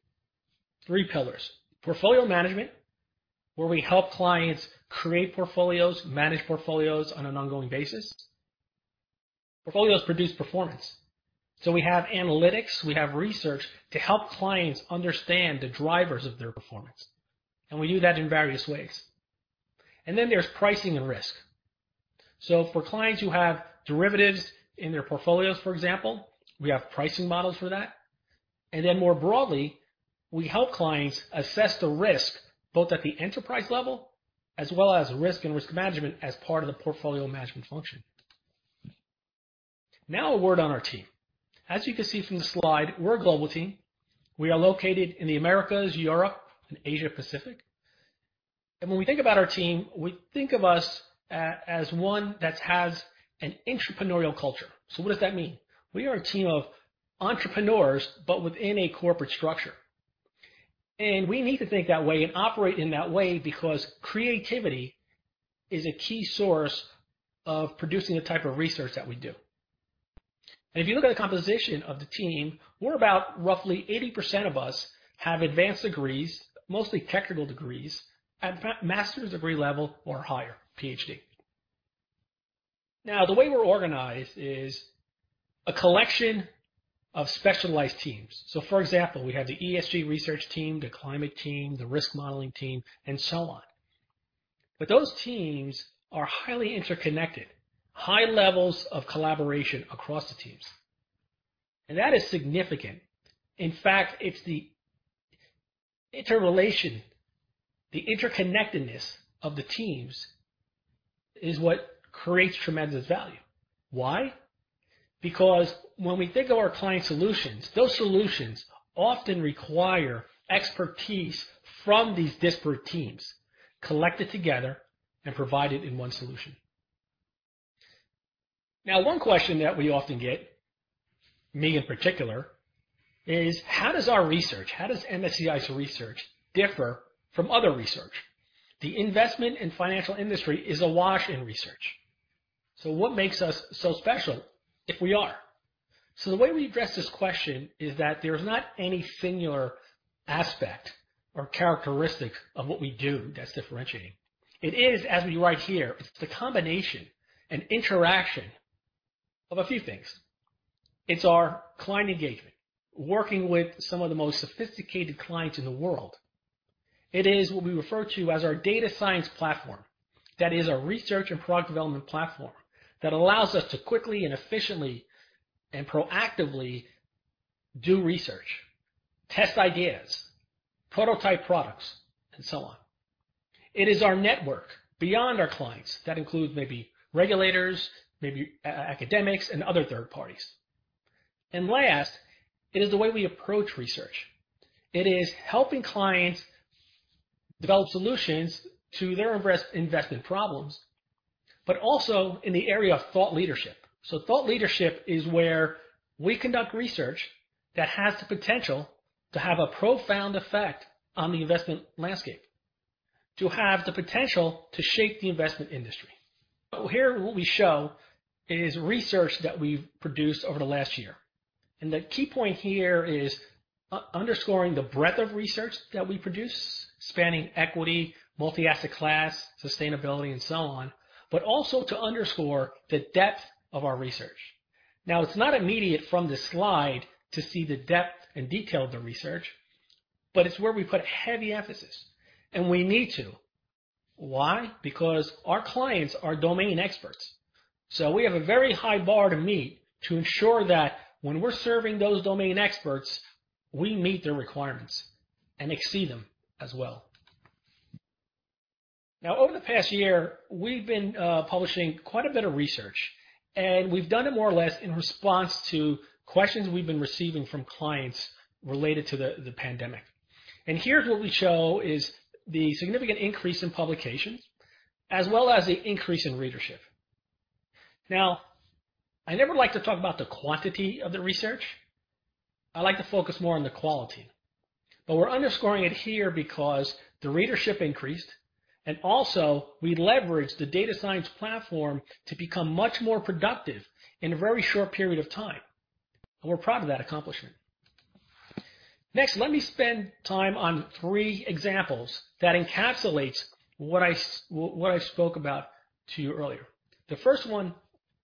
S9: three pillars, portfolio management, where we help clients create portfolios, manage portfolios on an ongoing basis. Portfolios produce performance, so we have analytics, we have research to help clients understand the drivers of their performance, and we do that in various ways. There's pricing and risk. For clients who have derivatives in their portfolios, for example, we have pricing models for that. More broadly, we help clients assess the risk, both at the enterprise level as well as risk and risk management as part of the portfolio management function. Now, a word on our team. As you can see from the slide, we're a global team. We are located in the Americas, Europe, and Asia Pacific. When we think about our team, we think of us as one that has an entrepreneurial culture. What does that mean? We are a team of entrepreneurs, but within a corporate structure. We need to think that way and operate in that way because creativity is a key source of producing the type of research that we do. If you look at the composition of the team, we're about roughly 80% of us have advanced degrees, mostly technical degrees at master's degree level or higher, PhD. The way we're organized is a collection of specialized teams. For example, we have the ESG research team, the climate team, the risk modeling team, and so on. Those teams are highly interconnected, high levels of collaboration across the teams, and that is significant. In fact, it's the interrelation, the interconnectedness of the teams is what creates tremendous value. Why? Because when we think of our client solutions, those solutions often require expertise from these disparate teams collected together and provided in one solution. Now, one question that we often get, me in particular, is: how does our research, how does MSCI's research differ from other research? The investment and financial industry is awash in research. What makes us so special, if we are? The way we address this question is that there's not any singular aspect or characteristic of what we do that's differentiating. It is, as we write here, it's the combination and interaction of a few things. It's our client engagement, working with some of the most sophisticated clients in the world. It is what we refer to as our data science platform. That is a research and product development platform that allows us to quickly and efficiently and proactively do research, test ideas, prototype products, and so on. It is our network beyond our clients. That includes maybe regulators, maybe academics, and other third parties. Last, it is the way we approach research. It is helping clients develop solutions to their investment problems, but also in the area of thought leadership. Thought leadership is where we conduct research that has the potential to have a profound effect on the investment landscape, to have the potential to shape the investment industry. Here what we show is research that we've produced over the last year, and the key point here is underscoring the breadth of research that we produce, spanning equity, multi-asset class, sustainability, and so on, but also to underscore the depth of our research. Now, it's not immediate from this slide to see the depth and detail of the research, but it's where we put heavy emphasis, and we need to. Why? Our clients are domain experts, so we have a very high bar to meet to ensure that when we're serving those domain experts, we meet their requirements and exceed them as well. Over the past year, we've been publishing quite a bit of research, and we've done it more or less in response to questions we've been receiving from clients related to the pandemic. Here's what we show is the significant increase in publications as well as the increase in readership. I never like to talk about the quantity of the research. I like to focus more on the quality. But we're underscoring it here because the readership increased, and also we leveraged the data science platform to become much more productive in a very short period of time. We're proud of that accomplishment. Next, let me spend time on three examples that encapsulates what I spoke about to you earlier. The first one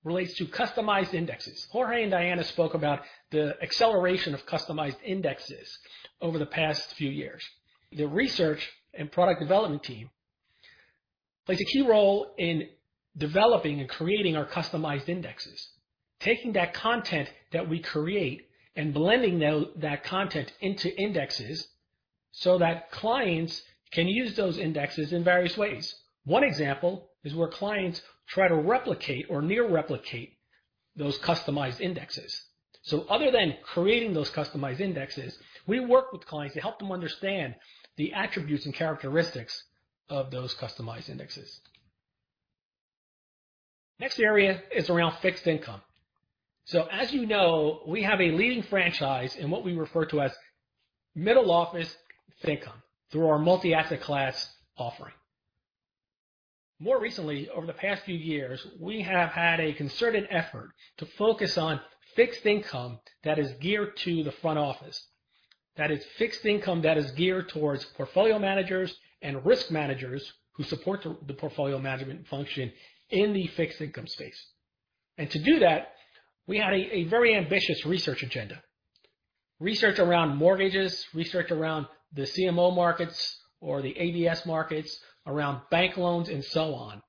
S9: relates to customized indexes. Jorge and Diana spoke about the acceleration of customized indexes over the past few years. The research and product development team plays a key role in developing and creating our customized indexes. Taking that content that we create and blending that content into indexes, so that clients can use those indexes in various ways. One example is where clients try to replicate or near replicate those customized indexes. Other than creating those customized indexes, we work with clients to help them understand the attributes and characteristics of those customized indexes. Next area is around fixed income. As you know, we have a leading franchise in what we refer to as middle office fixed income through our multi-asset class offering. More recently, over the past few years, we have had a concerted effort to focus on fixed income that is geared to the front office. That is fixed income that is geared towards portfolio managers and risk managers who support the portfolio management function in the fixed income space. To do that, we had a very ambitious research agenda. Research around mortgages, research around the CMO markets or the ABS markets, around bank loans and so on.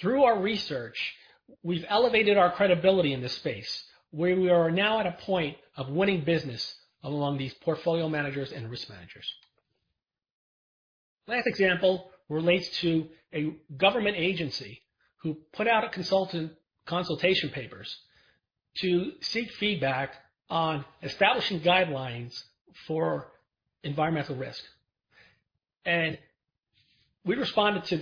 S9: Through our research, we've elevated our credibility in this space, where we are now at a point of winning business among these portfolio managers and risk managers. Last example relates to a government agency who put out consultation papers to seek feedback on establishing guidelines for environmental risk. We responded to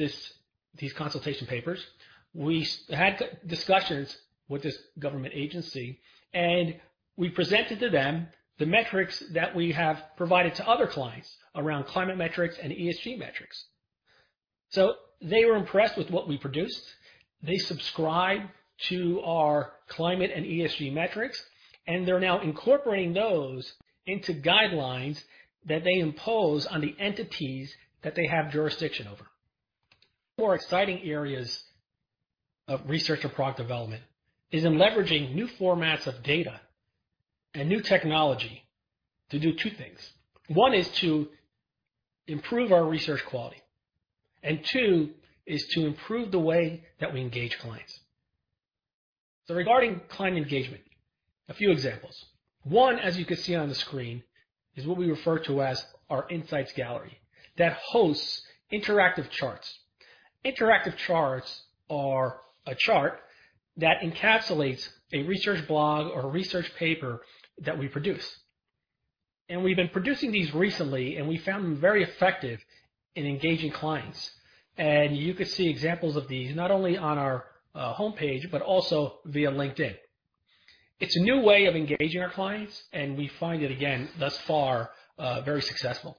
S9: these consultation papers. We had discussions with this government agency. We presented to them the metrics that we have provided to other clients around climate metrics and ESG metrics. They were impressed with what we produced. They subscribe to our climate and ESG metrics. They're now incorporating those into guidelines that they impose on the entities that they have jurisdiction over. More exciting areas of research or product development is in leveraging new formats of data and new technology to do two things. One is to improve our research quality. Two is to improve the way that we engage clients. Regarding client engagement, a few examples. One, as you can see on the screen, is what we refer to as our Insights Gallery, that hosts interactive charts. Interactive charts are a chart that encapsulates a research blog or a research paper that we produce. We've been producing these recently, and we found them very effective in engaging clients. You could see examples of these, not only on our homepage, but also via LinkedIn. It's a new way of engaging our clients, and we find it again, thus far, very successful.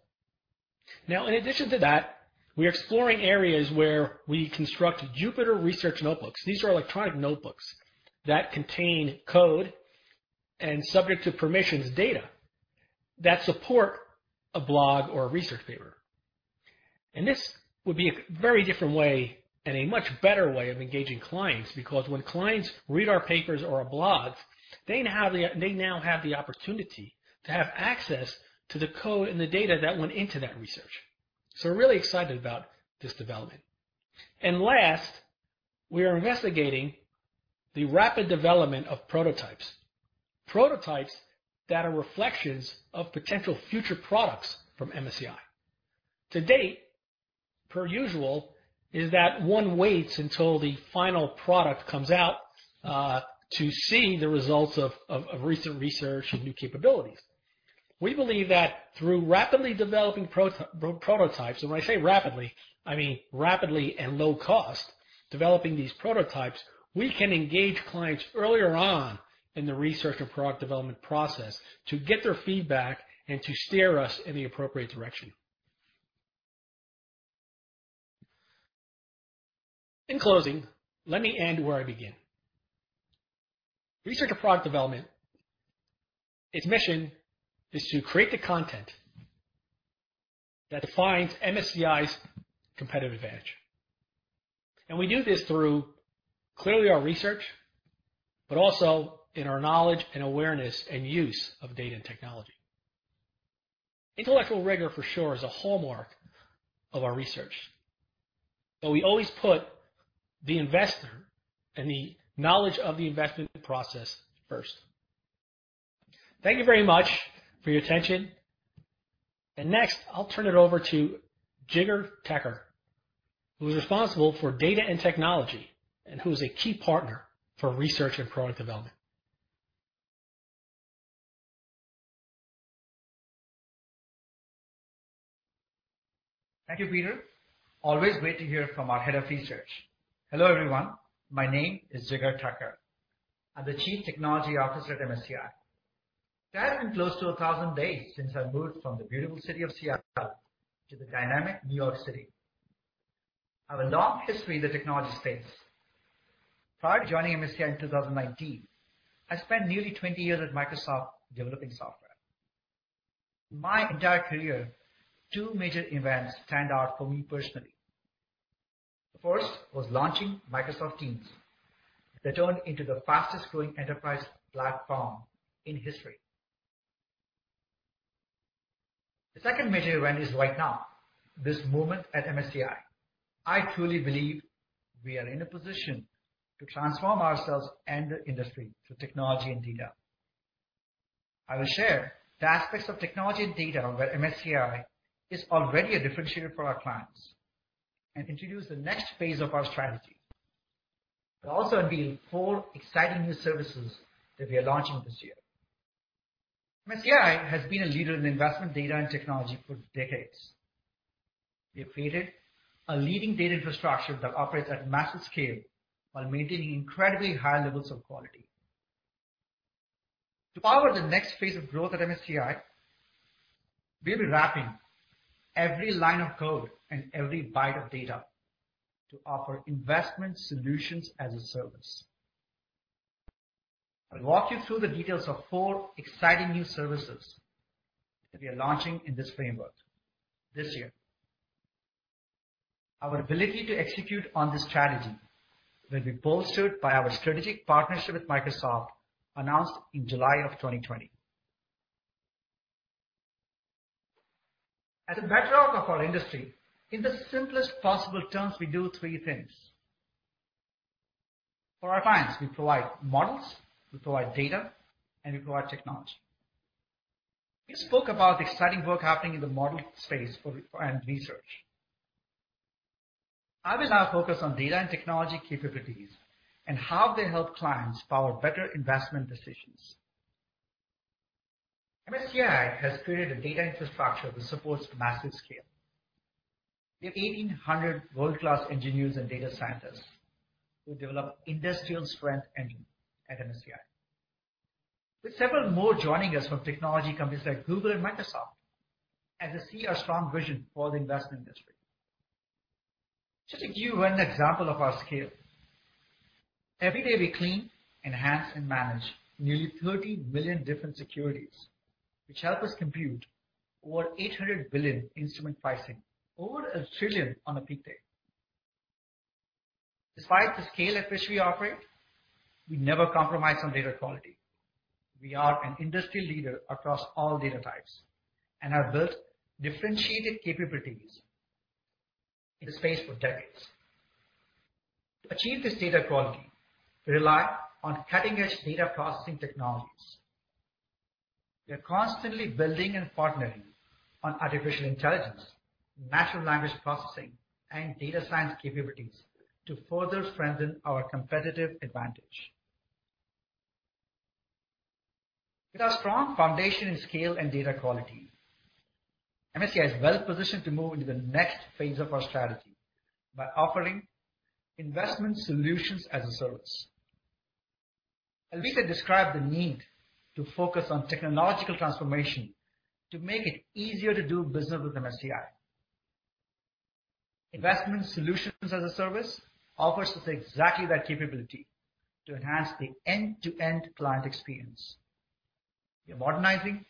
S9: In addition to that, we're exploring areas where we construct Jupyter research notebooks. These are electronic notebooks that contain code and subject to permissions data that support a blog or a research paper. This would be a very different way and a much better way of engaging clients, because when clients read our papers or our blogs, they now have the opportunity to have access to the code and the data that went into that research. We're really excited about this development. Last, we are investigating the rapid development of prototypes. Prototypes that are reflections of potential future products from MSCI. To date, per usual, is that one waits until the final product comes out to see the results of recent research and new capabilities. We believe that through rapidly developing prototypes, and when I say rapidly, I mean rapidly and low cost, developing these prototypes, we can engage clients earlier on in the research and product development process to get their feedback and to steer us in the appropriate direction. In closing, let me end where I begin. Research and product development, its mission is to create the content that defines MSCI's competitive edge. We do this through, clearly our research, but also in our knowledge and awareness and use of data and technology. Intellectual rigor, for sure, is a hallmark of our research, but we always put the investor and the knowledge of the investment process first. Thank you very much for your attention. Next, I'll turn it over to Jigar Thakkar, who's responsible for data and technology and who's a key partner for research and product development.
S10: Thank you, Peter. Always great to hear from our head of research. Hello everyone, my name is Jigar Thakkar. I'm the Chief Technology Officer at MSCI. Today has been close to 1,000 days since I moved from the beautiful city of Seattle to the dynamic New York City. I have a long history in the technology space. Prior to joining MSCI in 2019, I spent nearly 20 years at Microsoft developing software. In my entire career, two major events stand out for me personally. The first was launching Microsoft Teams, that turned into the fastest-growing enterprise platform in history. The second major event is right now, this moment at MSCI. I truly believe we are in a position to transform ourselves and the industry through technology and data. I will share the aspects of technology and data where MSCI is already a differentiator for our clients and introduce the next phase of our strategy. I'll also unveil four exciting new services that we are launching this year. MSCI has been a leader in investment data and technology for decades. We have created a leading data infrastructure that operates at massive scale while maintaining incredibly high levels of quality. To power the next phase of growth at MSCI, we'll be wrapping every line of code and every byte of data to offer Investment Solutions as a Service. I'll walk you through the details of four exciting new services that we are launching in this framework this year. Our ability to execute on this strategy will be bolstered by our strategic partnership with Microsoft, announced in July of 2020. As a bedrock of our industry, in the simplest possible terms, we do three things. For our clients, we provide models, we provide data, and we provide technology. We spoke about the exciting work happening in the model space for AI and research. I will now focus on data and technology capabilities and how they help clients power better investment decisions. MSCI has created a data infrastructure that supports massive scale. We have 1,800 world-class engineers and data scientists who develop industrial-strength engine at MSCI, with several more joining us from technology companies like Google and Microsoft as they see our strong vision for the investment industry. Just to give you one example of our scale, every day we clean, enhance, and manage nearly 30 billion different securities, which help us compute over 800 billion instrument pricing, over 1 trillion on a peak day. Despite the scale at which we operate, we never compromise on data quality. We are an industry leader across all data types and have built differentiated capabilities in the space for decades. To achieve this data quality, we rely on cutting-edge data processing technologies. We are constantly building and partnering on artificial intelligence, natural language processing, and data science capabilities to further strengthen our competitive advantage. With our strong foundation in scale and data quality, MSCI is well positioned to move into the next phase of our strategy by offering Investment Solutions as a Service. We can describe the need to focus on technological transformation to make it easier to do business with MSCI. Investment Solutions as a Service offers us exactly that capability to enhance the end-to-end client experience. We're modernizing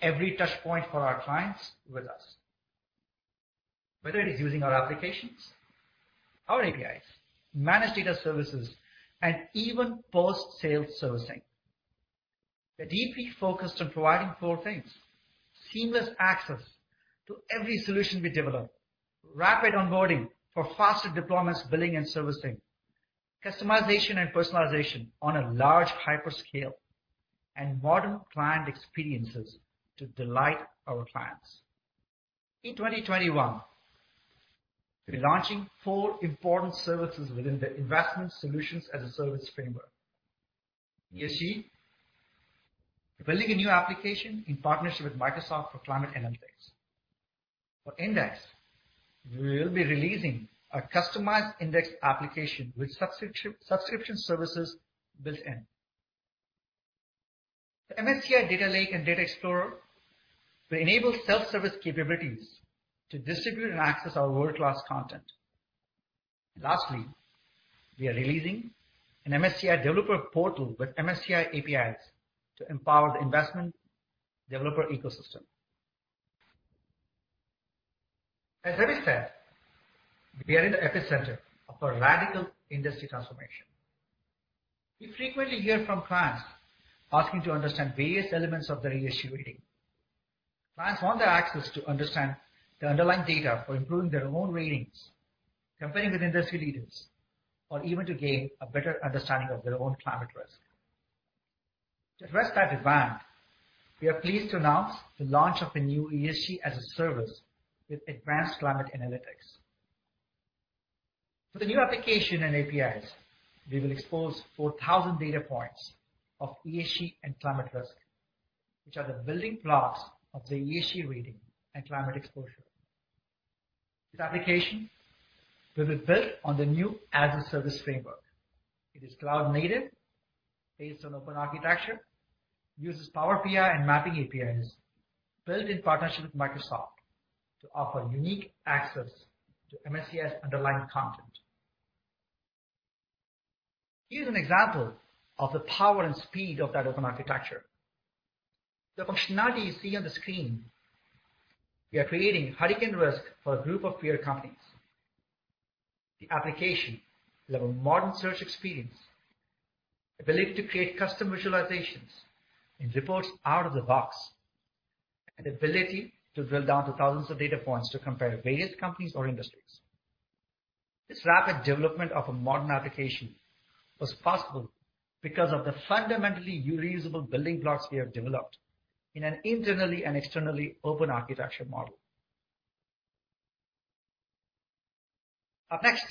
S10: every touch point for our clients with us. Whether it is using our applications, our APIs, managed data services, and even post-sale servicing. We're deeply focused on providing four things: seamless access to every solution we develop, rapid onboarding for faster deployments, billing and servicing, customization and personalization on a large hyper scale, and modern client experiences to delight our clients. In 2021, we'll be launching four important services within the Investment Solutions as a Service framework. ESG, we're building a new application in partnership with Microsoft for climate analytics. For Index, we'll be releasing a customized index application with subscription services built in. For MSCI Data Lake and MSCI Data Explorer, we enable self-service capabilities to distribute and access our world-class content. Lastly, we are releasing an MSCI Developer Community with MSCI APIs to empower the investment developer ecosystem. As Henry said, we are in the epicenter of a radical industry transformation. We frequently hear from clients asking to understand various elements of their ESG rating. Clients want the access to understand the underlying data for improving their own ratings, competing with industry leaders, or even to gain a better understanding of their own climate risk. To address that demand, we are pleased to announce the launch of a new ESG as a Service with advanced climate analytics. For the new application and APIs, we will expose 4,000 data points of ESG and climate risk, which are the building blocks of the ESG rating and climate exposure. This application will be built on the new as-a-service framework. It is cloud-native, based on open architecture, uses Power BI and mapping APIs built in partnership with Microsoft to offer unique access to MSCI's underlying content. Here's an example of the power and speed of that open architecture. The functionality you see on the screen, we are creating hurricane risk for a group of peer companies. The application will have a modern search experience, ability to create custom visualizations and reports out of the box, and ability to drill down to thousands of data points to compare various companies or industries. This rapid development of a modern application was possible because of the fundamentally reusable building blocks we have developed in an internally and externally open architecture model. Up next,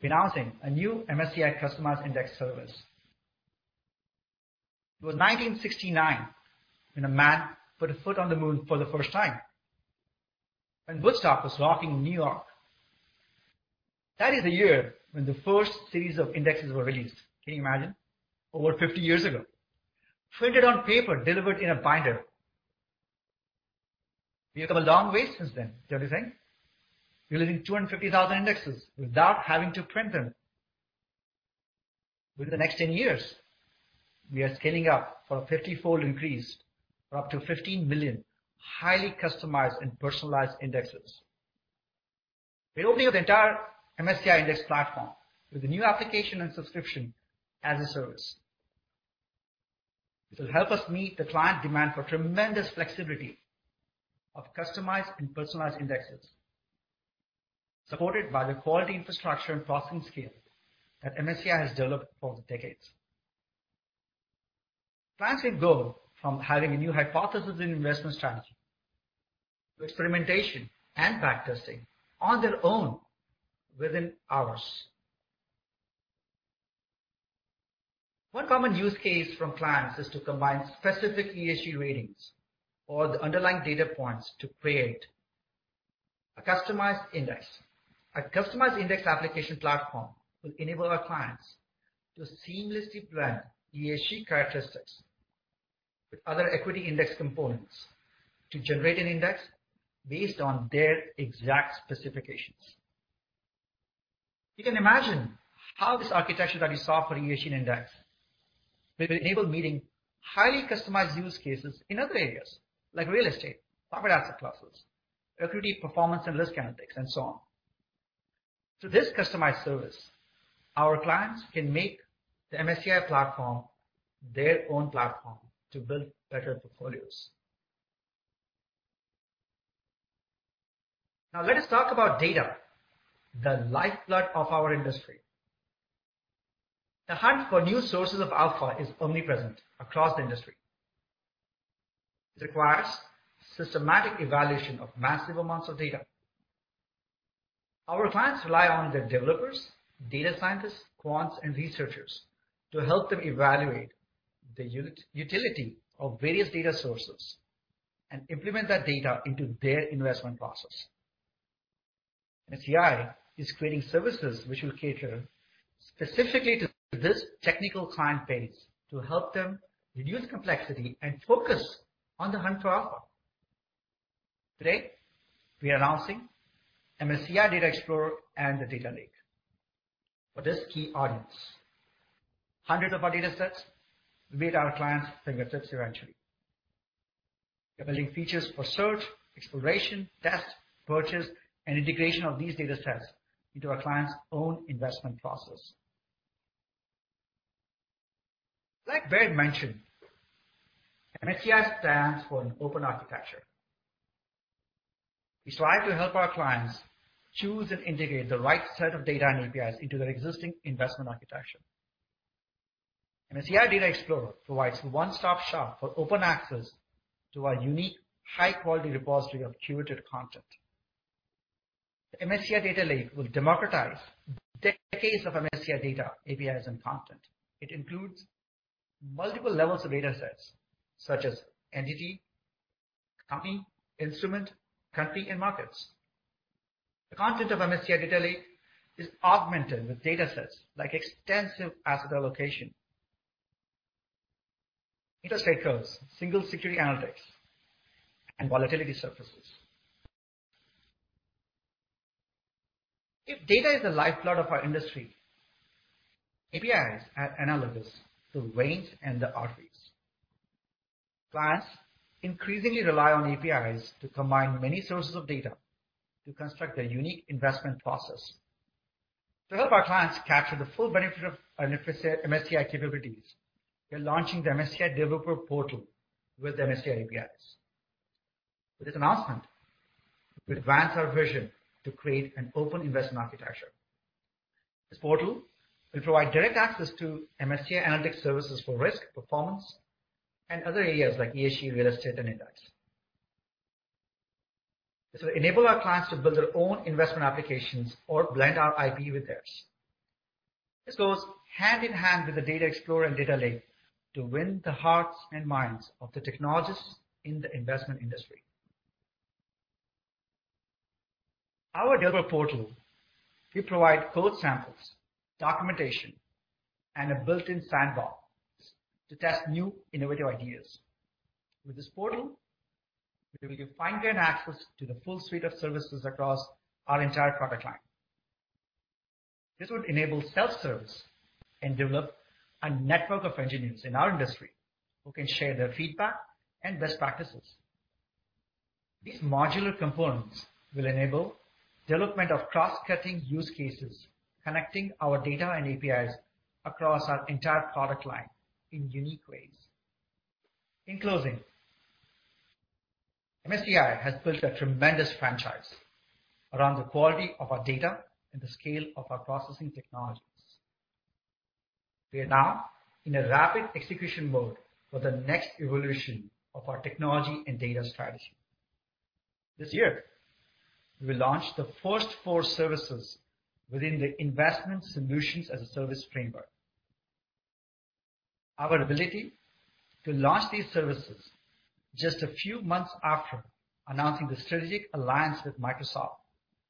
S10: we're announcing a new MSCI customized index service. It was 1969 when a man put a foot on the moon for the first time, when Woodstock was rocking New York. That is the year when the first series of indexes were released. Can you imagine? Over 50 years ago, printed on paper, delivered in a binder. We have come a long way since then, don't you think? We're delivering 250,000 indexes without having to print them. Within the next 10 years, we are scaling up for a 50-fold increase for up to 15 million highly customized and personalized indexes. We're opening up the entire MSCI index platform with a new application and subscription as a service. This will help us meet the client demand for tremendous flexibility of customized and personalized indexes, supported by the quality infrastructure and processing scale that MSCI has developed over the decades. Clients can go from having a new hypothesis and investment strategy to experimentation and backtesting on their own within hours. One common use case from clients is to combine specific ESG ratings or the underlying data points to create a customized index. A customized index application platform will enable our clients to seamlessly blend ESG characteristics with other equity index components to generate an index based on their exact specifications. You can imagine how this architecture that we saw for ESG index will enable meeting highly customized use cases in other areas like real estate, private asset classes, equity performance and risk analytics, and so on. Through this customized service, our clients can make the MSCI platform their own platform to build better portfolios. Let us talk about data, the lifeblood of our industry. The hunt for new sources of alpha is omnipresent across the industry. It requires systematic evaluation of massive amounts of data. Our clients rely on their developers, data scientists, quants, and researchers to help them evaluate the utility of various data sources and implement that data into their investment process. MSCI is creating services which will cater specifically to this technical client base to help them reduce complexity and focus on the hunt for alpha. Today, we are announcing MSCI Data Explorer and the Data Lake for this key audience. Hundreds of our datasets will be at our clients' fingertips eventually. We're building features for search, exploration, test, purchase, and integration of these datasets into our clients' own investment process. Like Baer mentioned, MSCI stands for an open architecture. We strive to help our clients choose and integrate the right set of data and APIs into their existing investment architecture. MSCI Data Explorer provides a one-stop shop for open access to our unique, high-quality repository of curated content. The MSCI Data Lake will democratize decades of MSCI data, APIs, and content. It includes multiple levels of datasets, such as entity, company, instrument, country, and markets. The content of MSCI Data Lake is augmented with datasets like extensive asset allocation, interest rate curves, single-security analytics, and volatility surfaces. If data is the lifeblood of our industry, APIs are analogous to veins and the arteries. Clients increasingly rely on APIs to combine many sources of data to construct their unique investment process. To help our clients capture the full benefit of MSCI capabilities, we're launching the MSCI developer portal with MSCI APIs. With this announcement, we advance our vision to create an open investment architecture. This portal will provide direct access to MSCI analytics services for risk, performance, and other areas like ESG, real estate, and index. This will enable our clients to build their own investment applications or blend our IP with theirs. This goes hand in hand with the Data Explorer and Data Lake to win the hearts and minds of the technologists in the investment industry. Our developer portal will provide code samples, documentation, and a built-in sandbox to test new innovative ideas. With this portal, we will give fine-grained access to the full suite of services across our entire product line. This would enable self-service and develop a network of engineers in our industry who can share their feedback and best practices. These modular components will enable development of cross-cutting use cases, connecting our data and APIs across our entire product line in unique ways. In closing, MSCI has built a tremendous franchise around the quality of our data and the scale of our processing technologies. We are now in a rapid execution mode for the next evolution of our technology and data strategy. This year, we launched the first four services within the Investment Solutions as a Service framework. Our ability to launch these services just a few months after announcing the strategic alliance with Microsoft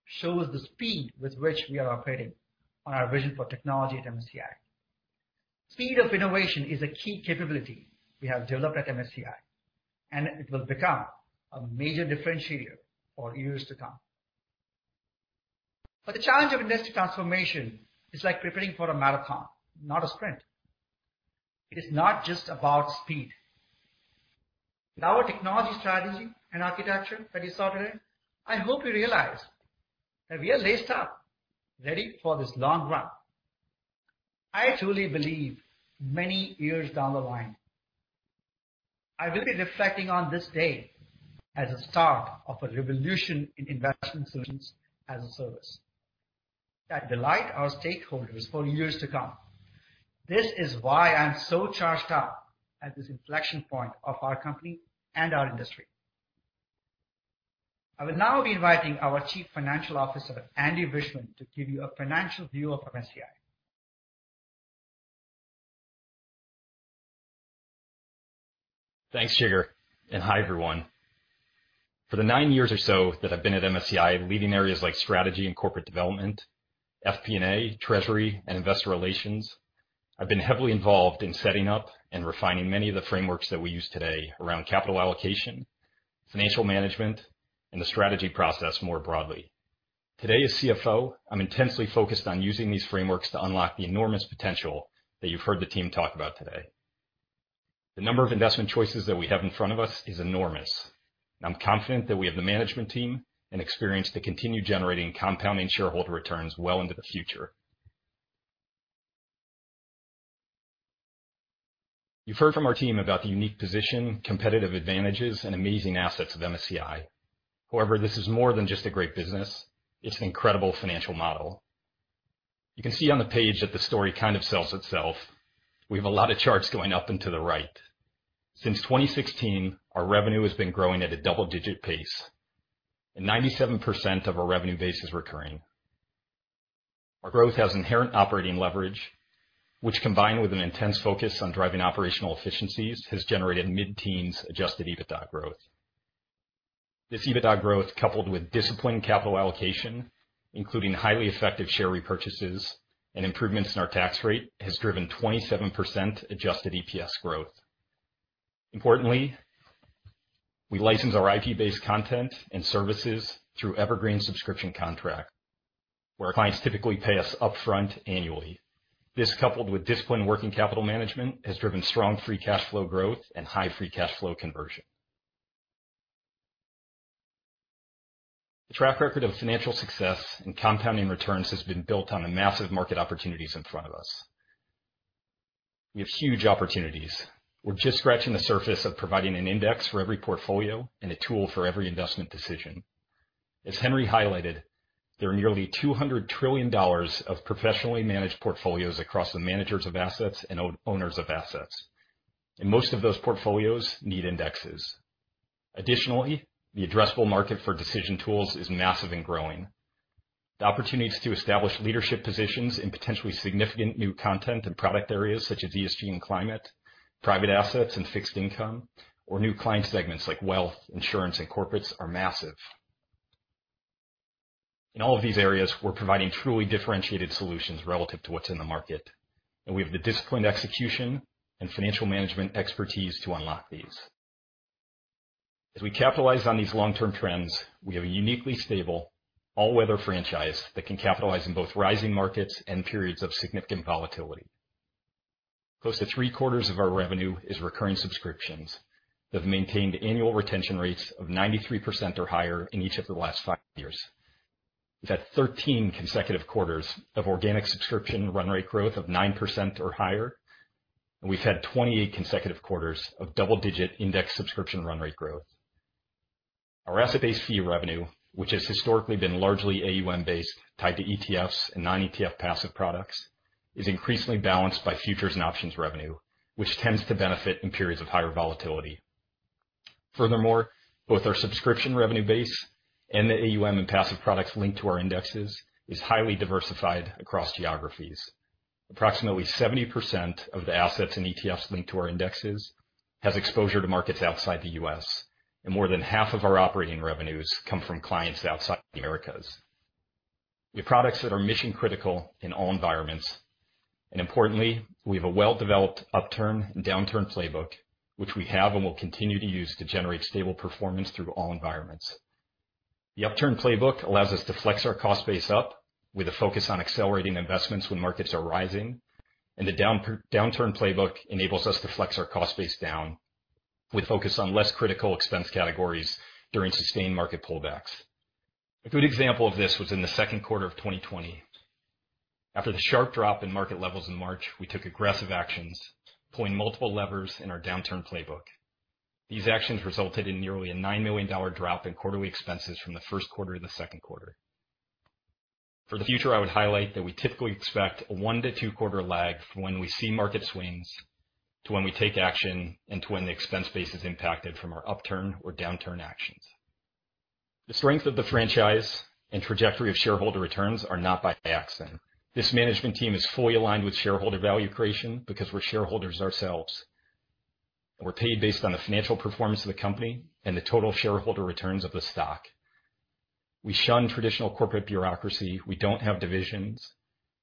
S10: shows the speed with which we are operating on our vision for technology at MSCI. Speed of innovation is a key capability we have developed at MSCI, and it will become a major differentiator for years to come. The challenge of industry transformation is like preparing for a marathon, not a sprint. It is not just about speed. In our technology strategy and architecture that you saw today, I hope you realize that we are laced up, ready for this long run. I truly believe many years down the line, I will be reflecting on this day as a start of a revolution in Investment Solutions as a Service that delight our stakeholders for years to come. This is why I'm so charged up at this inflection point of our company and our industry. I will now be inviting our Chief Financial Officer, Andy Wiechmann, to give you a financial view of MSCI.
S11: Thanks, Jigar, and hi, everyone. For the nine years or so that I've been at MSCI, leading areas like strategy and corporate development, FP&A, treasury, and investor relations, I've been heavily involved in setting up and refining many of the frameworks that we use today around capital allocation, financial management, and the strategy process more broadly. Today as CFO, I'm intensely focused on using these frameworks to unlock the enormous potential that you've heard the team talk about today. The number of investment choices that we have in front of us is enormous, and I'm confident that we have the management team and experience to continue generating compounding shareholder returns well into the future. You've heard from our team about the unique position, competitive advantages, and amazing assets of MSCI. However, this is more than just a great business, it's an incredible financial model. You can see on the page that the story kind of sells itself. We have a lot of charts going up and to the right. Since 2016, our revenue has been growing at a double-digit pace, and 97% of our revenue base is recurring. Our growth has inherent operating leverage, which, combined with an intense focus on driving operational efficiencies, has generated mid-teens adjusted EBITDA growth. This EBITDA growth, coupled with disciplined capital allocation, including highly effective share repurchases and improvements in our tax rate, has driven 27% adjusted EPS growth. Importantly, we license our IP-based content and services through evergreen subscription contract, where clients typically pay us upfront annually. This, coupled with disciplined working capital management, has driven strong free cash flow growth and high free cash flow conversion. The track record of financial success and compounding returns has been built on the massive market opportunities in front of us. We have huge opportunities. We're just scratching the surface of providing an index for every portfolio and a tool for every investment decision. As Henry highlighted, there are nearly $200 trillion of professionally managed portfolios across the managers of assets and owners of assets, and most of those portfolios need indexes. Additionally, the addressable market for decision tools is massive and growing. The opportunities to establish leadership positions in potentially significant new content and product areas such as ESG and climate, private assets and fixed income, or new client segments like wealth, insurance, and corporates are massive. In all of these areas, we're providing truly differentiated solutions relative to what's in the market, and we have the disciplined execution and financial management expertise to unlock these. As we capitalize on these long-term trends, we have a uniquely stable all-weather franchise that can capitalize in both rising markets and periods of significant volatility. Close to three-quarters of our revenue is recurring subscriptions that have maintained annual retention rates of 93% or higher in each of the last five years. We've had 13 consecutive quarters of organic subscription run rate growth of 9% or higher, and we've had 28 consecutive quarters of double-digit index subscription run rate growth. Our asset-based fee revenue, which has historically been largely AUM-based, tied to ETFs and non-ETF passive products is increasingly balanced by futures and options revenue, which tends to benefit in periods of higher volatility. Both our subscription revenue base and the AUM and passive products linked to our indexes is highly diversified across geographies. Approximately 70% of the assets in ETFs linked to our indexes has exposure to markets outside the U.S., and more than half of our operating revenues come from clients outside the Americas. We have products that are mission-critical in all environments. Importantly, we have a well-developed upturn and downturn playbook, which we have and will continue to use to generate stable performance through all environments. The upturn playbook allows us to flex our cost base up with a focus on accelerating investments when markets are rising, and the downturn playbook enables us to flex our cost base down with focus on less critical expense categories during sustained market pullbacks. A good example of this was in the second quarter of 2020. After the sharp drop in market levels in March, we took aggressive actions, pulling multiple levers in our downturn playbook. These actions resulted in nearly a $9 million drop in quarterly expenses from the first quarter to the second quarter. For the future, I would highlight that we typically expect a one to two quarter lag from when we see market swings to when we take action, and to when the expense base is impacted from our upturn or downturn actions. The strength of the franchise and trajectory of shareholder returns are not by accident. This management team is fully aligned with shareholder value creation because we're shareholders ourselves, and we're paid based on the financial performance of the company and the total shareholder returns of the stock. We shun traditional corporate bureaucracy. We don't have divisions.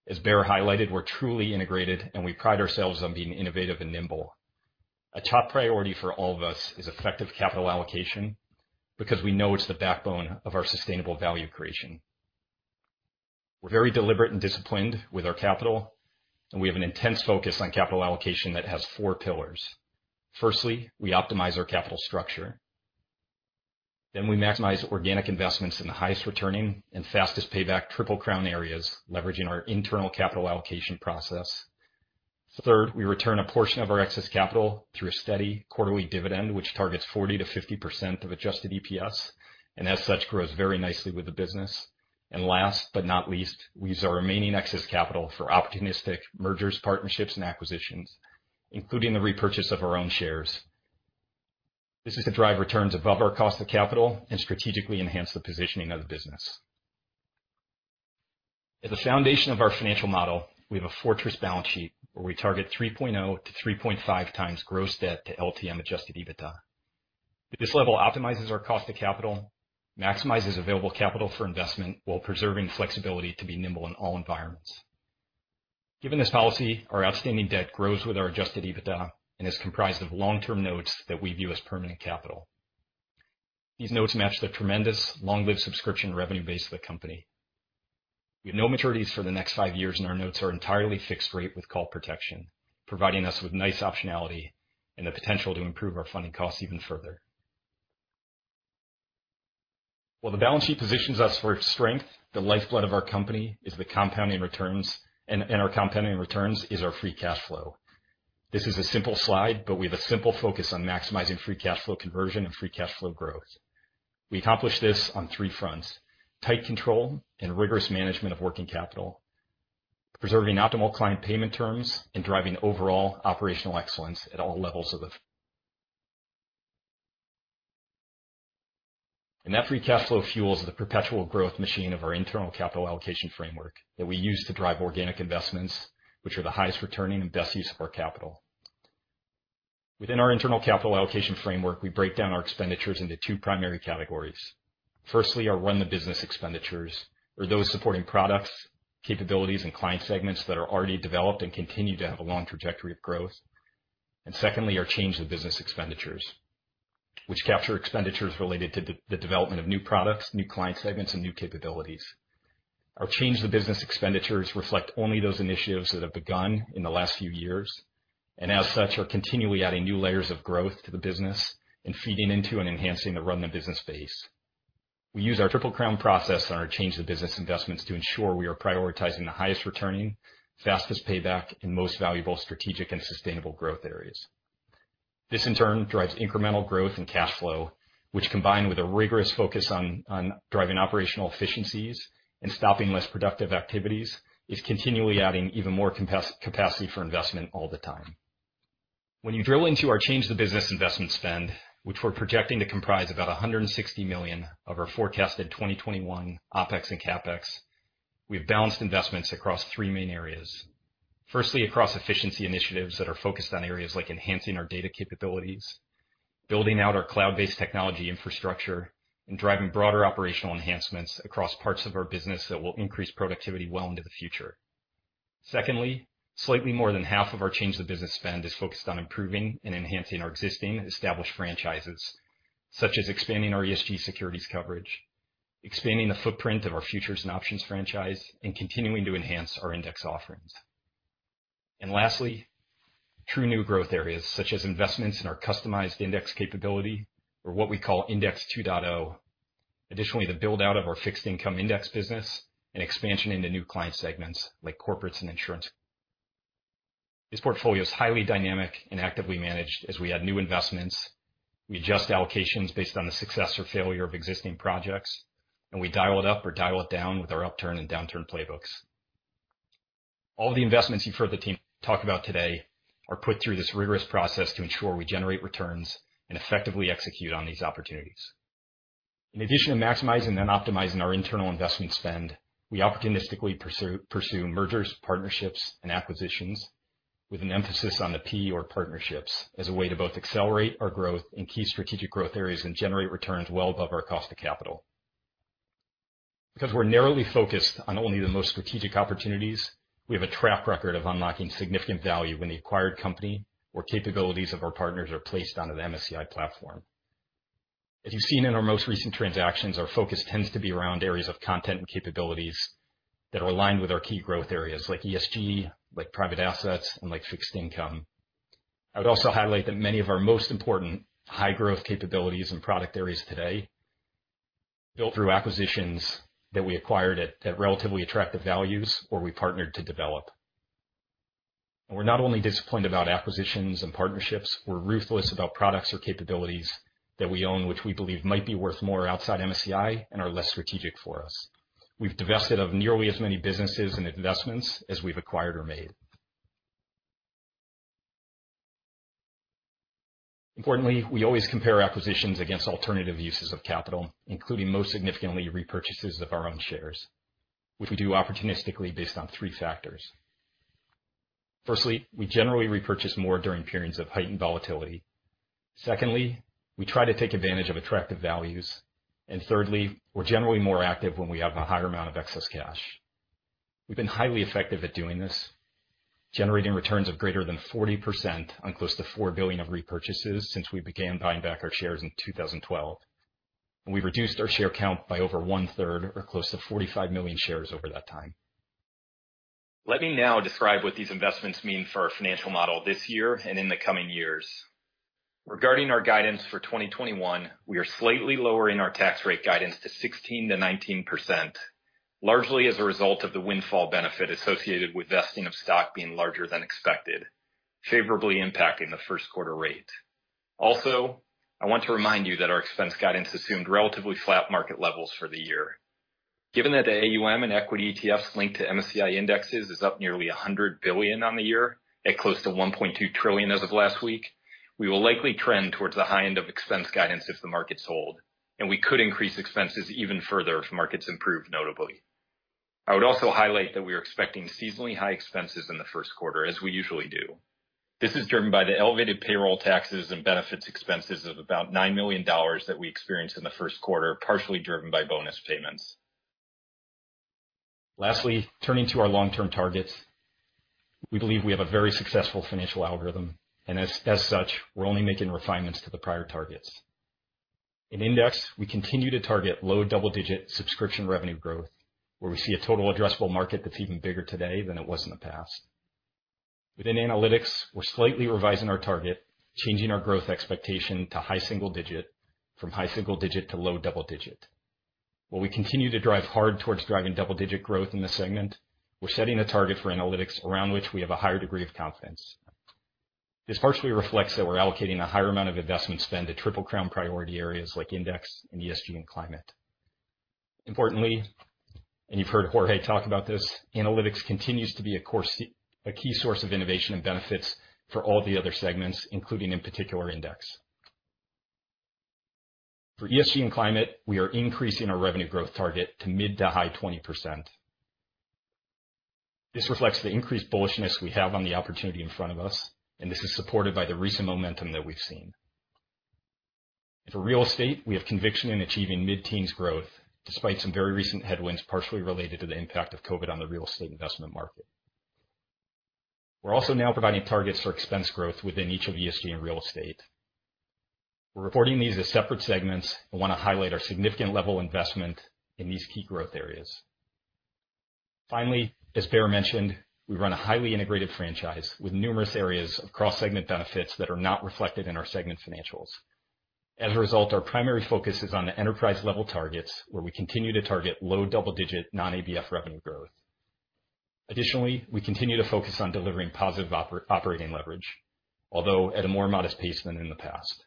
S11: As Baer highlighted, we're truly integrated, and we pride ourselves on being innovative and nimble. A top priority for all of us is effective capital allocation, because we know it's the backbone of our sustainable value creation. We're very deliberate and disciplined with our capital, and we have an intense focus on capital allocation that has four pillars. Firstly, we optimize our capital structure. We maximize organic investments in the highest returning and fastest payback Triple Crown areas, leveraging our internal capital allocation process. Third, we return a portion of our excess capital through a steady quarterly dividend, which targets 40%-50% of adjusted EPS, and as such, grows very nicely with the business. Last but not least, we use our remaining excess capital for opportunistic mergers, partnerships, and acquisitions, including the repurchase of our own shares. This is to drive returns above our cost of capital and strategically enhance the positioning of the business. As a foundation of our financial model, we have a fortress balance sheet where we target 3.0-3.5 times gross debt to LTM adjusted EBITDA. This level optimizes our cost of capital, maximizes available capital for investment while preserving flexibility to be nimble in all environments. Given this policy, our outstanding debt grows with our adjusted EBITDA and is comprised of long-term notes that we view as permanent capital. These notes match the tremendous long-lived subscription revenue base of the company. We have no maturities for the next five years, and our notes are entirely fixed rate with call protection, providing us with nice optionality and the potential to improve our funding costs even further. While the balance sheet positions us for strength, the lifeblood of our company is the compounding returns, and our compounding returns is our free cash flow. This is a simple slide, but we have a simple focus on maximizing free cash flow conversion and free cash flow growth. We accomplish this on three fronts: tight control and rigorous management of working capital, preserving optimal client payment terms, and driving overall operational excellence at all levels of the firm. That free cash flow fuels the perpetual growth machine of our internal capital allocation framework that we use to drive organic investments, which are the highest returning and best use of our capital. Within our internal capital allocation framework, we break down our expenditures into two primary categories. Firstly, our run the business expenditures are those supporting products, capabilities, and client segments that are already developed and continue to have a long trajectory of growth. Secondly, our change the business expenditures, which capture expenditures related to the development of new products, new client segments, and new capabilities. Our change the business expenditures reflect only those initiatives that have begun in the last few years, and as such, are continually adding new layers of growth to the business and feeding into and enhancing the run the business base. We use our Triple Crown process on our change the business investments to ensure we are prioritizing the highest returning, fastest payback, and most valuable strategic and sustainable growth areas. This in turn drives incremental growth and cash flow, which combined with a rigorous focus on driving operational efficiencies and stopping less productive activities, is continually adding even more capacity for investment all the time. When you drill into our change the business investment spend, which we're projecting to comprise about $160 million of our forecasted 2021 OpEx and CapEx, we have balanced investments across three main areas. Firstly, across efficiency initiatives that are focused on areas like enhancing our data capabilities, building out our cloud-based technology infrastructure, and driving broader operational enhancements across parts of our business that will increase productivity well into the future. Secondly, slightly more than half of our change the business spend is focused on improving and enhancing our existing established franchises, such as expanding our ESG securities coverage, expanding the footprint of our futures and options franchise, and continuing to enhance our index offerings. Lastly, true new growth areas such as investments in our customized index capability or what we call Index 2.0. Additionally, the build-out of our fixed income index business and expansion into new client segments like corporates and insurance companies. This portfolio is highly dynamic and actively managed as we add new investments, we adjust allocations based on the success or failure of existing projects, and we dial it up or dial it down with our upturn and downturn playbooks. All the investments you've heard the team talk about today are put through this rigorous process to ensure we generate returns and effectively execute on these opportunities. In addition to maximizing and optimizing our internal investment spend, we opportunistically pursue mergers, partnerships, and acquisitions with an emphasis on the P or partnerships as a way to both accelerate our growth in key strategic growth areas and generate returns well above our cost of capital. Because we're narrowly focused on only the most strategic opportunities, we have a track record of unlocking significant value when the acquired company or capabilities of our partners are placed onto the MSCI platform. As you've seen in our most recent transactions, our focus tends to be around areas of content and capabilities that are aligned with our key growth areas like ESG, like private assets, and like fixed income. I would also highlight that many of our most important high-growth capabilities and product areas today built through acquisitions that we acquired at relatively attractive values or we partnered to develop. We're not only disciplined about acquisitions and partnerships, we're ruthless about products or capabilities that we own, which we believe might be worth more outside MSCI and are less strategic for us. We've divested of nearly as many businesses and investments as we've acquired or made. Importantly, we always compare acquisitions against alternative uses of capital, including most significantly repurchases of our own shares, which we do opportunistically based on three factors. Firstly, we generally repurchase more during periods of heightened volatility. Secondly, we try to take advantage of attractive values. Thirdly, we're generally more active when we have a higher amount of excess cash. We've been highly effective at doing this, generating returns of greater than 40% on close to $4 billion of repurchases since we began buying back our shares in 2012. We've reduced our share count by over one-third or close to 45 million shares over that time. Let me now describe what these investments mean for our financial model this year and in the coming years. Regarding our guidance for 2021, we are slightly lowering our tax rate guidance to 16%-19%, largely as a result of the windfall benefit associated with vesting of stock being larger than expected, favorably impacting the first quarter rate. Also, I want to remind you that our expense guidance assumed relatively flat market levels for the year. Given that the AUM and equity ETFs linked to MSCI indexes is up nearly $100 billion on the year at close to $1.2 trillion as of last week, we will likely trend towards the high end of expense guidance if the markets hold, and we could increase expenses even further if markets improve notably. I would also highlight that we are expecting seasonally high expenses in the first quarter, as we usually do. This is driven by the elevated payroll taxes and benefits expenses of about $9 million that we experienced in the first quarter, partially driven by bonus payments. Lastly, turning to our long-term targets. We believe we have a very successful financial algorithm, and as such, we're only making refinements to the prior targets. In Index, we continue to target low double-digit subscription revenue growth, where we see a total addressable market that's even bigger today than it was in the past. Within Analytics, we're slightly revising our target, changing our growth expectation to high single digit, from high single digit to low double digit. While we continue to drive hard towards driving double-digit growth in this segment, we're setting a target for Analytics around which we have a higher degree of confidence. This partially reflects that we're allocating a higher amount of investment spend to Triple Crown priority areas like Index and ESG and Climate. Importantly, you've heard Jorge talk about this, Analytics continues to be a key source of innovation and benefits for all the other segments, including in particular Index. For ESG and Climate, we are increasing our revenue growth target to mid to high 20%. This reflects the increased bullishness we have on the opportunity in front of us, this is supported by the recent momentum that we've seen. For Real Estate, we have conviction in achieving mid-teens growth, despite some very recent headwinds partially related to the impact of COVID on the real estate investment market. We're also now providing targets for expense growth within each of ESG and Real Estate. We're reporting these as separate segments and want to highlight our significant level of investment in these key growth areas. Finally, as Baer mentioned, we run a highly integrated franchise with numerous areas of cross-segment benefits that are not reflected in our segment financials. As a result, our primary focus is on the enterprise-level targets, where we continue to target low double-digit non-ABF revenue growth. Additionally, we continue to focus on delivering positive operating leverage, although at a more modest pace than in the past.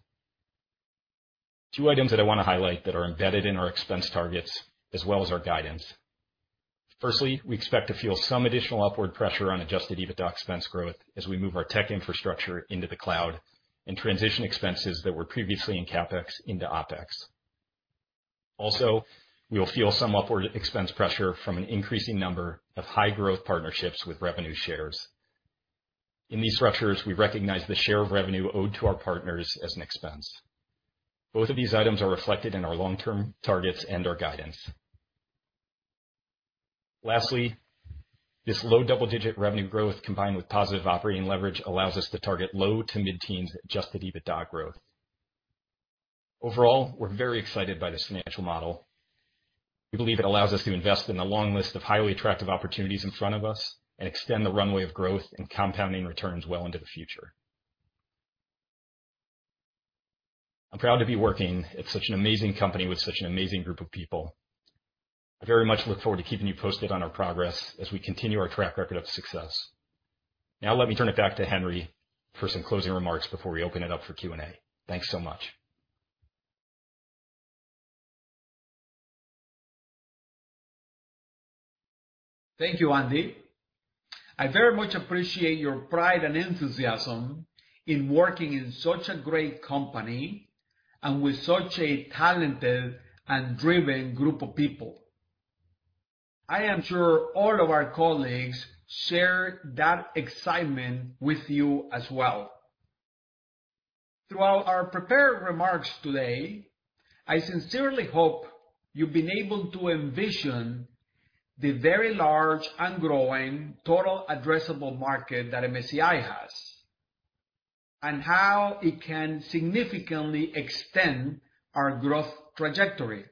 S11: Two items that I want to highlight that are embedded in our expense targets as well as our guidance. Firstly, we expect to feel some additional upward pressure on adjusted EBITDA expense growth as we move our tech infrastructure into the cloud and transition expenses that were previously in CapEx into OpEx. We will feel some upward expense pressure from an increasing number of high-growth partnerships with revenue shares. In these structures, we recognize the share of revenue owed to our partners as an expense. Both of these items are reflected in our long-term targets and our guidance. This low double-digit revenue growth combined with positive operating leverage allows us to target low to mid-teens adjusted EBITDA growth. We're very excited by this financial model. We believe it allows us to invest in the long list of highly attractive opportunities in front of us and extend the runway of growth and compounding returns well into the future. I'm proud to be working at such an amazing company with such an amazing group of people. I very much look forward to keeping you posted on our progress as we continue our track record of success. Now let me turn it back to Henry for some closing remarks before we open it up for Q&A. Thanks so much.
S2: Thank you, Andy. I very much appreciate your pride and enthusiasm in working in such a great company and with such a talented and driven group of people. I am sure all of our colleagues share that excitement with you as well. Throughout our prepared remarks today, I sincerely hope you've been able to envision the very large and growing total addressable market that MSCI has, and how it can significantly extend our growth trajectory.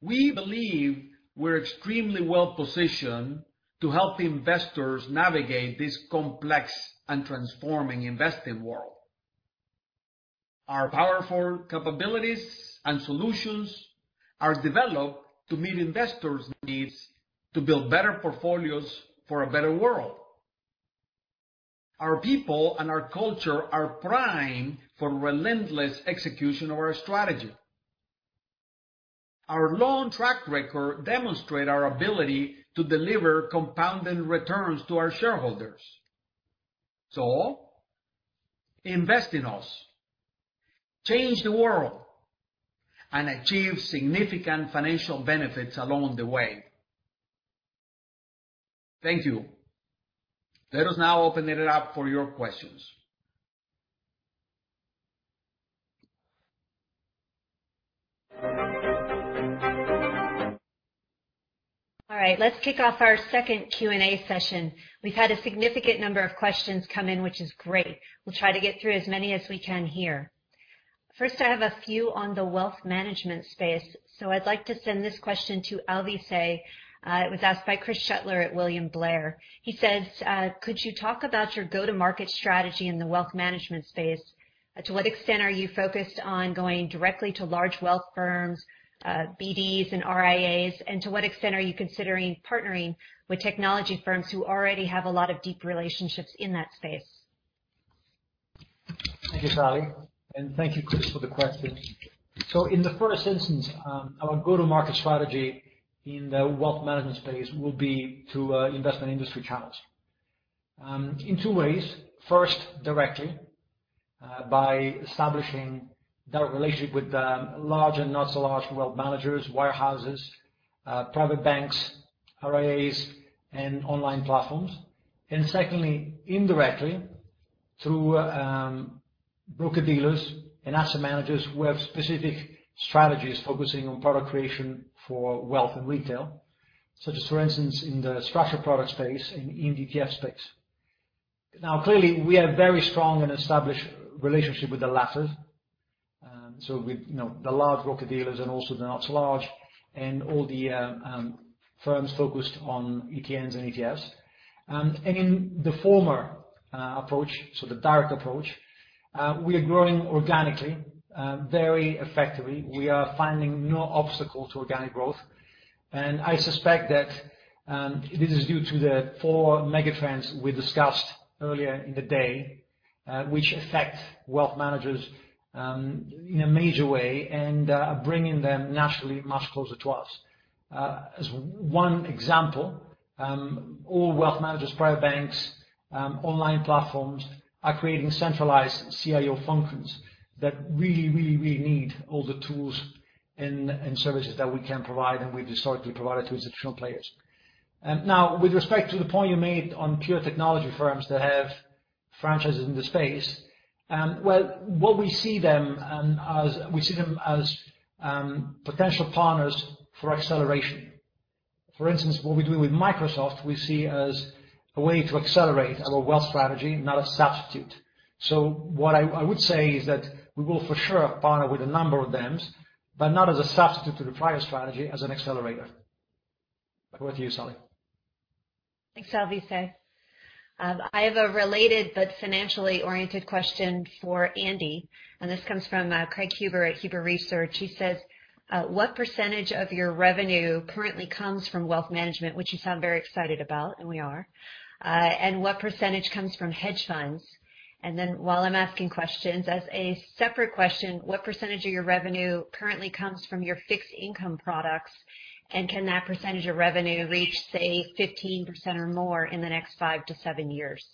S2: We believe we're extremely well-positioned to help investors navigate this complex and transforming investing world. Our powerful capabilities and solutions are developed to meet investors' needs to build better portfolios for a better world. Our people and our culture are primed for relentless execution of our strategy. Our long track record demonstrate our ability to deliver compounding returns to our shareholders. Invest in us, change the world, and achieve significant financial benefits along the way. Thank you. Let us now open it up for your questions.
S1: All right, let's kick off our second Q&A session. We've had a significant number of questions come in, which is great. We'll try to get through as many as we can here. First, I have a few on the wealth management space, so I'd like to send this question to Alvise. It was asked by Chris Shutler at William Blair. He says, "Could you talk about your go-to-market strategy in the wealth management space? To what extent are you focused on going directly to large wealth firms, BDs, and RIAs, and to what extent are you considering partnering with technology firms who already have a lot of deep relationships in that space?
S4: Thank you, Salli, and thank you, Chris, for the question. In the first instance, our go-to-market strategy in the wealth management space will be through investment industry channels in two ways. First, directly, by establishing direct relationship with the large and not so large wealth managers, wirehouses, private banks, RIAs, and online platforms. Secondly, indirectly, through broker-dealers and asset managers who have specific strategies focusing on product creation for wealth and retail, such as, for instance, in the structured product space and in ETF space. Clearly, we have very strong and established relationship with the latter, so with the large broker-dealers and also the not so large, and all the firms focused on ETNs and ETFs. In the former approach, so the direct approach, we are growing organically, very effectively. We are finding no obstacle to organic growth. I suspect that this is due to the four mega trends we discussed earlier in the day, which affect wealth managers in a major way and are bringing them naturally much closer to us. As one example, all wealth managers, private banks, online platforms, are creating centralized CIO functions that really need all the tools and services that we can provide and we've historically provided to institutional players. With respect to the point you made on pure technology firms that have franchises in the space, well, we see them as potential partners for acceleration. For instance, what we're doing with Microsoft, we see as a way to accelerate our wealth strategy, not a substitute. What I would say is that we will for sure partner with a number of them, but not as a substitute to the prior strategy, as an accelerator. Back over to you, Salli.
S1: Thanks, Alvise. I have a related but financially oriented question for Andy, and this comes from Craig Huber at Huber Research. He says, "What % of your revenue currently comes from wealth management," which you sound very excited about, and we are, "and what % comes from hedge funds?" While I'm asking questions, as a separate question, what % of your revenue currently comes from your fixed income products, and can that % of revenue reach, say, 15% or more in the next five to seven years?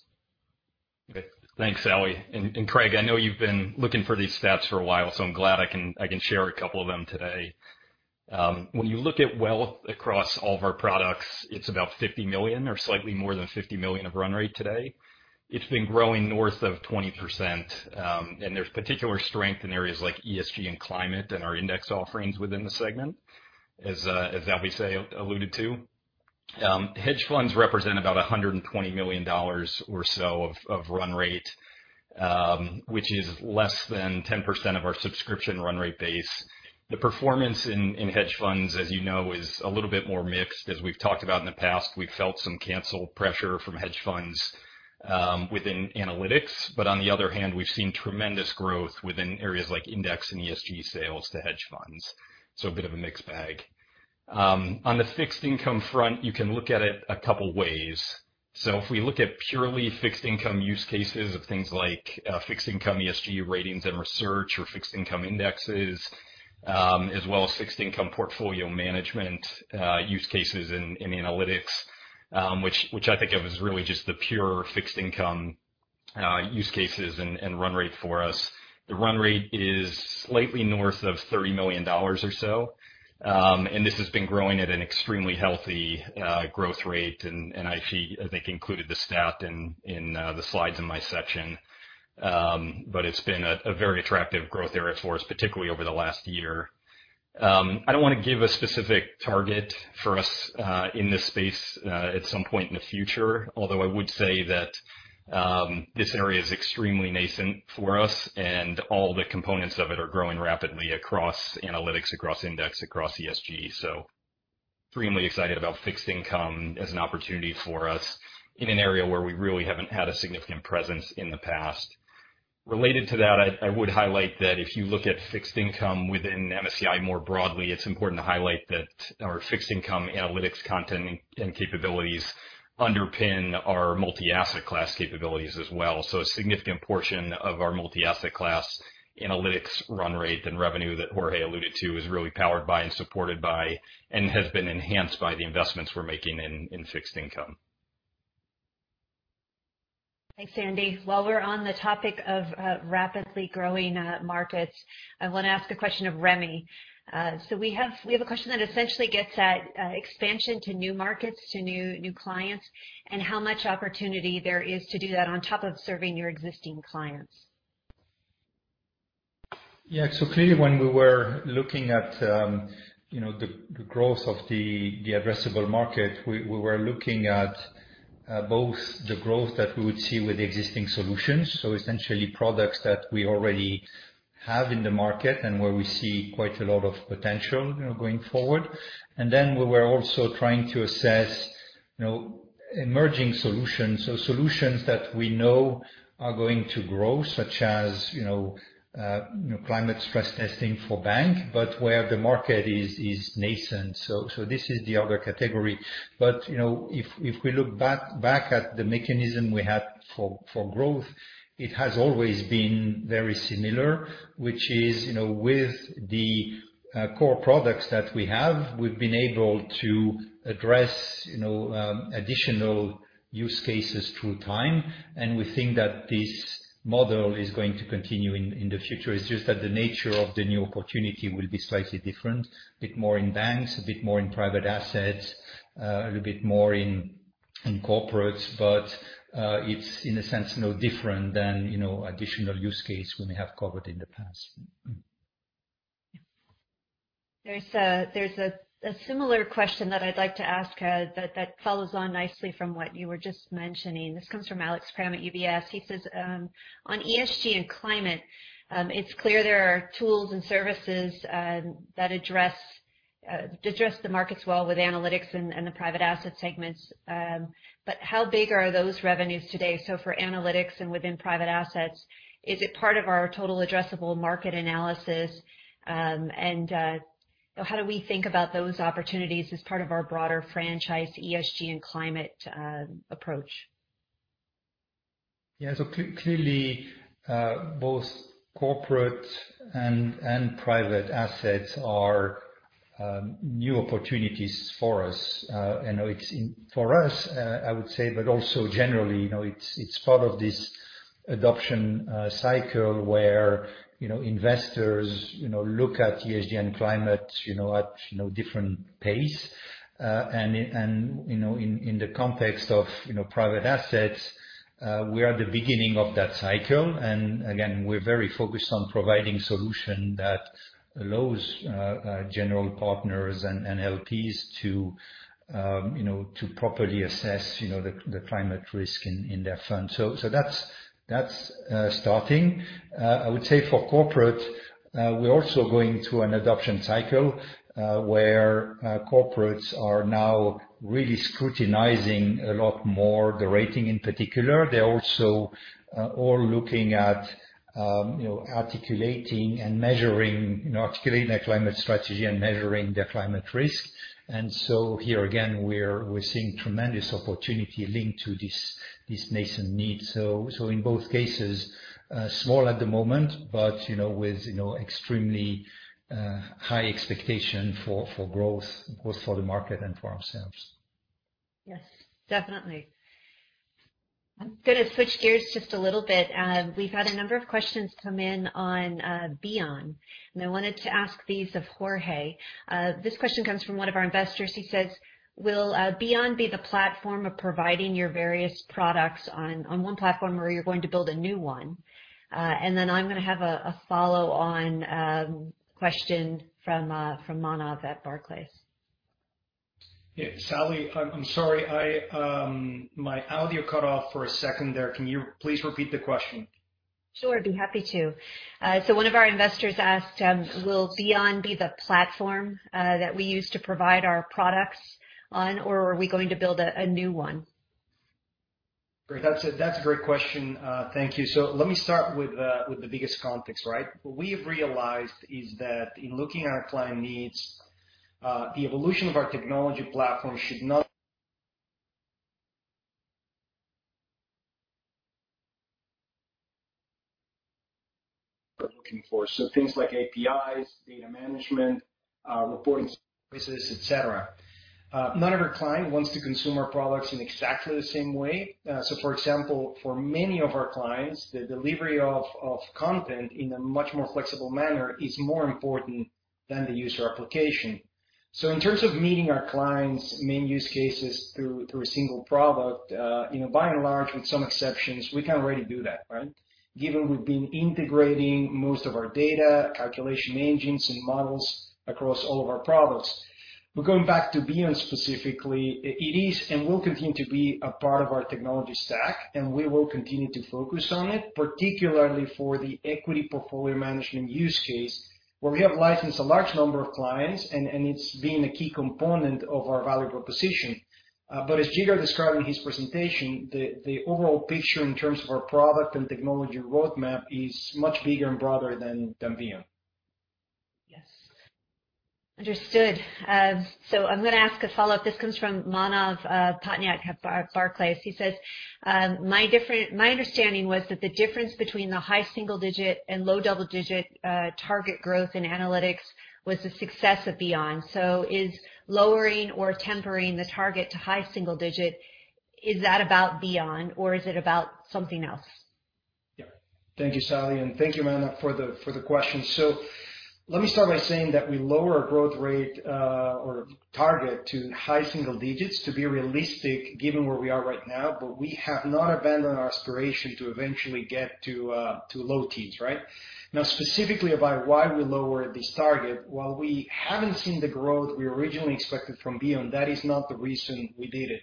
S11: Okay. Thanks, Salli, and Craig, I know you've been looking for these stats for a while, so I'm glad I can share a couple of them today. When you look at wealth across all of our products, it's about $50 million or slightly more than $50 million of run rate today. It's been growing north of 20%, and there's particular strength in areas like ESG and climate and our index offerings within the segment, as Alvise alluded to. Hedge funds represent about $120 million or so of run rate, which is less than 10% of our subscription run rate base. The performance in hedge funds, as you know, is a little bit more mixed. As we've talked about in the past, we've felt some cancel pressure from hedge funds within analytics. On the other hand, we've seen tremendous growth within areas like index and ESG sales to hedge funds. A bit of a mixed bag. On the fixed income front, you can look at it a couple of ways. If we look at purely fixed income use cases of things like fixed income ESG ratings and research or fixed income indexes, as well as fixed income portfolio management use cases in analytics, which I think of as really just the pure fixed income use cases and run rate for us. The run rate is slightly north of $30 million or so. This has been growing at an extremely healthy growth rate. I think included the stat in the slides in my section. It's been a very attractive growth area for us, particularly over the last year. I don't want to give a specific target for us in this space at some point in the future, although I would say that this area is extremely nascent for us and all the components of it are growing rapidly across analytics, across index, across ESG. Extremely excited about fixed income as an opportunity for us in an area where we really haven't had a significant presence in the past. Related to that, I would highlight that if you look at fixed income within MSCI more broadly, it's important to highlight that our fixed income analytics content and capabilities underpin our multi-asset class capabilities as well. A significant portion of our multi-asset class analytics run rate and revenue that Jorge alluded to is really powered by and supported by and has been enhanced by the investments we're making in fixed income.
S1: Thanks, Andy. While we're on the topic of rapidly growing markets, I want to ask a question of Remy. We have a question that essentially gets at expansion to new markets, to new clients, and how much opportunity there is to do that on top of serving your existing clients.
S6: Clearly when we were looking at the growth of the addressable market, we were looking at both the growth that we would see with existing solutions, so essentially products that we already have in the market and where we see quite a lot of potential going forward. Then we were also trying to assess emerging solutions. Solutions that we know are going to grow, such as climate stress testing for bank, but where the market is nascent. This is the other category. If we look back at the mechanism we had for growth, it has always been very similar, which is with the core products that we have, we've been able to address additional use cases through time, and we think that this model is going to continue in the future. It's just that the nature of the new opportunity will be slightly different, a bit more in banks, a bit more in private assets, a little bit more in corporates. It's in a sense, no different than additional use case we may have covered in the past.
S1: There's a similar question that I'd like to ask that follows on nicely from what you were just mentioning. This comes from Alex Kramm at UBS. He says, "On ESG and climate, it's clear there are tools and services that address the markets well with analytics and the private asset segments. How big are those revenues today? For analytics and within private assets, is it part of our total addressable market analysis? How do we think about those opportunities as part of our broader franchise ESG and climate approach?
S6: Clearly, both corporate and private assets are new opportunities for us. For us, I would say, but also generally, it's part of this adoption cycle where investors look at ESG and climate at different pace. In the context of private assets, we are at the beginning of that cycle. Again, we're very focused on providing solution that allows general partners and LPs to properly assess the climate risk in their fund. That's starting. I would say for corporate, we're also going through an adoption cycle, where corporates are now really scrutinizing a lot more the rating in particular. They're also all looking at articulating their climate strategy and measuring their climate risk. Here again, we're seeing tremendous opportunity linked to this nascent need. In both cases, small at the moment, but with extremely high expectation for growth, both for the market and for ourselves.
S1: Yes, definitely. I'm going to switch gears just a little bit. We've had a number of questions come in on Beon. I wanted to ask these of Jorge. This question comes from one of our investors. He says, "Will Beon be the platform of providing your various products on one platform, or are you going to build a new one?" I'm going to have a follow-on question from Manav at Barclays.
S7: Yeah, Salli, I'm sorry. My audio cut off for a second there. Can you please repeat the question?
S1: Sure, I'd be happy to. One of our investors asked, will Beon be the platform that we use to provide our products on, or are we going to build a new one?
S7: Great. That's a great question. Thank you. Let me start with the biggest context, right? What we have realized is that in looking at our client needs, the evolution of our technology platform should be looking for. Things like APIs, data management, reporting services, et cetera. Not every client wants to consume our products in exactly the same way. For example, for many of our clients, the delivery of content in a much more flexible manner is more important than the user application. In terms of meeting our clients' main use cases through a single product, by and large, with some exceptions, we can already do that, right? Given we've been integrating most of our data calculation engines and models across all of our products. Going back to Beon specifically, it is and will continue to be a part of our technology stack, and we will continue to focus on it, particularly for the equity portfolio management use case, where we have licensed a large number of clients and it's been a key component of our value proposition. As Jigar described in his presentation, the overall picture in terms of our product and technology roadmap is much bigger and broader than Beon.
S1: Yes. Understood. I'm going to ask a follow-up. This comes from Manav Patnaik at Barclays. He says, "My understanding was that the difference between the high single digit and low double digit target growth in analytics was the success of Beon. Is lowering or tempering the target to high single digit, is that about Beon or is it about something else?
S7: Thank you, Salli, and thank you, Manav, for the question. Let me start by saying that we lower our growth rate or target to high single digits to be realistic given where we are right now. We have not abandoned our aspiration to eventually get to low teens, right? Specifically about why we lowered this target, while we haven't seen the growth we originally expected from Beon, that is not the reason we did it.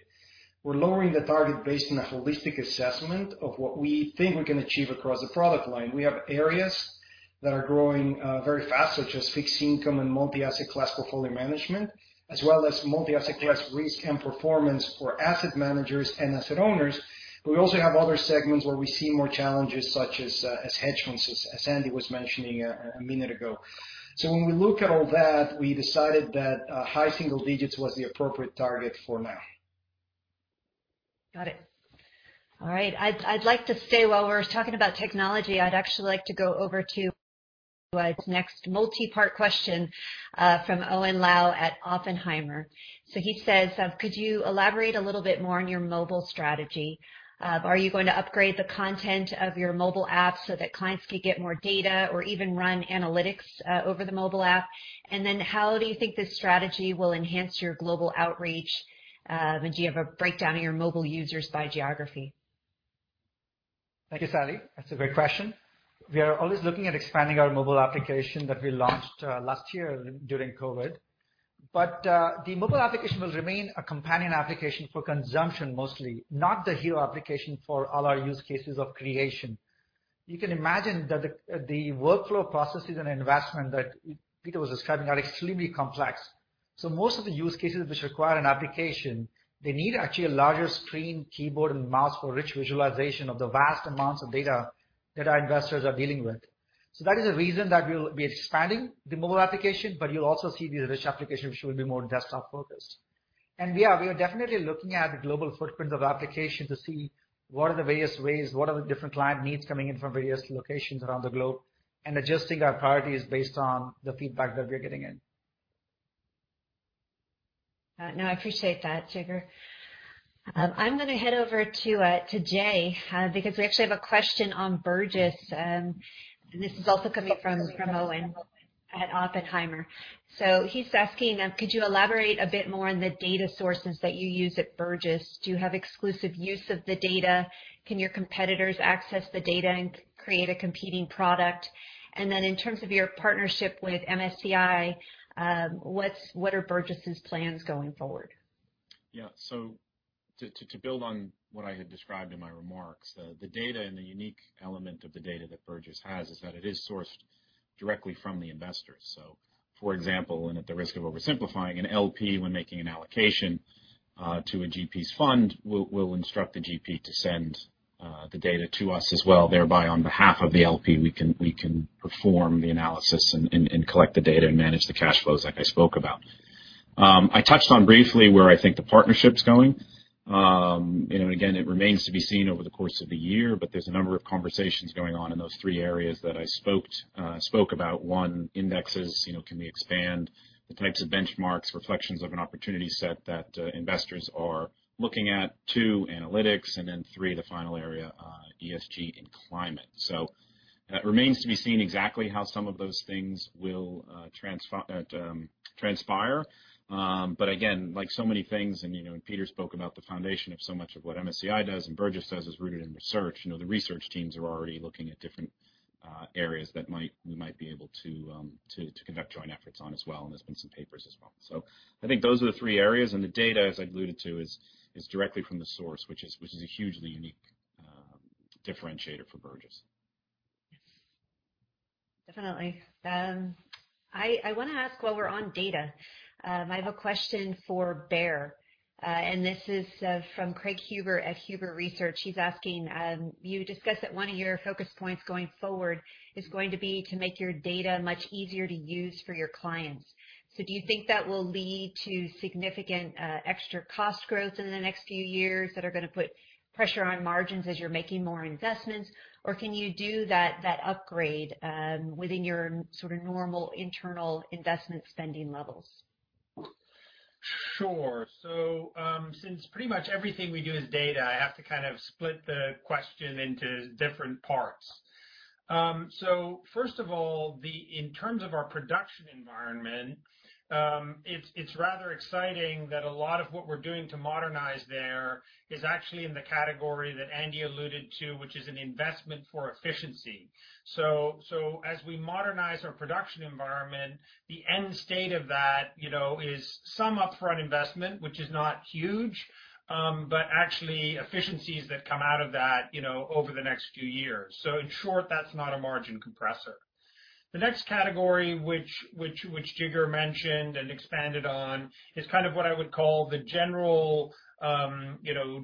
S7: We're lowering the target based on a holistic assessment of what we think we can achieve across the product line. We have areas that are growing very fast, such as fixed income and multi-asset class portfolio management, as well as multi-asset class risk and performance for asset managers and asset owners. We also have other segments where we see more challenges, such as hedge funds, as Andy was mentioning a minute ago. When we look at all that, we decided that high single digits was the appropriate target for now.
S1: Got it. All right. I'd like to stay while we're talking about technology. I'd actually like to go over to this next multi-part question from Owen Lau at Oppenheimer. He says, "Could you elaborate a little bit more on your mobile strategy? Are you going to upgrade the content of your mobile app so that clients could get more data or even run analytics over the mobile app? And then how do you think this strategy will enhance your global outreach? And do you have a breakdown of your mobile users by geography?
S10: Thank you, Salli. That's a great question. We are always looking at expanding our mobile application that we launched last year during COVID. The mobile application will remain a companion application for consumption mostly, not the hero application for all our use cases of creation. You can imagine that the workflow processes and investment that Peter was describing are extremely complex. Most of the use cases which require an application, they need actually a larger screen, keyboard, and mouse for rich visualization of the vast amounts of data that our investors are dealing with. That is the reason that we'll be expanding the mobile application, but you'll also see the rich application, which will be more desktop-focused. Yeah, we are definitely looking at the global footprint of application to see what are the various ways, what are the different client needs coming in from various locations around the globe, and adjusting our priorities based on the feedback that we're getting in.
S1: No, I appreciate that, Jigar. I'm going to head over to Jay, because we actually have a question on Burgiss. This is also coming from Owen at Oppenheimer. He's asking, "Could you elaborate a bit more on the data sources that you use at Burgiss? Do you have exclusive use of the data? Can your competitors access the data and create a competing product? And then in terms of your partnership with MSCI, what are Burgiss' plans going forward?
S8: Yeah. To build on what I had described in my remarks, the data and the unique element of the data that Burgiss has is that it is sourced directly from the investors. For example, and at the risk of oversimplifying, an LP when making an allocation to a GP's fund, we'll instruct the GP to send the data to us as well. Thereby on behalf of the LP, we can perform the analysis and collect the data and manage the cash flows like I spoke about. I touched on briefly where I think the partnership's going. Again, it remains to be seen over the course of the year, but there's a number of conversations going on in those three areas that I spoke about. One, indexes. Can we expand the types of benchmarks, reflections of an opportunity set that investors are looking at? Two, analytics. Then three, the final area, ESG and climate. It remains to be seen exactly how some of those things will transpire. Again, like so many things, and Peter spoke about the foundation of so much of what MSCI does and Burgiss does is rooted in research. The research teams are already looking at different areas that we might be able to conduct joint efforts on as well, and there's been some papers as well. I think those are the three areas, the data, as I alluded to is directly from the source, which is a hugely unique differentiator for Burgiss.
S1: Definitely. I want to ask while we're on data. I have a question for Baer, and this is from Craig Huber at Huber Research. He's asking, you discussed that one of your focus points going forward is going to be to make your data much easier to use for your clients. Do you think that will lead to significant extra cost growth in the next few years that are going to put pressure on margins as you're making more investments? Or can you do that upgrade within your sort of normal internal investment spending levels?
S3: Since pretty much everything we do is data, I have to kind of split the question into different parts. First of all, in terms of our production environment, it's rather exciting that a lot of what we're doing to modernize there is actually in the category that Andy alluded to, which is an investment for efficiency. As we modernize our production environment, the end state of that is some upfront investment, which is not huge, but actually efficiencies that come out of that over the next few years. In short, that's not a margin compressor. The next category, which Jigar mentioned and expanded on, is kind of what I would call the general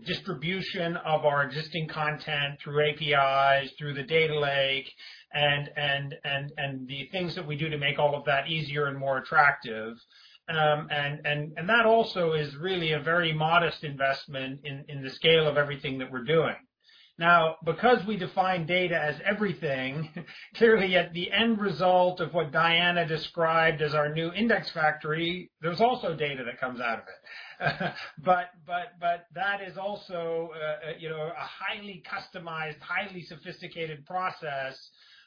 S3: distribution of our existing content through APIs, through the Data Lake, and the things that we do to make all of that easier and more attractive. That also is really a very modest investment in the scale of everything that we're doing. Because we define data as everything, clearly at the end result of what Diana described as our new index factory, there's also data that comes out of it. That is also a highly customized, highly sophisticated process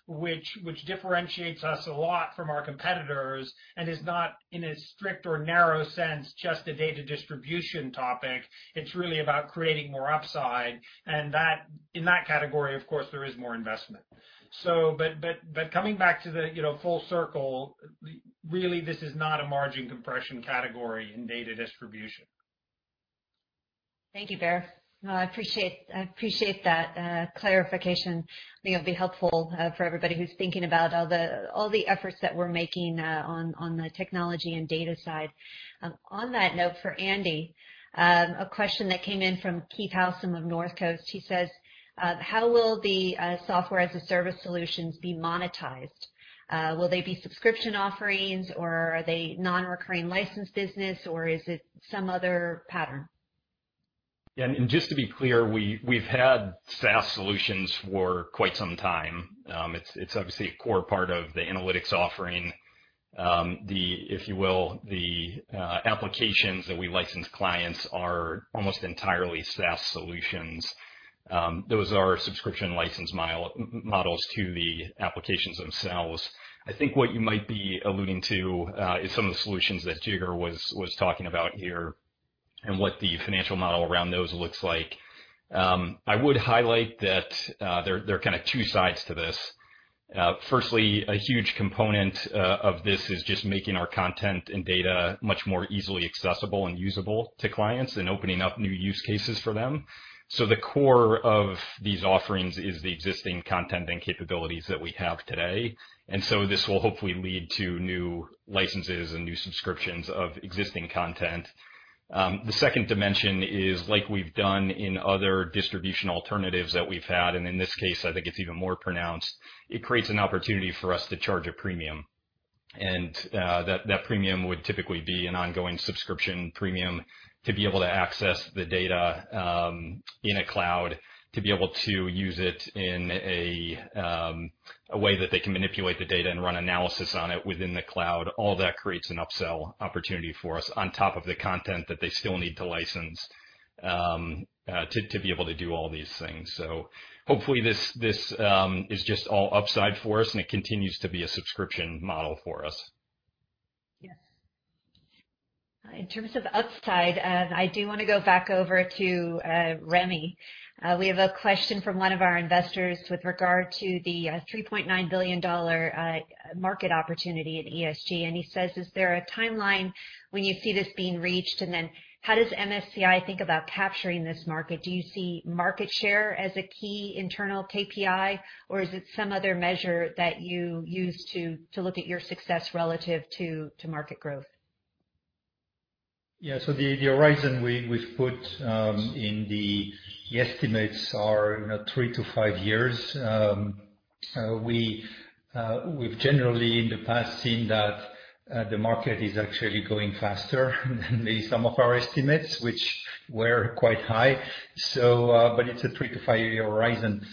S3: which differentiates us a lot from our competitors and is not, in a strict or narrow sense, just a data distribution topic. It's really about creating more upside, and in that category, of course, there is more investment. Coming back full circle, really, this is not a margin compression category in data distribution.
S1: Thank you, Baer. I appreciate that clarification. I think it'll be helpful for everybody who's thinking about all the efforts that we're making on the technology and data side. On that note, for Andy, a question that came in from Keith Housum of Northcoast Research. He says, "How will the software as a service solutions be monetized? Will they be subscription offerings, or are they non-recurring license business, or is it some other pattern?
S11: Yeah, just to be clear, we've had SaaS solutions for quite some time. It's obviously a core part of the analytics offering. If you will, the applications that we license clients are almost entirely SaaS solutions. Those are subscription license models to the applications themselves. I think what you might be alluding to is some of the solutions that Jigar was talking about here and what the financial model around those looks like. I would highlight that there are kind of two sides to this. Firstly, a huge component of this is just making our content and data much more easily accessible and usable to clients and opening up new use cases for them. The core of these offerings is the existing content and capabilities that we have today. This will hopefully lead to new licenses and new subscriptions of existing content. The second dimension is, like we've done in other distribution alternatives that we've had, and in this case, I think it's even more pronounced, it creates an opportunity for us to charge a premium, and that premium would typically be an ongoing subscription premium to be able to access the data in a cloud, to be able to use it in a way that they can manipulate the data and run analysis on it within the cloud. All that creates an upsell opportunity for us on top of the content that they still need to license to be able to do all these things. Hopefully this is just all upside for us, and it continues to be a subscription model for us.
S1: Yes. In terms of upside, I do want to go back over to Remy. We have a question from one of our investors with regard to the $3.9 billion market opportunity at ESG, and he says, "Is there a timeline when you see this being reached? How does MSCI think about capturing this market? Do you see market share as a key internal KPI, or is it some other measure that you use to look at your success relative to market growth?
S6: The horizon we've put in the estimates are three to five years. We've generally, in the past, seen that the market is actually growing faster than maybe some of our estimates, which were quite high. It's a three to five year horizon.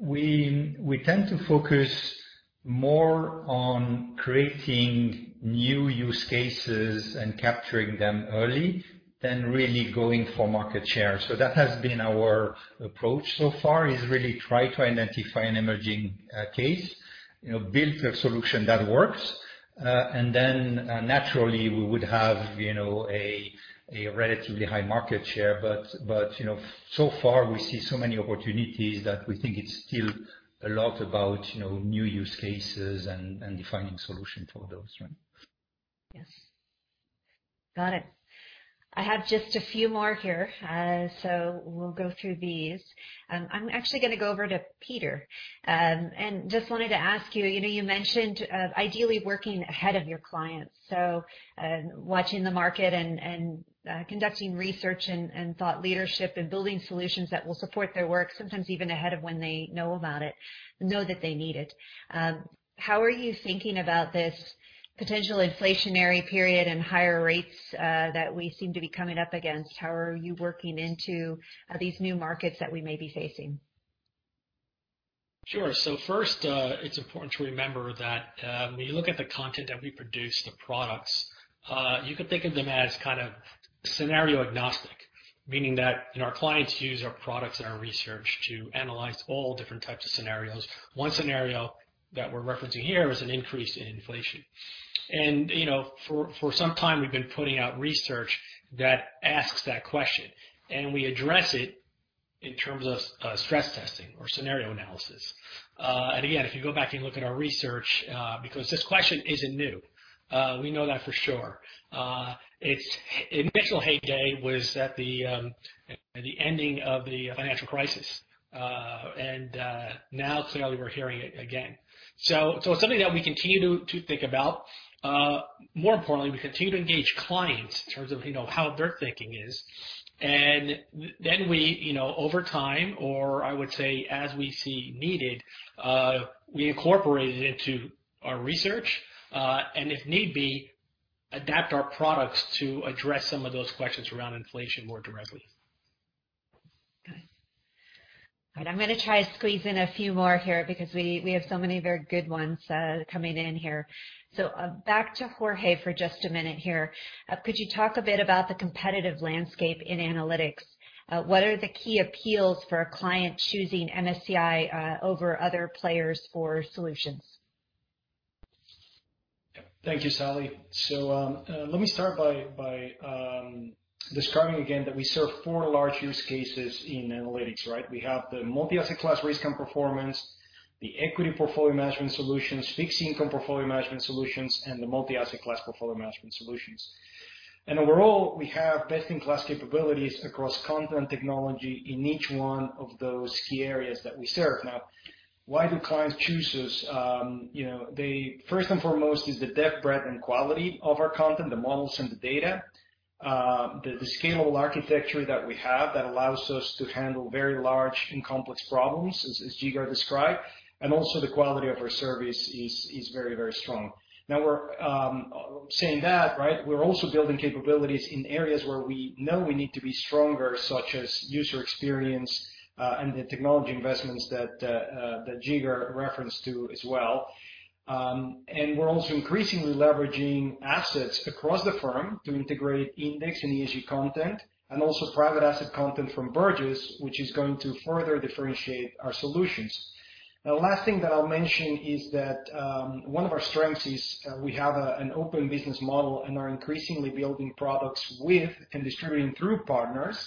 S6: We tend to focus more on creating new use cases and capturing them early than really going for market share. That has been our approach so far, is really try to identify an emerging case, build a solution that works. Naturally we would have a relatively high market share. So far we see so many opportunities that we think it's still a lot about new use cases and defining solutions for those.
S1: Yes. Got it. I have just a few more here. We'll go through these. I'm actually going to go over to Peter. Just wanted to ask you mentioned ideally working ahead of your clients, so watching the market and conducting research and thought leadership and building solutions that will support their work sometimes even ahead of when they know about it, know that they need it. How are you thinking about this potential inflationary period and higher rates that we seem to be coming up against? How are you working into these new markets that we may be facing?
S9: Sure. First, it's important to remember that when you look at the content that we produce, the products, you can think of them as scenario agnostic, meaning that our clients use our products and our research to analyze all different types of scenarios. One scenario that we're referencing here is an increase in inflation. For some time we've been putting out research that asks that question, and we address it in terms of stress testing or scenario analysis. Again, if you go back and look at our research, because this question isn't new, we know that for sure. Its initial heyday was at the ending of the financial crisis. Now clearly we're hearing it again. It's something that we continue to think about. More importantly, we continue to engage clients in terms of how their thinking is. We over time or I would say as we see needed, we incorporate it into our research, and if need be, adapt our products to address some of those questions around inflation more directly.
S1: Okay. I'm going to try to squeeze in a few more here because we have so many very good ones coming in here. Back to Jorge for just a minute here. Could you talk a bit about the competitive landscape in analytics? What are the key appeals for a client choosing MSCI over other players for solutions?
S7: Thank you, Salli. Let me start by describing again that we serve four large use cases in analytics, right? We have the multi-asset class risk and performance, the equity portfolio management solutions, fixed income portfolio management solutions, and the multi-asset class portfolio management solutions. Overall, we have best-in-class capabilities across content technology in each one of those key areas that we serve. Why do clients choose us? First and foremost is the depth, breadth, and quality of our content, the models and the data. The scalable architecture that we have that allows us to handle very large and complex problems, as Jigar described, and also the quality of our service is very strong. We're saying that, right? We're also building capabilities in areas where we know we need to be stronger, such as user experience, and the technology investments that Jigar referenced to as well. We're also increasingly leveraging assets across the firm to integrate index and ESG content and also private asset content from Burgiss, which is going to further differentiate our solutions. The last thing that I'll mention is that, one of our strengths is we have an open business model and are increasingly building products with and distributing through partners,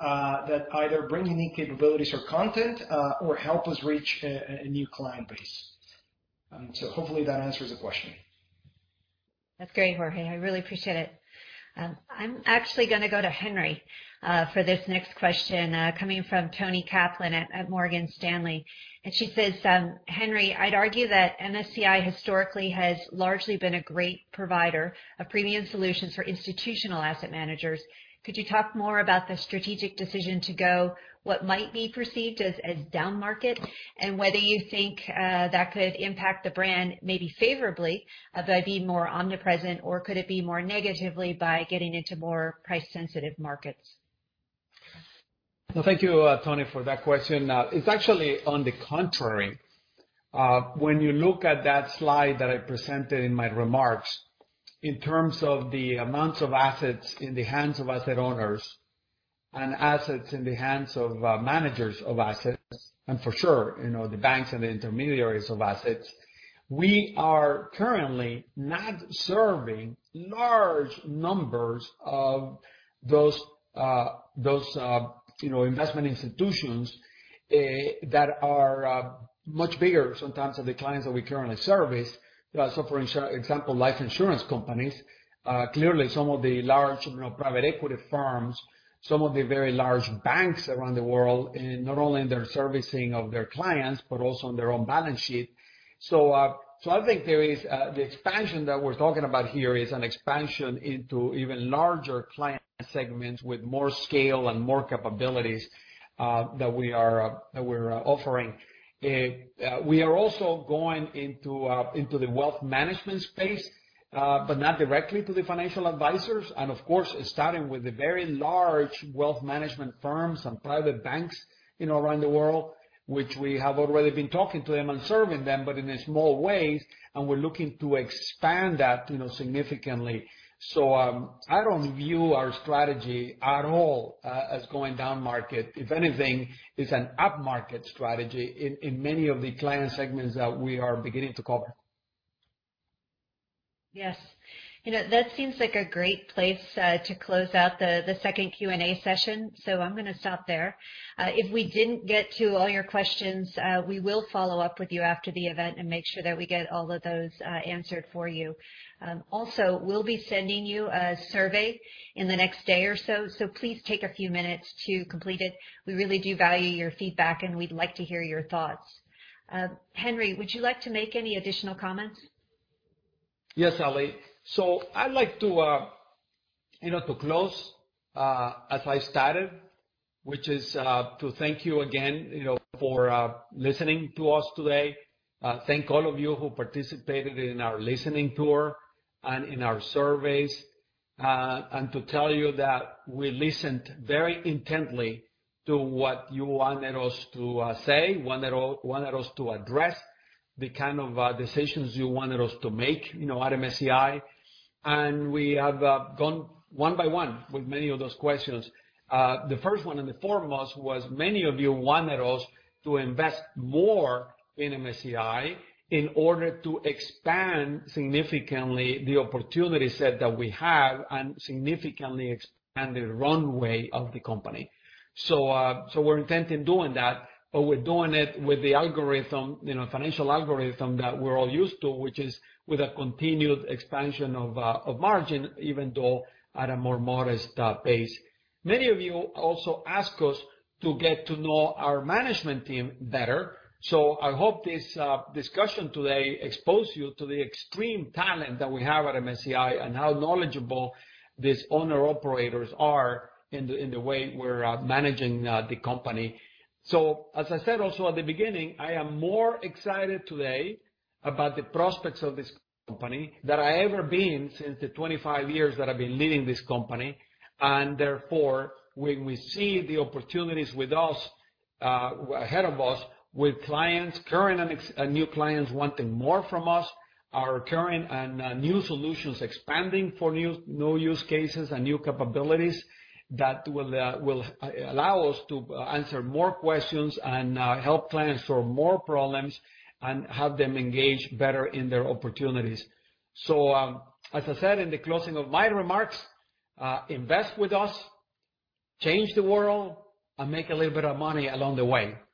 S7: that either bring unique capabilities or content, or help us reach a new client base. Hopefully, that answers the question.
S1: That's great, Jorge. I really appreciate it. I'm actually going to go to Henry for this next question, coming from Toni Kaplan at Morgan Stanley. She says, "Henry, I'd argue that MSCI historically has largely been a great provider of premium solutions for institutional asset managers. Could you talk more about the strategic decision to go what might be perceived as down market, and whether you think that could impact the brand maybe favorably by being more omnipresent, or could it be more negatively by getting into more price-sensitive markets?
S2: Well, thank you, Toni, for that question. It's actually on the contrary. When you look at that slide that I presented in my remarks, in terms of the amounts of assets in the hands of asset owners and assets in the hands of managers of assets, for sure, the banks and the intermediaries of assets, we are currently not serving large numbers of those investment institutions that are much bigger sometimes than the clients that we currently service. For example, life insurance companies, clearly some of the large private equity firms, some of the very large banks around the world, not only in their servicing of their clients, but also on their own balance sheet. I think the expansion that we're talking about here is an expansion into even larger client segments with more scale and more capabilities that we're offering. We are also going into the wealth management space, but not directly to the financial advisors. Of course, starting with the very large wealth management firms and private banks around the world, which we have already been talking to them and serving them, but in small ways, we're looking to expand that significantly. I don't view our strategy at all as going down market. If anything, it's an upmarket strategy in many of the client segments that we are beginning to cover.
S1: Yes. That seems like a great place to close out the second Q&A session. I'm going to stop there. If we didn't get to all your questions, we will follow up with you after the event and make sure that we get all of those answered for you. We'll be sending you a survey in the next day or so please take a few minutes to complete it. We really do value your feedback, and we'd like to hear your thoughts. Henry, would you like to make any additional comments?
S2: Yes, Salli. I'd like to close as I started, which is to thank you again for listening to us today, thank all of you who participated in our listening tour and in our surveys, and to tell you that we listened very intently to what you wanted us to say, wanted us to address, the kind of decisions you wanted us to make at MSCI. We have gone one by one with many of those questions. The first one and the foremost was many of you wanted us to invest more in MSCI in order to expand significantly the opportunity set that we have and significantly expand the runway of the company. We're intent in doing that, but we're doing it with the financial algorithm that we're all used to, which is with a continued expansion of margin, even though at a more modest pace. Many of you also asked us to get to know our management team better. I hope this discussion today exposed you to the extreme talent that we have at MSCI and how knowledgeable these owner-operators are in the way we're managing the company. As I said also at the beginning, I am more excited today about the prospects of this company than I ever been since the 25 years that I've been leading this company. Therefore, we see the opportunities ahead of us with clients, current and new clients wanting more from us, our current and new solutions expanding for new use cases and new capabilities that will allow us to answer more questions and help clients solve more problems and have them engage better in their opportunities. As I said in the closing of my remarks, invest with us, change the world, and make a little bit of money along the way. Thank you.